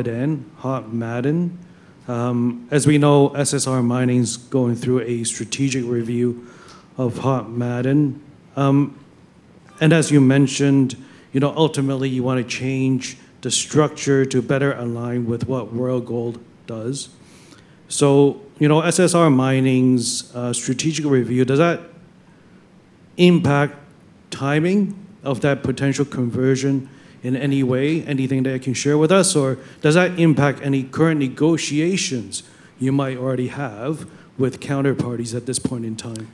Maden. As we know, SSR Mining's going through a strategic review of Hod Maden. And as you mentioned, you know, ultimately you wanna change the structure to better align with what Royal Gold does. You know, SSR Mining's strategic review, does that impact timing of that potential conversion in any way? Anything that you can share with us, or does that impact any current negotiations you might already have with counterparties at this point in time?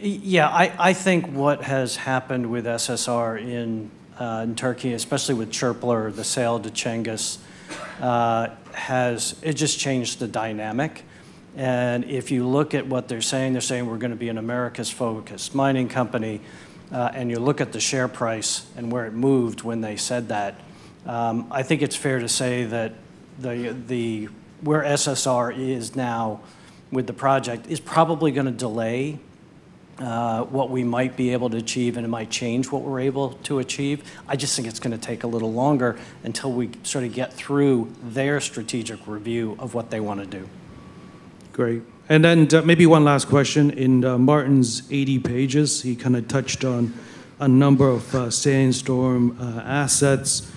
Yeah, I think what has happened with SSR in Türkiye, especially with Çöpler or the sale to Cengiz, has just changed the dynamic. If you look at what they're saying, they're saying, "We're gonna be an Americas-focused mining company," and you look at the share price and where it moved when they said that, I think it's fair to say that where SSR is now with the project is probably gonna delay what we might be able to achieve, and it might change what we're able to achieve. I just think it's gonna take a little longer until we sort of get through their strategic review of what they wanna do. Great, maybe one last question. In, Martin's 80 pages, he kind of touched on a number of Sandstorm assets.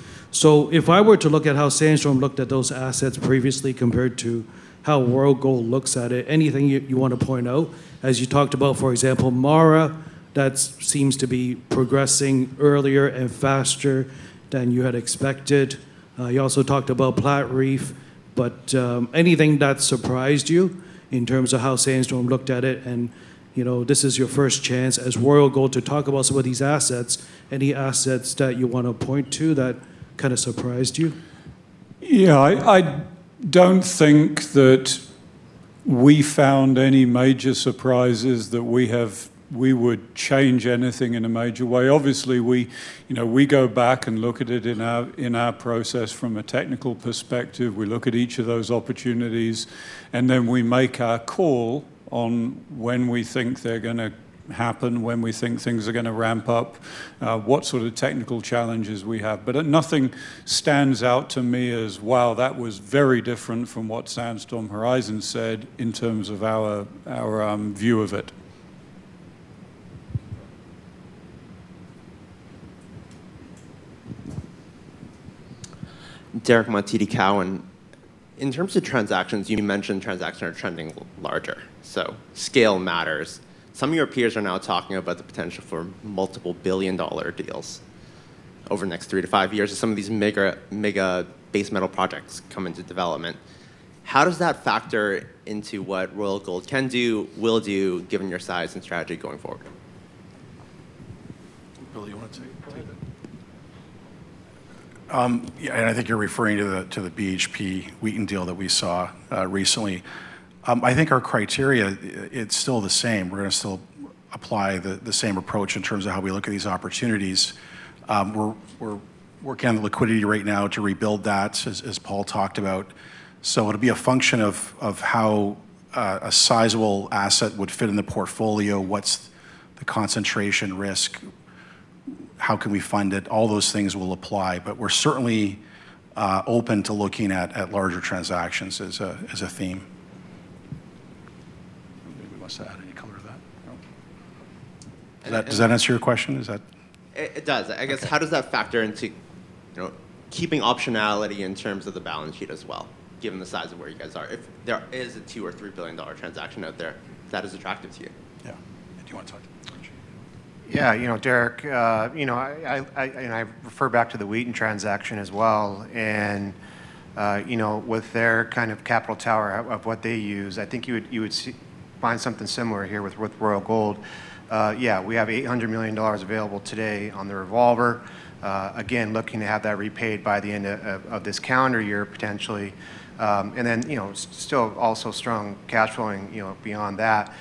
If I were to look at how Sandstorm looked at those assets previously compared to how Royal Gold looks at it, anything you wanna point out? As you talked about, for example, MARA, that seems to be progressing earlier and faster than you had expected. You also talked about Platreef, but, anything that surprised you in terms of how Sandstorm looked at it? You know, this is your first chance as Royal Gold to talk about some of these assets. Any assets that you wanna point to that kind of surprised you? Yeah, I don't think that we found any major surprises that we would change anything in a major way. Obviously, you know, we go back and look at it in our process from a technical perspective. We look at each of those opportunities, and then we make our call on when we think they're gonna happen, when we think things are gonna ramp up, what sort of technical challenges we have. Nothing stands out to me as, wow, that was very different from what Sandstorm/Horizon said in terms of our view of it. Derick Ma, TD Cowen. In terms of transactions, you mentioned transactions are trending larger, so scale matters. Some of your peers are now talking about the potential for multiple billion-dollar deals over the next three to five years as some of these mega base metal projects come into development. How does that factor into what Royal Gold can do, will do, given your size and strategy going forward? Bill, you wanna take that? Yeah, I think you're referring to the BHP-Wheaton deal that we saw recently. I think our criteria, it's still the same. We're gonna still apply the same approach in terms of how we look at these opportunities. We're working on the liquidity right now to rebuild that, as Paul talked about. It'll be a function of how a sizable asset would fit in the portfolio, what's the concentration risk, how can we fund it. All those things will apply. We're certainly open to looking at larger transactions as a theme. Anybody want to add any color to that? No. Does that answer your question? It does. Okay. I guess, how does that factor into, you know, keeping optionality in terms of the balance sheet as well, given the size of where you guys are? If there is a $2 billion or $3 billion transaction out there that is attractive to you. Yeah. Do you wanna talk? Yeah, you know, Derick, you know, and I refer back to the Wheaton transaction as well, and, you know, with their kind of capital tower of what they use, I think you would find something similar here with Royal Gold. Yeah, we have $800 million available today on the revolver, again, looking to have that repaid by the end of this calendar year, potentially. And then, you know, still also strong cash flowing, you know, beyond that.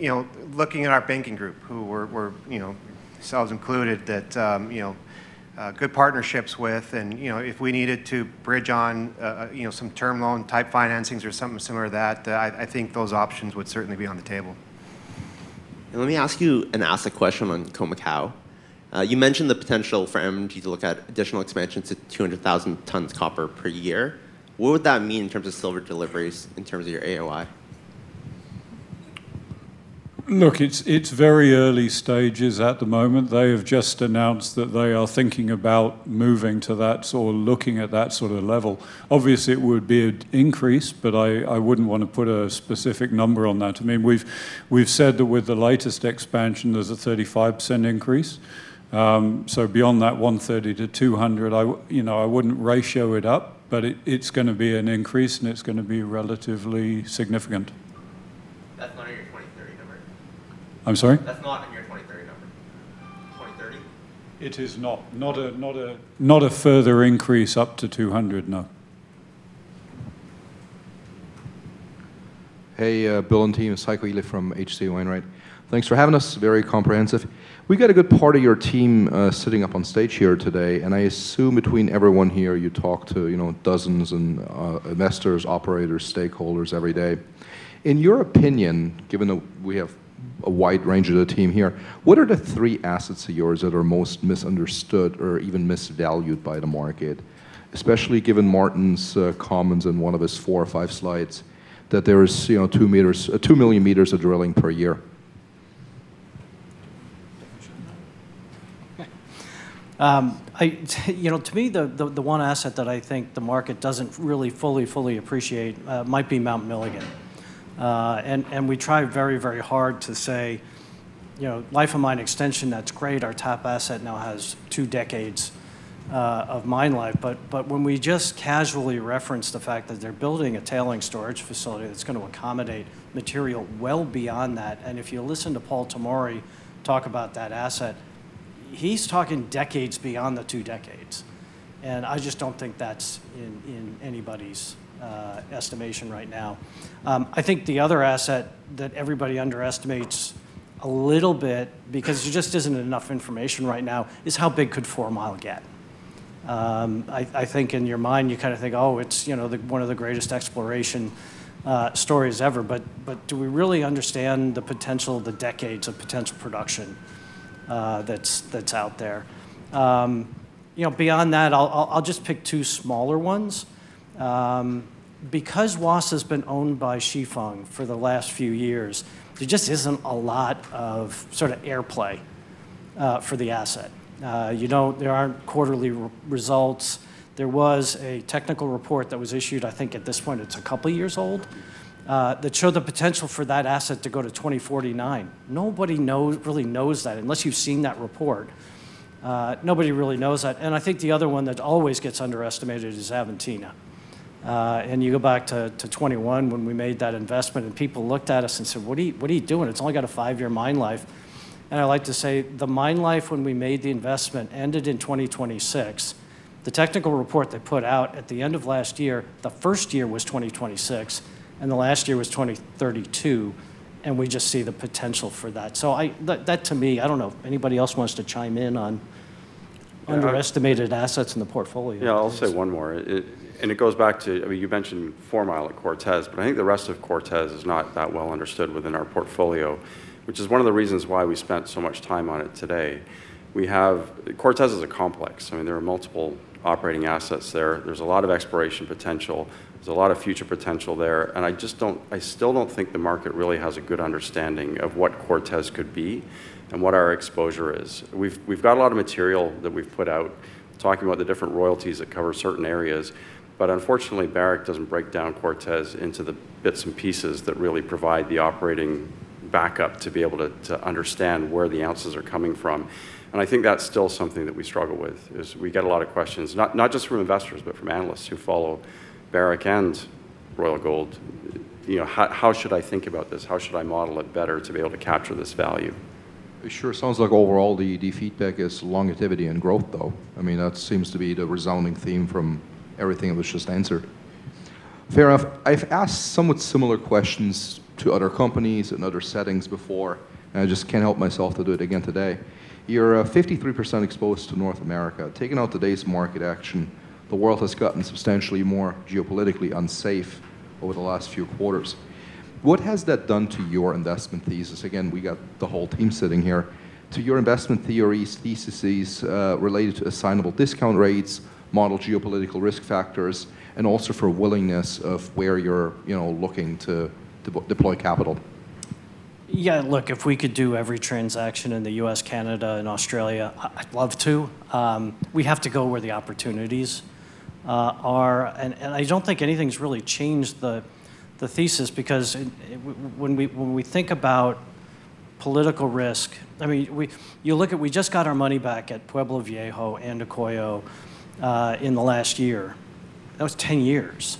You know, looking at our banking group, who we're, you know, ourselves included, that good partnerships with, and, you know, if we needed to bridge on, you know, some term loan type financings or something similar to that, I think those options would certainly be on the table. Let me ask you an asset question on Khoemacau. You mentioned the potential for MMG to look at additional expansions to 200,000 tons copper per year. What would that mean in terms of silver deliveries in terms of your AOI? Look, it's very early stages at the moment. They have just announced that they are thinking about moving to that or looking at that sort of level. Obviously, it would be an increase, but I wouldn't want to put a specific number on that. I mean, we've said that with the latest expansion, there's a 35% increase. Beyond that 130,000-200,000, you know, I wouldn't ratio it up, but it's gonna be an increase and it's gonna be relatively significant. That's not in your 2030 number? I'm sorry? That's not in your 2030 number? 2030? It is not. Not a further increase up to 200,000, no. Hey, Bill and team, it's Heiko Ihle from H.C. Wainwright. Thanks for having us. Very comprehensive. We got a good part of your team sitting up on stage here today, and I assume between everyone here, you talk to, you know, dozens and investors, operators, stakeholders every day. In your opinion, given that we have a wide range of the team here, what are the three assets of yours that are most misunderstood or even misvalued by the market? Especially given Martin's comments in one of his four or five slides, that there is, you know, 2 million m of drilling per year. You know, to me, the one asset that I think the market doesn't really fully appreciate might be Mount Milligan. We try very hard to say, you know, life of mine extension, that's great. Our top asset now has two decades of mine life. When we just casually reference the fact that they're building a tailings storage facility that's gonna accommodate material well beyond that, and if you listen to Paul Tomory talk about that asset, he's talking decades beyond the two decades. I just don't think that's in anybody's estimation right now. I think the other asset that everybody underestimates a little bit, because there just isn't enough information right now, is how big could Fourmile get. I think in your mind, you kinda think, oh, it's, you know, the one of the greatest exploration stories ever, but do we really understand the potential, the decades of potential production, that's out there? You know, beyond that, I'll just pick two smaller ones. Because Wassa's been owned by Chifeng for the last few years, there just isn't a lot of sort of airplay for the asset. You know, there aren't quarterly results. There was a technical report that was issued, I think at this point, it's a couple years old, that showed the potential for that asset to go to 2049. Nobody knows, really knows that. Unless you've seen that report, nobody really knows that. I think the other one that always gets underestimated is Xavantina. You go back to 2021 when we made that investment and people looked at us and said, "What are you, what are you doing? It's only got a five-year mine life." I like to say the mine life when we made the investment ended in 2026. The technical report they put out at the end of last year, the first year was 2026, and the last year was 2032, and we just see the potential for that. That to me, I don't know if anybody else wants to chime in on underestimated assets in the portfolio. Yeah, I'll say one more. It goes back to, I mean, you mentioned Fourmile at Cortez, but I think the rest of Cortez is not that well understood within our portfolio, which is one of the reasons why we spent so much time on it today. We have, Cortez is a complex. I mean, there are multiple operating assets there. There's a lot of exploration potential. There's a lot of future potential there, and I just don't think the market really has a good understanding of what Cortez could be and what our exposure is. We've got a lot of material that we've put out talking about the different royalties that cover certain areas, but unfortunately, Barrick doesn't break down Cortez into the bits and pieces that really provide the operating back up to be able to understand where the ounces are coming from. I think that's still something that we struggle with, is we get a lot of questions, not just from investors, but from analysts who follow Barrick and Royal Gold. You know, how should I think about this? How should I model it better to be able to capture this value? It sure sounds like overall the feedback is longevity and growth, though. I mean, that seems to be the resounding theme from everything that was just answered. I've asked somewhat similar questions to other companies in other settings before, and I just can't help myself to do it again today. You're 53% exposed to North America. Taking out today's market action, the world has gotten substantially more geopolitically unsafe over the last few quarters. What has that done to your investment thesis? Again, we got the whole team sitting here. To your investment theories, theses related to assignable discount rates, model geopolitical risk factors, and also for willingness of where you're, you know, looking to deploy capital. Yeah, look, if we could do every transaction in the U.S., Canada, and Australia, I'd love to. We have to go where the opportunities are. I don't think anything's really changed the thesis because it, when we think about political risk, I mean, you look at we just got our money back at Pueblo Viejo and Andacollo in the last year. That was 10 years.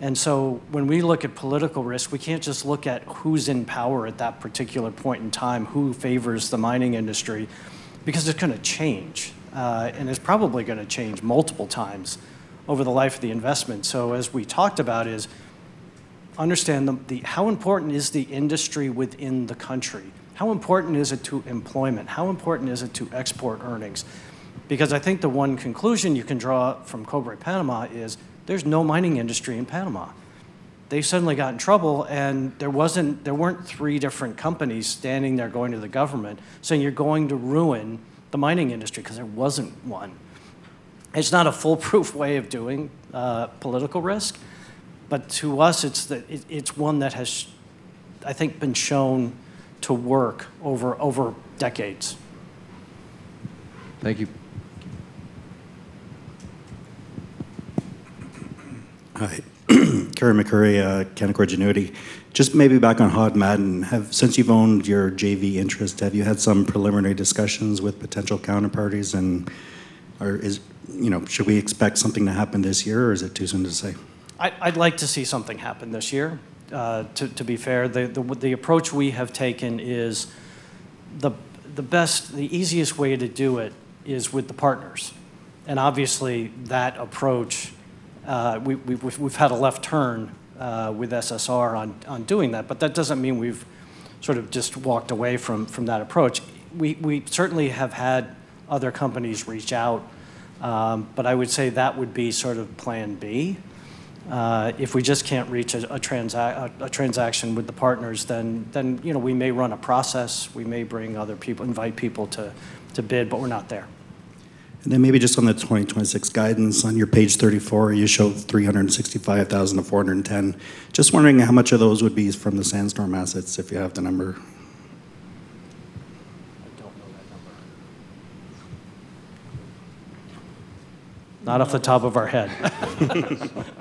When we look at political risk, we can't just look at who's in power at that particular point in time, who favors the mining industry, because it's gonna change. It's probably gonna change multiple times over the life of the investment. As we talked about is understand how important is the industry within the country? How important is it to employment? How important is it to export earnings? Because I think the one conclusion you can draw from Cobre Panamá is, there's no mining industry in Panama. They've suddenly got in trouble and there wasn't, there weren't three different companies standing there going to the government saying, "You're going to ruin the mining industry," because there wasn't one. It's not a foolproof way of doing political risk, but to us it's one that has, I think, been shown to work over decades. Thank you. Hi. Carey MacRury, Canaccord Genuity. Just maybe back on Hod Maden. Since you've owned your JV interest, have you had some preliminary discussions with potential counterparties, and you know, should we expect something to happen this year, or is it too soon to say? I'd like to see something happen this year, to be fair. The approach we have taken is the best, the easiest way to do it is with the partners. Obviously that approach, we've hit a left turn with SSR on doing that, but that doesn't mean we've sort of just walked away from that approach. We certainly have had other companies reach out, but I would say that would be sort of plan B. If we just can't reach a transaction with the partners, then you know, we may run a process, we may bring other people, invite people to bid, but we're not there. Maybe just on the 2026 guidance on your page 34, you show 365,410. Just wondering how much of those would be from the Sandstorm assets, if you have the number. I don't know that number. Not off the top of our head.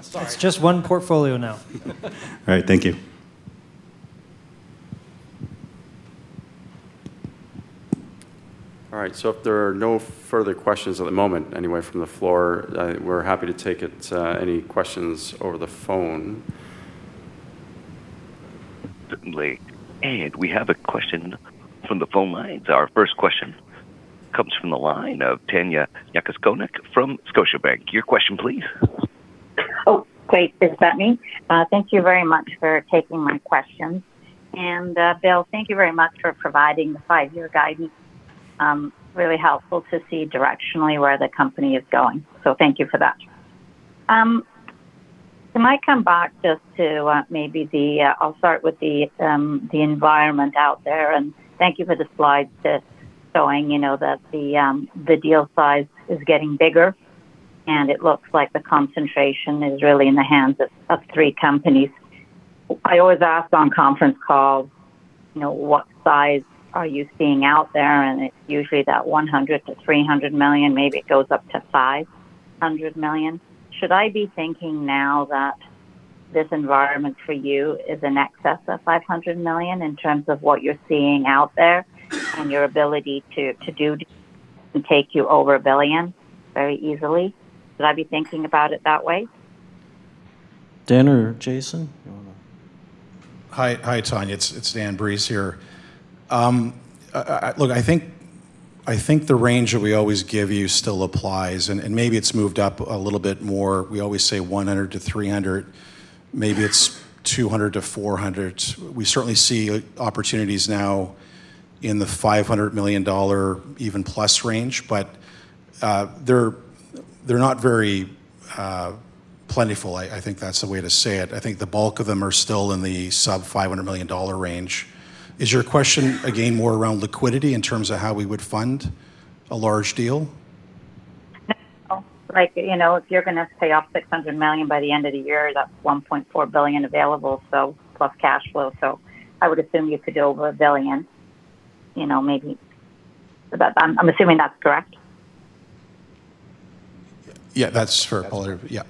Sorry. It's just one portfolio now. All right. Thank you. All right, if there are no further questions at the moment, anyway, from the floor, we're happy to take it, any questions over the phone. Certainly. We have a question from the phone lines. Our first question comes from the line of Tanya Jakusconek from Scotiabank. Your question please. Oh, great. Is that me? Thank you very much for taking my question. Bill, thank you very much for providing the five-year guidance. Really helpful to see directionally where the company is going, so thank you for that. Can I come back just to the environment out there, and thank you for the slides just showing, you know, that the deal size is getting bigger and it looks like the concentration is really in the hands of three companies. I always ask on conference calls, you know, what size are you seeing out there? It's usually that $100 million-$300 million, maybe it goes up to $500 million. Should I be thinking now that this environment for you is in excess of $500 million in terms of what you're seeing out there and your ability to do and take you over $1 billion very easily? Should I be thinking about it that way? Dan or Jason? I don't know. Hi. Hi, Tanya. It's Dan Breeze here. Look, I think the range that we always give you still applies, and maybe it's moved up a little bit more. We always say $100 million-$300 million. Maybe it's $200 million-$400 million. We certainly see opportunities now in the $500 million, even plus range, but they're not very plentiful. I think that's the way to say it. I think the bulk of them are still in the sub-$500 million range. Is your question again more around liquidity in terms of how we would fund a large deal? No. Like, you know, if you're gonna pay off $600 million by the end of the year, that's $1.4 billion available, so plus cash flow. I would assume you could go over $1 billion, you know, maybe. But I'm assuming that's correct. Yeah. That's correct. Yeah.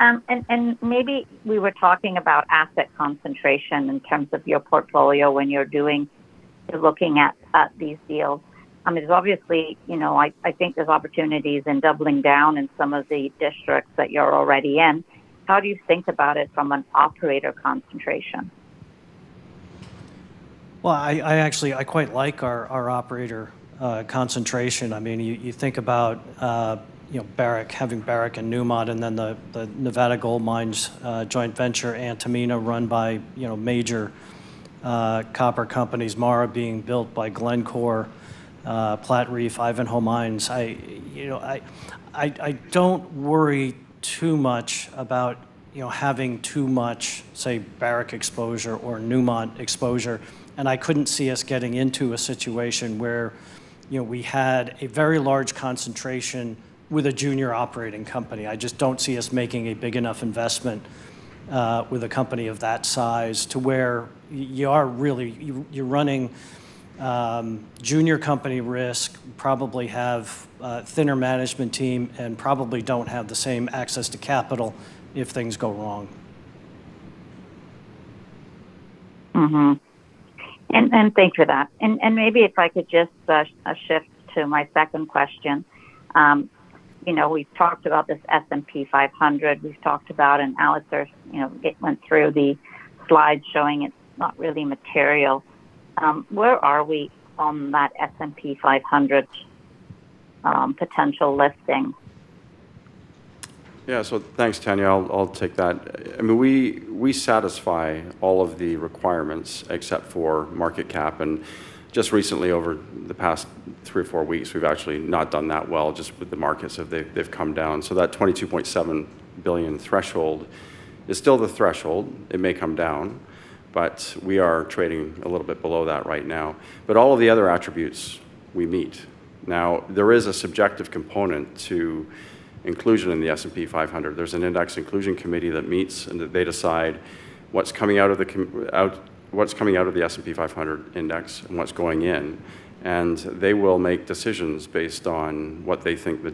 Okay. Maybe we were talking about asset concentration in terms of your portfolio when you're looking at these deals. I mean, there's obviously, you know, I think there's opportunities in doubling down in some of the districts that you're already in. How do you think about it from an operator concentration? Well, I actually like our operator concentration. I mean, you think about Barrick having Barrick and Newmont, and then the Nevada Gold Mines joint venture, Antamina, run by major copper companies, MARA being built by Glencore, Platreef, Ivanhoe Mines. I don't worry too much about having too much, say, Barrick exposure or Newmont exposure, and I couldn't see us getting into a situation where we had a very large concentration with a junior operating company. I just don't see us making a big enough investment with a company of that size to where you are really running junior company risk, probably have a thinner management team, and probably don't have the same access to capital if things go wrong. Thanks for that. Maybe if I could just shift to my second question. You know, we've talked about this S&P 500, and Alistair, you know, it went through the slide showing it's not really material. Where are we on that S&P 500 potential listing? Yeah. Thanks, Tanya. I'll take that. I mean, we satisfy all of the requirements except for market cap, and just recently, over the past three or four weeks, we've actually not done that well just with the markets. They've come down. That $22.7 billion threshold is still the threshold. It may come down, but we are trading a little bit below that right now. All of the other attributes we meet. Now, there is a subjective component to inclusion in the S&P 500. There's an index inclusion committee that meets and that they decide what's coming out of the S&P 500 index and what's going in, and they will make decisions based on how they think the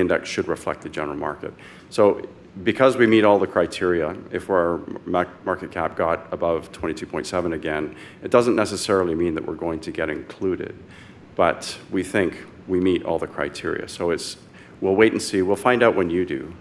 index should reflect the general market. Because we meet all the criteria, if our market cap got above $22.7 billion again, it doesn't necessarily mean that we're going to get included. We think we meet all the criteria. We'll wait and see. We'll find out when you do.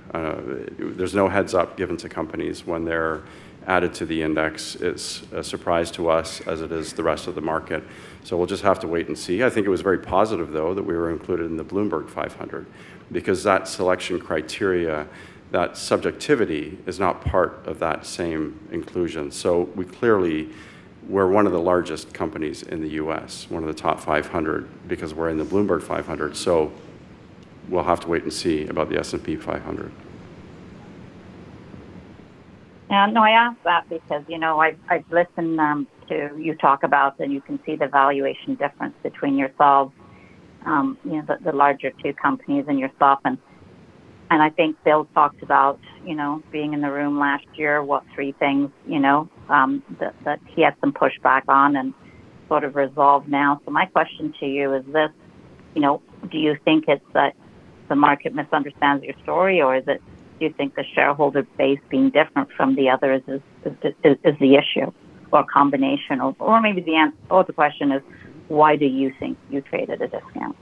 There's no heads-up given to companies when they're added to the index. It's a surprise to us as it is the rest of the market. We'll just have to wait and see. I think it was very positive, though, that we were included in the Bloomberg 500 because that selection criteria, that subjectivity is not part of that same inclusion. We clearly, we're one of the largest companies in the U.S., one of the top 500 because we're in the Bloomberg 500. We'll have to wait and see about the S&P 500. I ask that because, you know, I've listened to you talk about that you can see the valuation difference between yourselves, you know, the larger two companies and yourself. I think Bill talked about, you know, being in the room last year, what three things, you know, that he had some pushback on and sort of resolved now. My question to you is this, you know, do you think it's that the market misunderstands your story, or is it do you think the shareholder base being different from the others is the issue or combination of. Or maybe the question is, why do you think you traded a discount?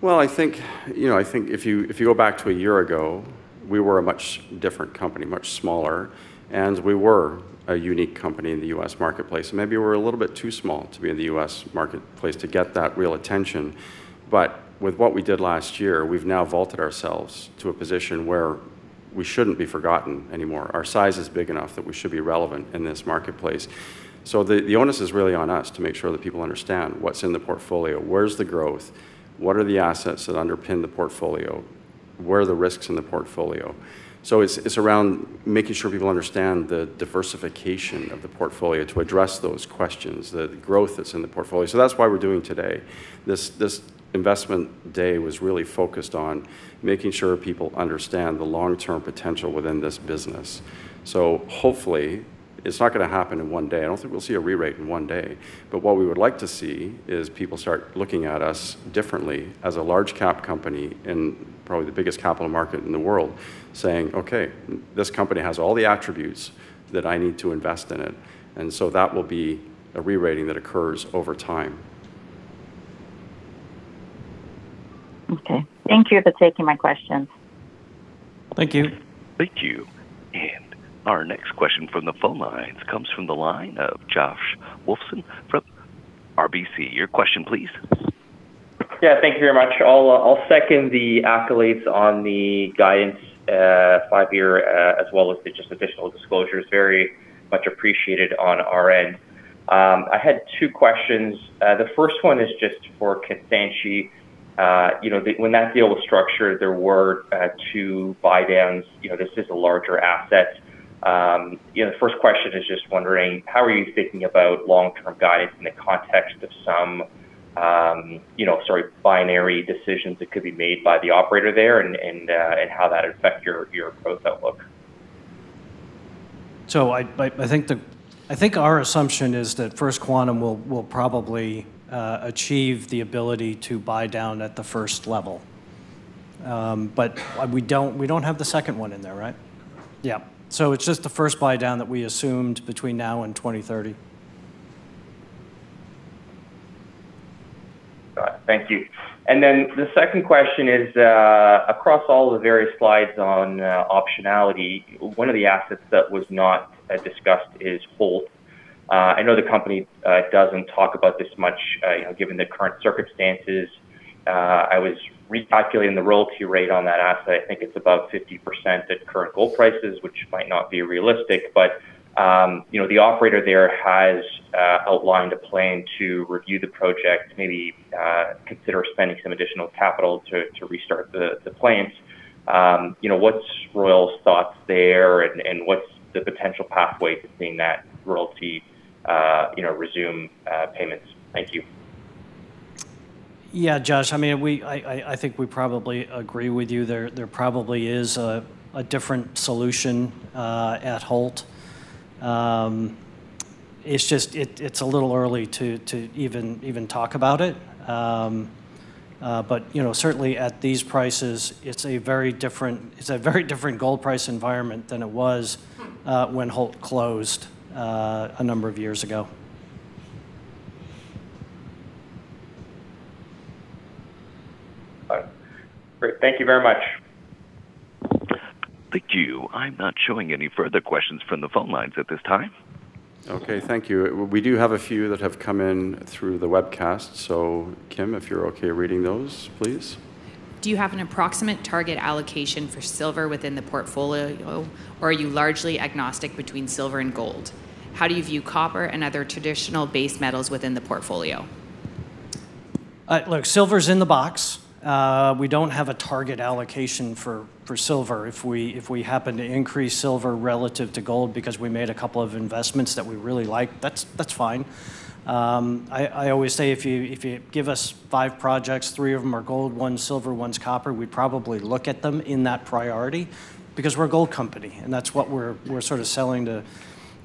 Well, I think, you know, I think if you go back to a year ago, we were a much different company, much smaller, and we were a unique company in the U.S. marketplace. Maybe we're a little bit too small to be in the U.S. marketplace to get that real attention. With what we did last year, we've now vaulted ourselves to a position where we shouldn't be forgotten anymore. Our size is big enough that we should be relevant in this marketplace. The onus is really on us to make sure that people understand what's in the portfolio, where's the growth, what are the assets that underpin the portfolio, where are the risks in the portfolio. It's around making sure people understand the diversification of the portfolio to address those questions, the growth that's in the portfolio. That's why we're doing today. This investment day was really focused on making sure people understand the long-term potential within this business. Hopefully, it's not gonna happen in one day. I don't think we'll see a re-rate in one day. What we would like to see is people start looking at us differently as a large-cap company in probably the biggest capital market in the world saying, "Okay, this company has all the attributes that I need to invest in it." That will be a re-rating that occurs over time. Okay. Thank you for taking my questions. Thank you. Thank you. Our next question from the phone lines comes from the line of Josh Wolfson from RBC. Your question, please. Yeah, thank you very much. I'll second the accolades on the guidance, five-year, as well as the just additional disclosures. Very much appreciated on our end. I had two questions. The first one is just for Kansanshi. You know, when that deal was structured, there were two buy downs. You know, this is a larger asset. You know, the first question is just wondering, how are you thinking about long-term guidance in the context of some, you know, sort of binary decisions that could be made by the operator there and how that would affect your growth outlook? I think our assumption is that First Quantum will probably achieve the ability to buy down at the first level. We don't have the second one in there, right? Yeah. It's just the first buy down that we assumed between now and 2030. Got it. Thank you. The second question is, across all the various slides on optionality, one of the assets that was not discussed is Holt. I know the company doesn't talk about this much, you know, given the current circumstances. I was recalculating the royalty rate on that asset. I think it's above 50% at current gold prices, which might not be realistic, but you know, the operator there has outlined a plan to review the project, maybe consider spending some additional capital to restart the plant. You know, what's Royal's thoughts there and what's the potential pathway to seeing that royalty, you know, resume payments? Thank you. Yeah, Josh, I mean, I think we probably agree with you. There probably is a different solution at Holt. It's just a little early to even talk about it. You know, certainly at these prices, it's a very different gold price environment than it was when Holt closed a number of years ago. All right. Great. Thank you very much. Thank you. I'm not showing any further questions from the phone lines at this time. Okay, thank you. We do have a few that have come in through the webcast. Kim, if you're okay reading those, please. Do you have an approximate target allocation for silver within the portfolio, or are you largely agnostic between silver and gold? How do you view copper and other traditional base metals within the portfolio? Look, silver's in the box. We don't have a target allocation for silver. If we happen to increase silver relative to gold because we made a couple of investments that we really like, that's fine. I always say if you give us five projects, three of them are gold, one's silver, one's copper, we'd probably look at them in that priority because we're a gold company, and that's what we're sort of selling to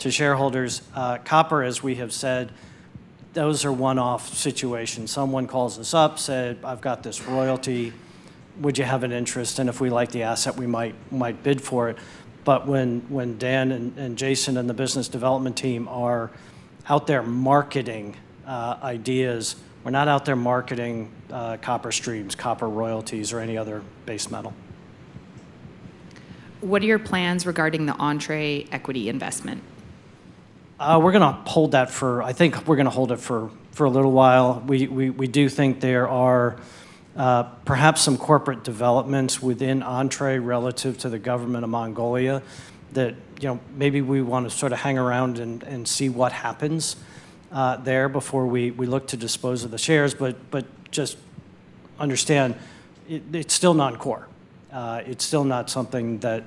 shareholders. Copper, as we have said, those are one-off situations. Someone calls us up, said, "I've got this royalty. Would you have an interest?" If we like the asset, we might bid for it. When Dan and Jason and the business development team are out there marketing ideas, we're not out there marketing copper streams, copper royalties, or any other base metal. What are your plans regarding the Entrée equity investment? I think we're gonna hold it for a little while. We do think there are perhaps some corporate developments within Entrée relative to the government of Mongolia that, you know, maybe we wanna sort of hang around and see what happens there before we look to dispose of the shares. Just understand, it's still not core. It's still not something that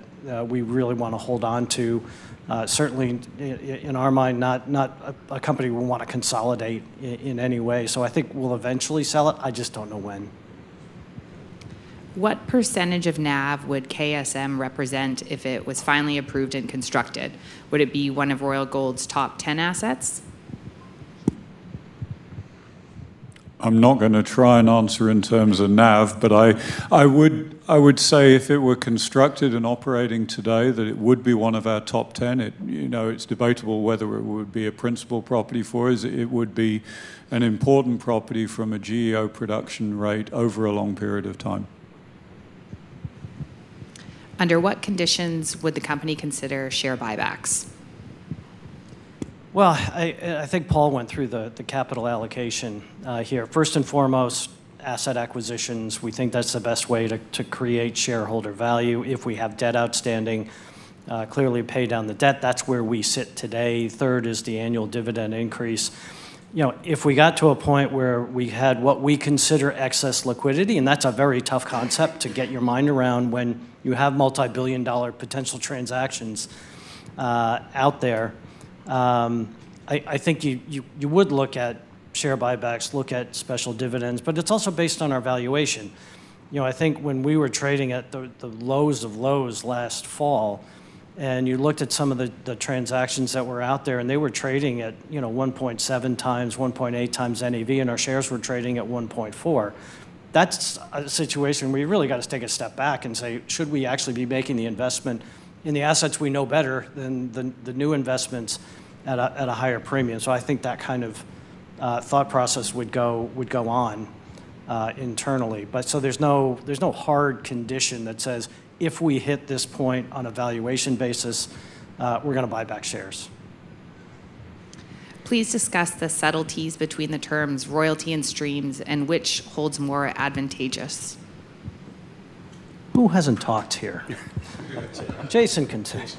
we really wanna hold on to. Certainly in our mind, not a company we wanna consolidate in any way. I think we'll eventually sell it. I just don't know when. What percentage of NAV would KSM represent if it was finally approved and constructed? Would it be one of Royal Gold's top 10 assets? I'm not gonna try and answer in terms of NAV, but I would say if it were constructed and operating today, that it would be one of our top 10. You know, it's debatable whether it would be a principal property for us. It would be an important property from a GEO production rate over a long period of time. Under what conditions would the company consider share buybacks? Well, I think Paul went through the capital allocation here. First and foremost, asset acquisitions, we think that's the best way to create shareholder value. If we have debt outstanding, clearly pay down the debt. That's where we sit today. Third is the annual dividend increase. You know, if we got to a point where we had what we consider excess liquidity, and that's a very tough concept to get your mind around when you have multi-billion dollar potential transactions out there, I think you would look at share buybacks, look at special dividends, but it's also based on our valuation. You know, I think when we were trading at the lows of lows last fall, and you looked at some of the transactions that were out there, and they were trading at, you know, 1.7x, 1.8x NAV, and our shares were trading at 1.4x, that's a situation where you really gotta take a step back and say, "Should we actually be making the investment in the assets we know better than the new investments at a higher premium?" I think that kind of thought process would go on internally. There's no hard condition that says, "If we hit this point on a valuation basis, we're gonna buy back shares." Please discuss the subtleties between the terms royalty and streams and which holds more advantageous. Who hasn't talked here? Jason can talk. Jason.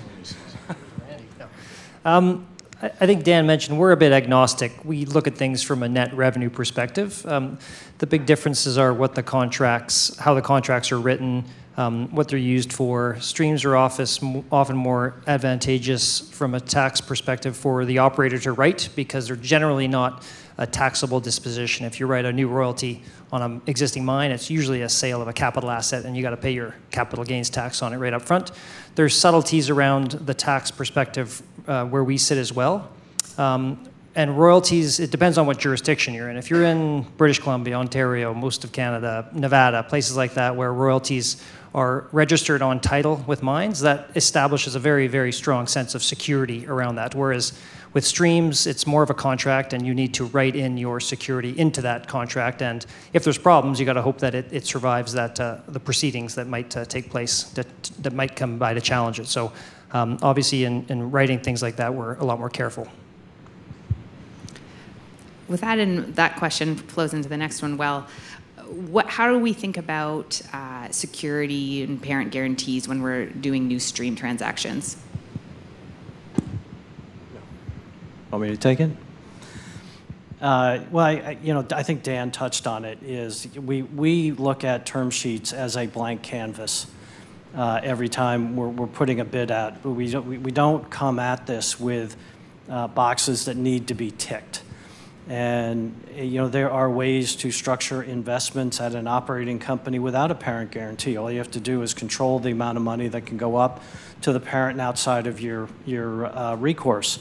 I think Dan mentioned we're a bit agnostic. We look at things from a net revenue perspective. The big differences are what the contracts, how the contracts are written, what they're used for. Streams are often more advantageous from a tax perspective for the operator to write because they're generally not a taxable disposition. If you write a new royalty on an existing mine, it's usually a sale of a capital asset, and you gotta pay your capital gains tax on it right up front. There's subtleties around the tax perspective, where we sit as well. Royalties, it depends on what jurisdiction you're in. If you're in British Columbia, Ontario, most of Canada, Nevada, places like that where royalties are registered on title with mines, that establishes a very, very strong sense of security around that. Whereas with streams, it's more of a contract, and you need to write in your security into that contract. If there's problems, you gotta hope that it survives that, the proceedings that might take place that might come by to challenge it. Obviously in writing things like that, we're a lot more careful. That question flows into the next one well. How do we think about security and parent guarantees when we're doing new stream transactions? Want me to take it? Well, you know, I think Dan touched on it, as we look at term sheets as a blank canvas every time we're putting a bid out. We don't come at this with boxes that need to be ticked. You know, there are ways to structure investments at an operating company without a parent guarantee. All you have to do is control the amount of money that can go up to the parent and outside of your recourse.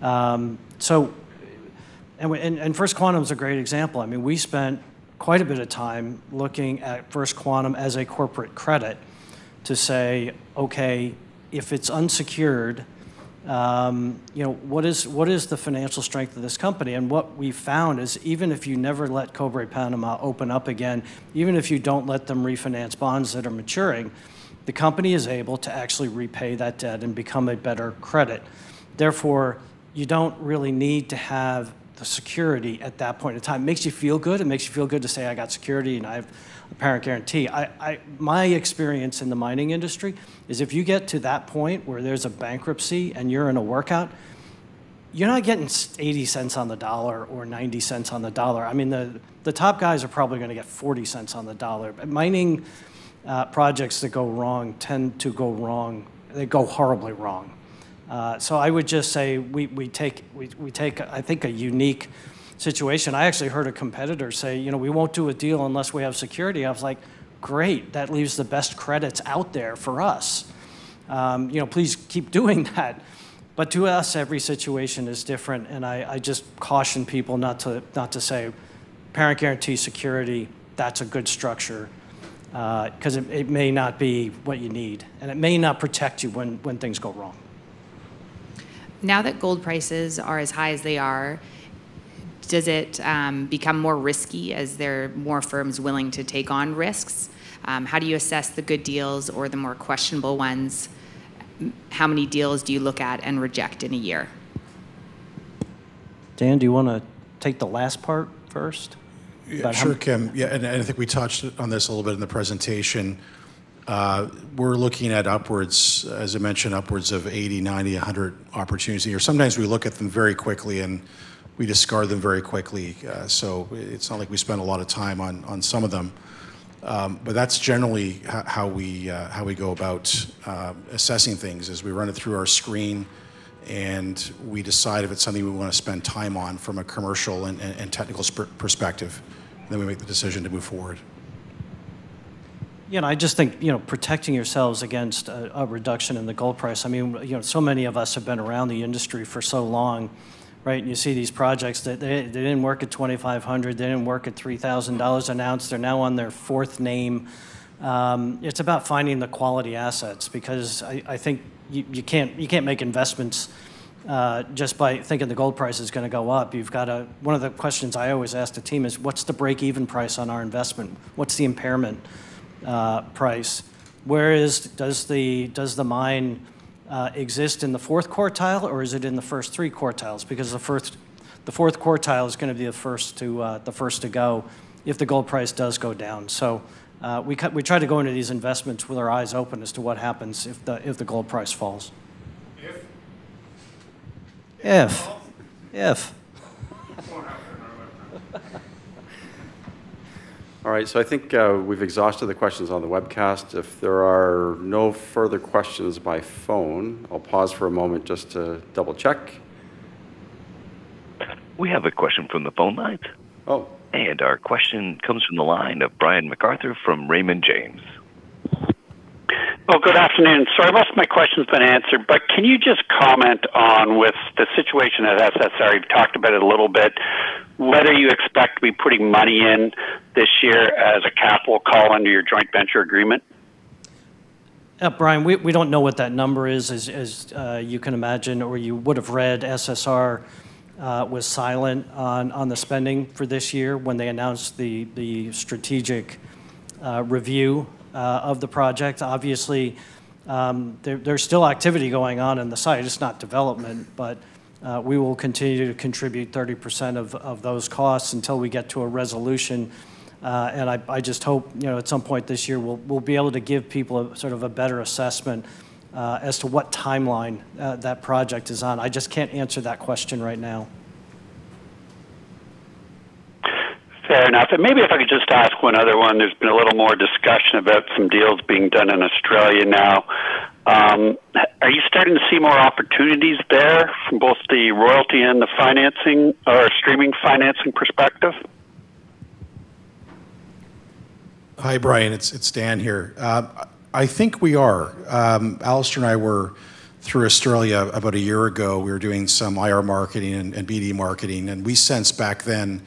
First Quantum is a great example. I mean, we spent quite a bit of time looking at First Quantum as a corporate credit to say, "Okay, if it's unsecured, you know, what is the financial strength of this company?" What we found is even if you never let Cobre Panama open up again, even if you don't let them refinance bonds that are maturing, the company is able to actually repay that debt and become a better credit. Therefore, you don't really need to have the security at that point in time. It makes you feel good. It makes you feel good to say, "I got security, and I have a parent guarantee." My experience in the mining industry is if you get to that point where there's a bankruptcy and you're in a workout, you're not getting $0.80 On the dollar or $0.90 on the dollar. I mean, the top guys are probably gonna get $0.40 on the dollar. Mining projects that go wrong tend to go wrong. They go horribly wrong. I would just say we take, I think, a unique situation. I actually heard a competitor say, "You know, we won't do a deal unless we have security." I was like, "Great. That leaves the best credits out there for us." You know, please keep doing that. To us, every situation is different, and I just caution people not to say parent guarantee security, that's a good structure, 'cause it may not be what you need, and it may not protect you when things go wrong. Now that gold prices are as high as they are, does it become more risky as there are more firms willing to take on risks? How do you assess the good deals or the more questionable ones? How many deals do you look at and reject in a year? Dan, do you wanna take the last part first? Sure, Kim. I think we touched on this a little bit in the presentation. We're looking at upwards, as I mentioned, upwards of 80, 90, 100 opportunities a year. Sometimes we look at them very quickly, and we discard them very quickly, so it's not like we spend a lot of time on some of them. That's generally how we go about assessing things. We run it through our screen, and we decide if it's something we wanna spend time on from a commercial and technical perspective. We make the decision to move forward. You know, I just think, you know, protecting yourselves against a reduction in the gold price, I mean, you know, so many of us have been around the industry for so long, right? You see these projects that they didn't work at $2,500. They didn't work at $3,000/oz. They're now on their fourth name. It's about finding the quality assets because I think you can't make investments just by thinking the gold price is gonna go up. You've gotta, one of the questions I always ask the team is, "What's the break-even price on our investment? What's the impairment price? Where is, does the mine exist in the fourth quartile, or is it in the first three quartiles?" Because the first, the fourth quartile is gonna be the first to go if the gold price does go down. We try to go into these investments with our eyes open as to what happens if the gold price falls. If? If. It falls? If. It won't happen in our lifetime. All right, I think we've exhausted the questions on the webcast. If there are no further questions by phone, I'll pause for a moment just to double-check. We have a question from the phone line. Oh. Our question comes from the line of Brian MacArthur from Raymond James. Oh, good afternoon. Sorry most of my question's been answered, but can you just comment on, with the situation at SSR, you've talked about it a little bit, whether you expect to be putting money in this year as a capital call under your joint venture agreement? Brian, we don't know what that number is, as you can imagine or you would have read. SSR was silent on the spending for this year when they announced the strategic review of the project. Obviously, there's still activity going on in the site. It's not development, but we will continue to contribute 30% of those costs until we get to a resolution. I just hope, you know, at some point this year we'll be able to give people a sort of a better assessment as to what timeline that project is on. I just can't answer that question right now. Fair enough. Maybe if I could just ask one other one. There's been a little more discussion about some deals being done in Australia now. Are you starting to see more opportunities there from both the royalty and the financing or streaming financing perspective? Hi, Brian. It's Dan here. I think we are. Alistair and I were through Australia about a year ago. We were doing some IR marketing and BD marketing, and we sensed back then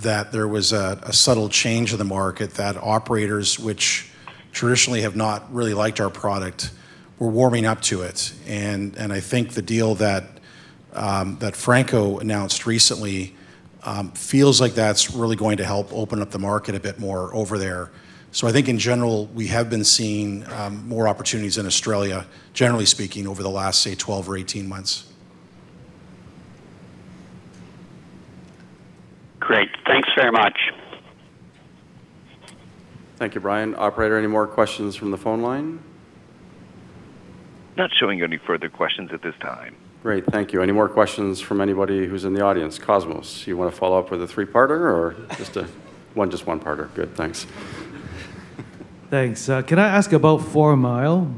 that there was a subtle change in the market that operators which traditionally have not really liked our product were warming up to it. I think the deal that Franco announced recently feels like that's really going to help open up the market a bit more over there. I think in general, we have been seeing more opportunities in Australia, generally speaking, over the last, say, 12 or 18 months. Great. Thanks very much. Thank you, Brian. Operator, any more questions from the phone line? Not showing any further questions at this time. Great. Thank you. Any more questions from anybody who's in the audience? Cosmos, you wanna follow up with a three-parter or just a one, just one parter? Good, thanks. Thanks. Can I ask about Fourmile?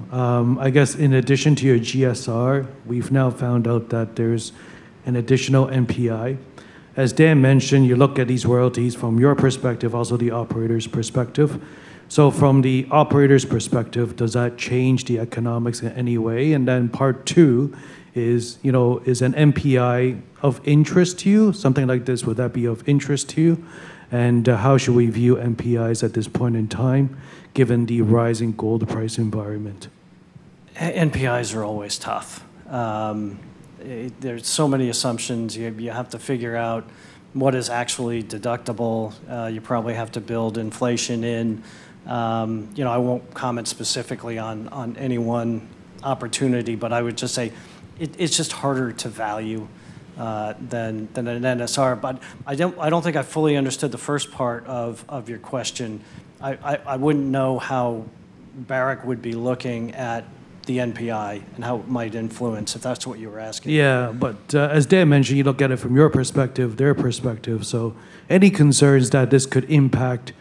I guess in addition to your GSR, we've now found out that there's an additional NPI. As Dan mentioned, you look at these royalties from your perspective, also the operator's perspective. From the operator's perspective, does that change the economics in any way? Part two is, you know, is an NPI of interest to you? Something like this, would that be of interest to you? How should we view NPIs at this point in time given the rising gold price environment? NPIs are always tough. There's so many assumptions. You have to figure out what is actually deductible. You probably have to build inflation in. You know, I won't comment specifically on any one opportunity, but I would just say it's just harder to value than an NSR. I don't think I fully understood the first part of your question. I wouldn't know how Barrick would be looking at the NPI and how it might influence, if that's what you were asking. As Dan mentioned, you look at it from your perspective, their perspective, so any concerns that this could impact,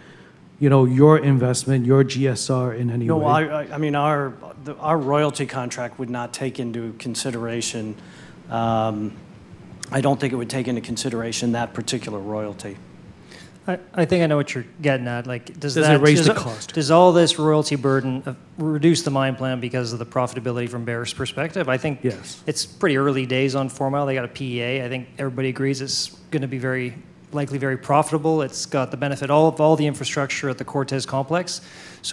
you know, your investment, your GSR in any way? No, I mean, our royalty contract would not take into consideration. I don't think it would take into consideration that particular royalty. I think I know what you're getting at. Like, does that? Does it raise the cost? Does all this royalty burden reduce the mine plan because of the profitability from Barrick's perspective? I think. Yes. It's pretty early days on Fourmile. They got a PEA. I think everybody agrees it's gonna be very likely very profitable. It's got the benefit of all the infrastructure at the Cortez Complex.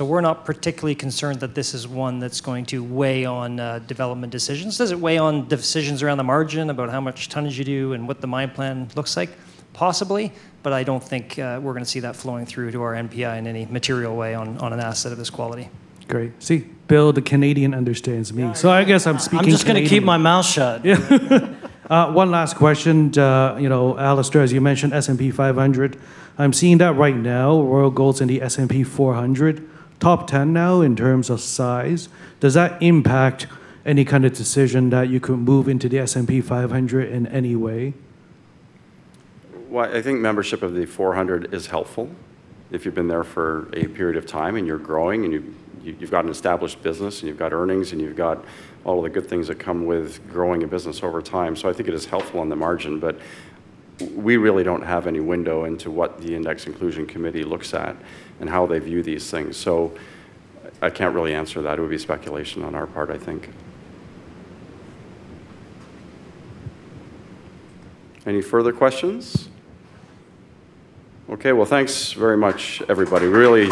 We're not particularly concerned that this is one that's going to weigh on development decisions. Does it weigh on decisions around the margin about how much tonnage you do and what the mine plan looks like? Possibly, but I don't think we're gonna see that flowing through to our NPI in any material way on an asset of this quality. Great. See, Bill, the Canadian understands me. Oh, yeah. I guess I'm speaking Canadian. I'm just gonna keep my mouth shut. One last question. You know, Alistair, as you mentioned S&P 500. I'm seeing that right now, Royal Gold's in the S&P 400 top 10 now in terms of size. Does that impact any kind of decision that you could move into the S&P 500 in any way? Well, I think membership of the S&P 400 is helpful if you've been there for a period of time and you're growing and you've got an established business and you've got earnings and you've got all the good things that come with growing a business over time. I think it is helpful on the margin, but we really don't have any window into what the Index Inclusion Committee looks at and how they view these things. I can't really answer that. It would be speculation on our part, I think. Any further questions? Okay, well, thanks very much, everybody. Really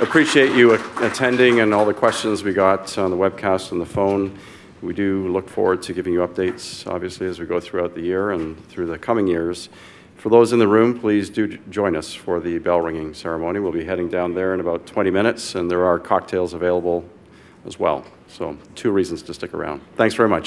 appreciate you attending and all the questions we got on the webcast, on the phone. We do look forward to giving you updates, obviously, as we go throughout the year and through the coming years. For those in the room, please join us for the bell ringing ceremony. We'll be heading down there in about 20 minutes, and there are cocktails available as well, so two reasons to stick around. Thanks very much.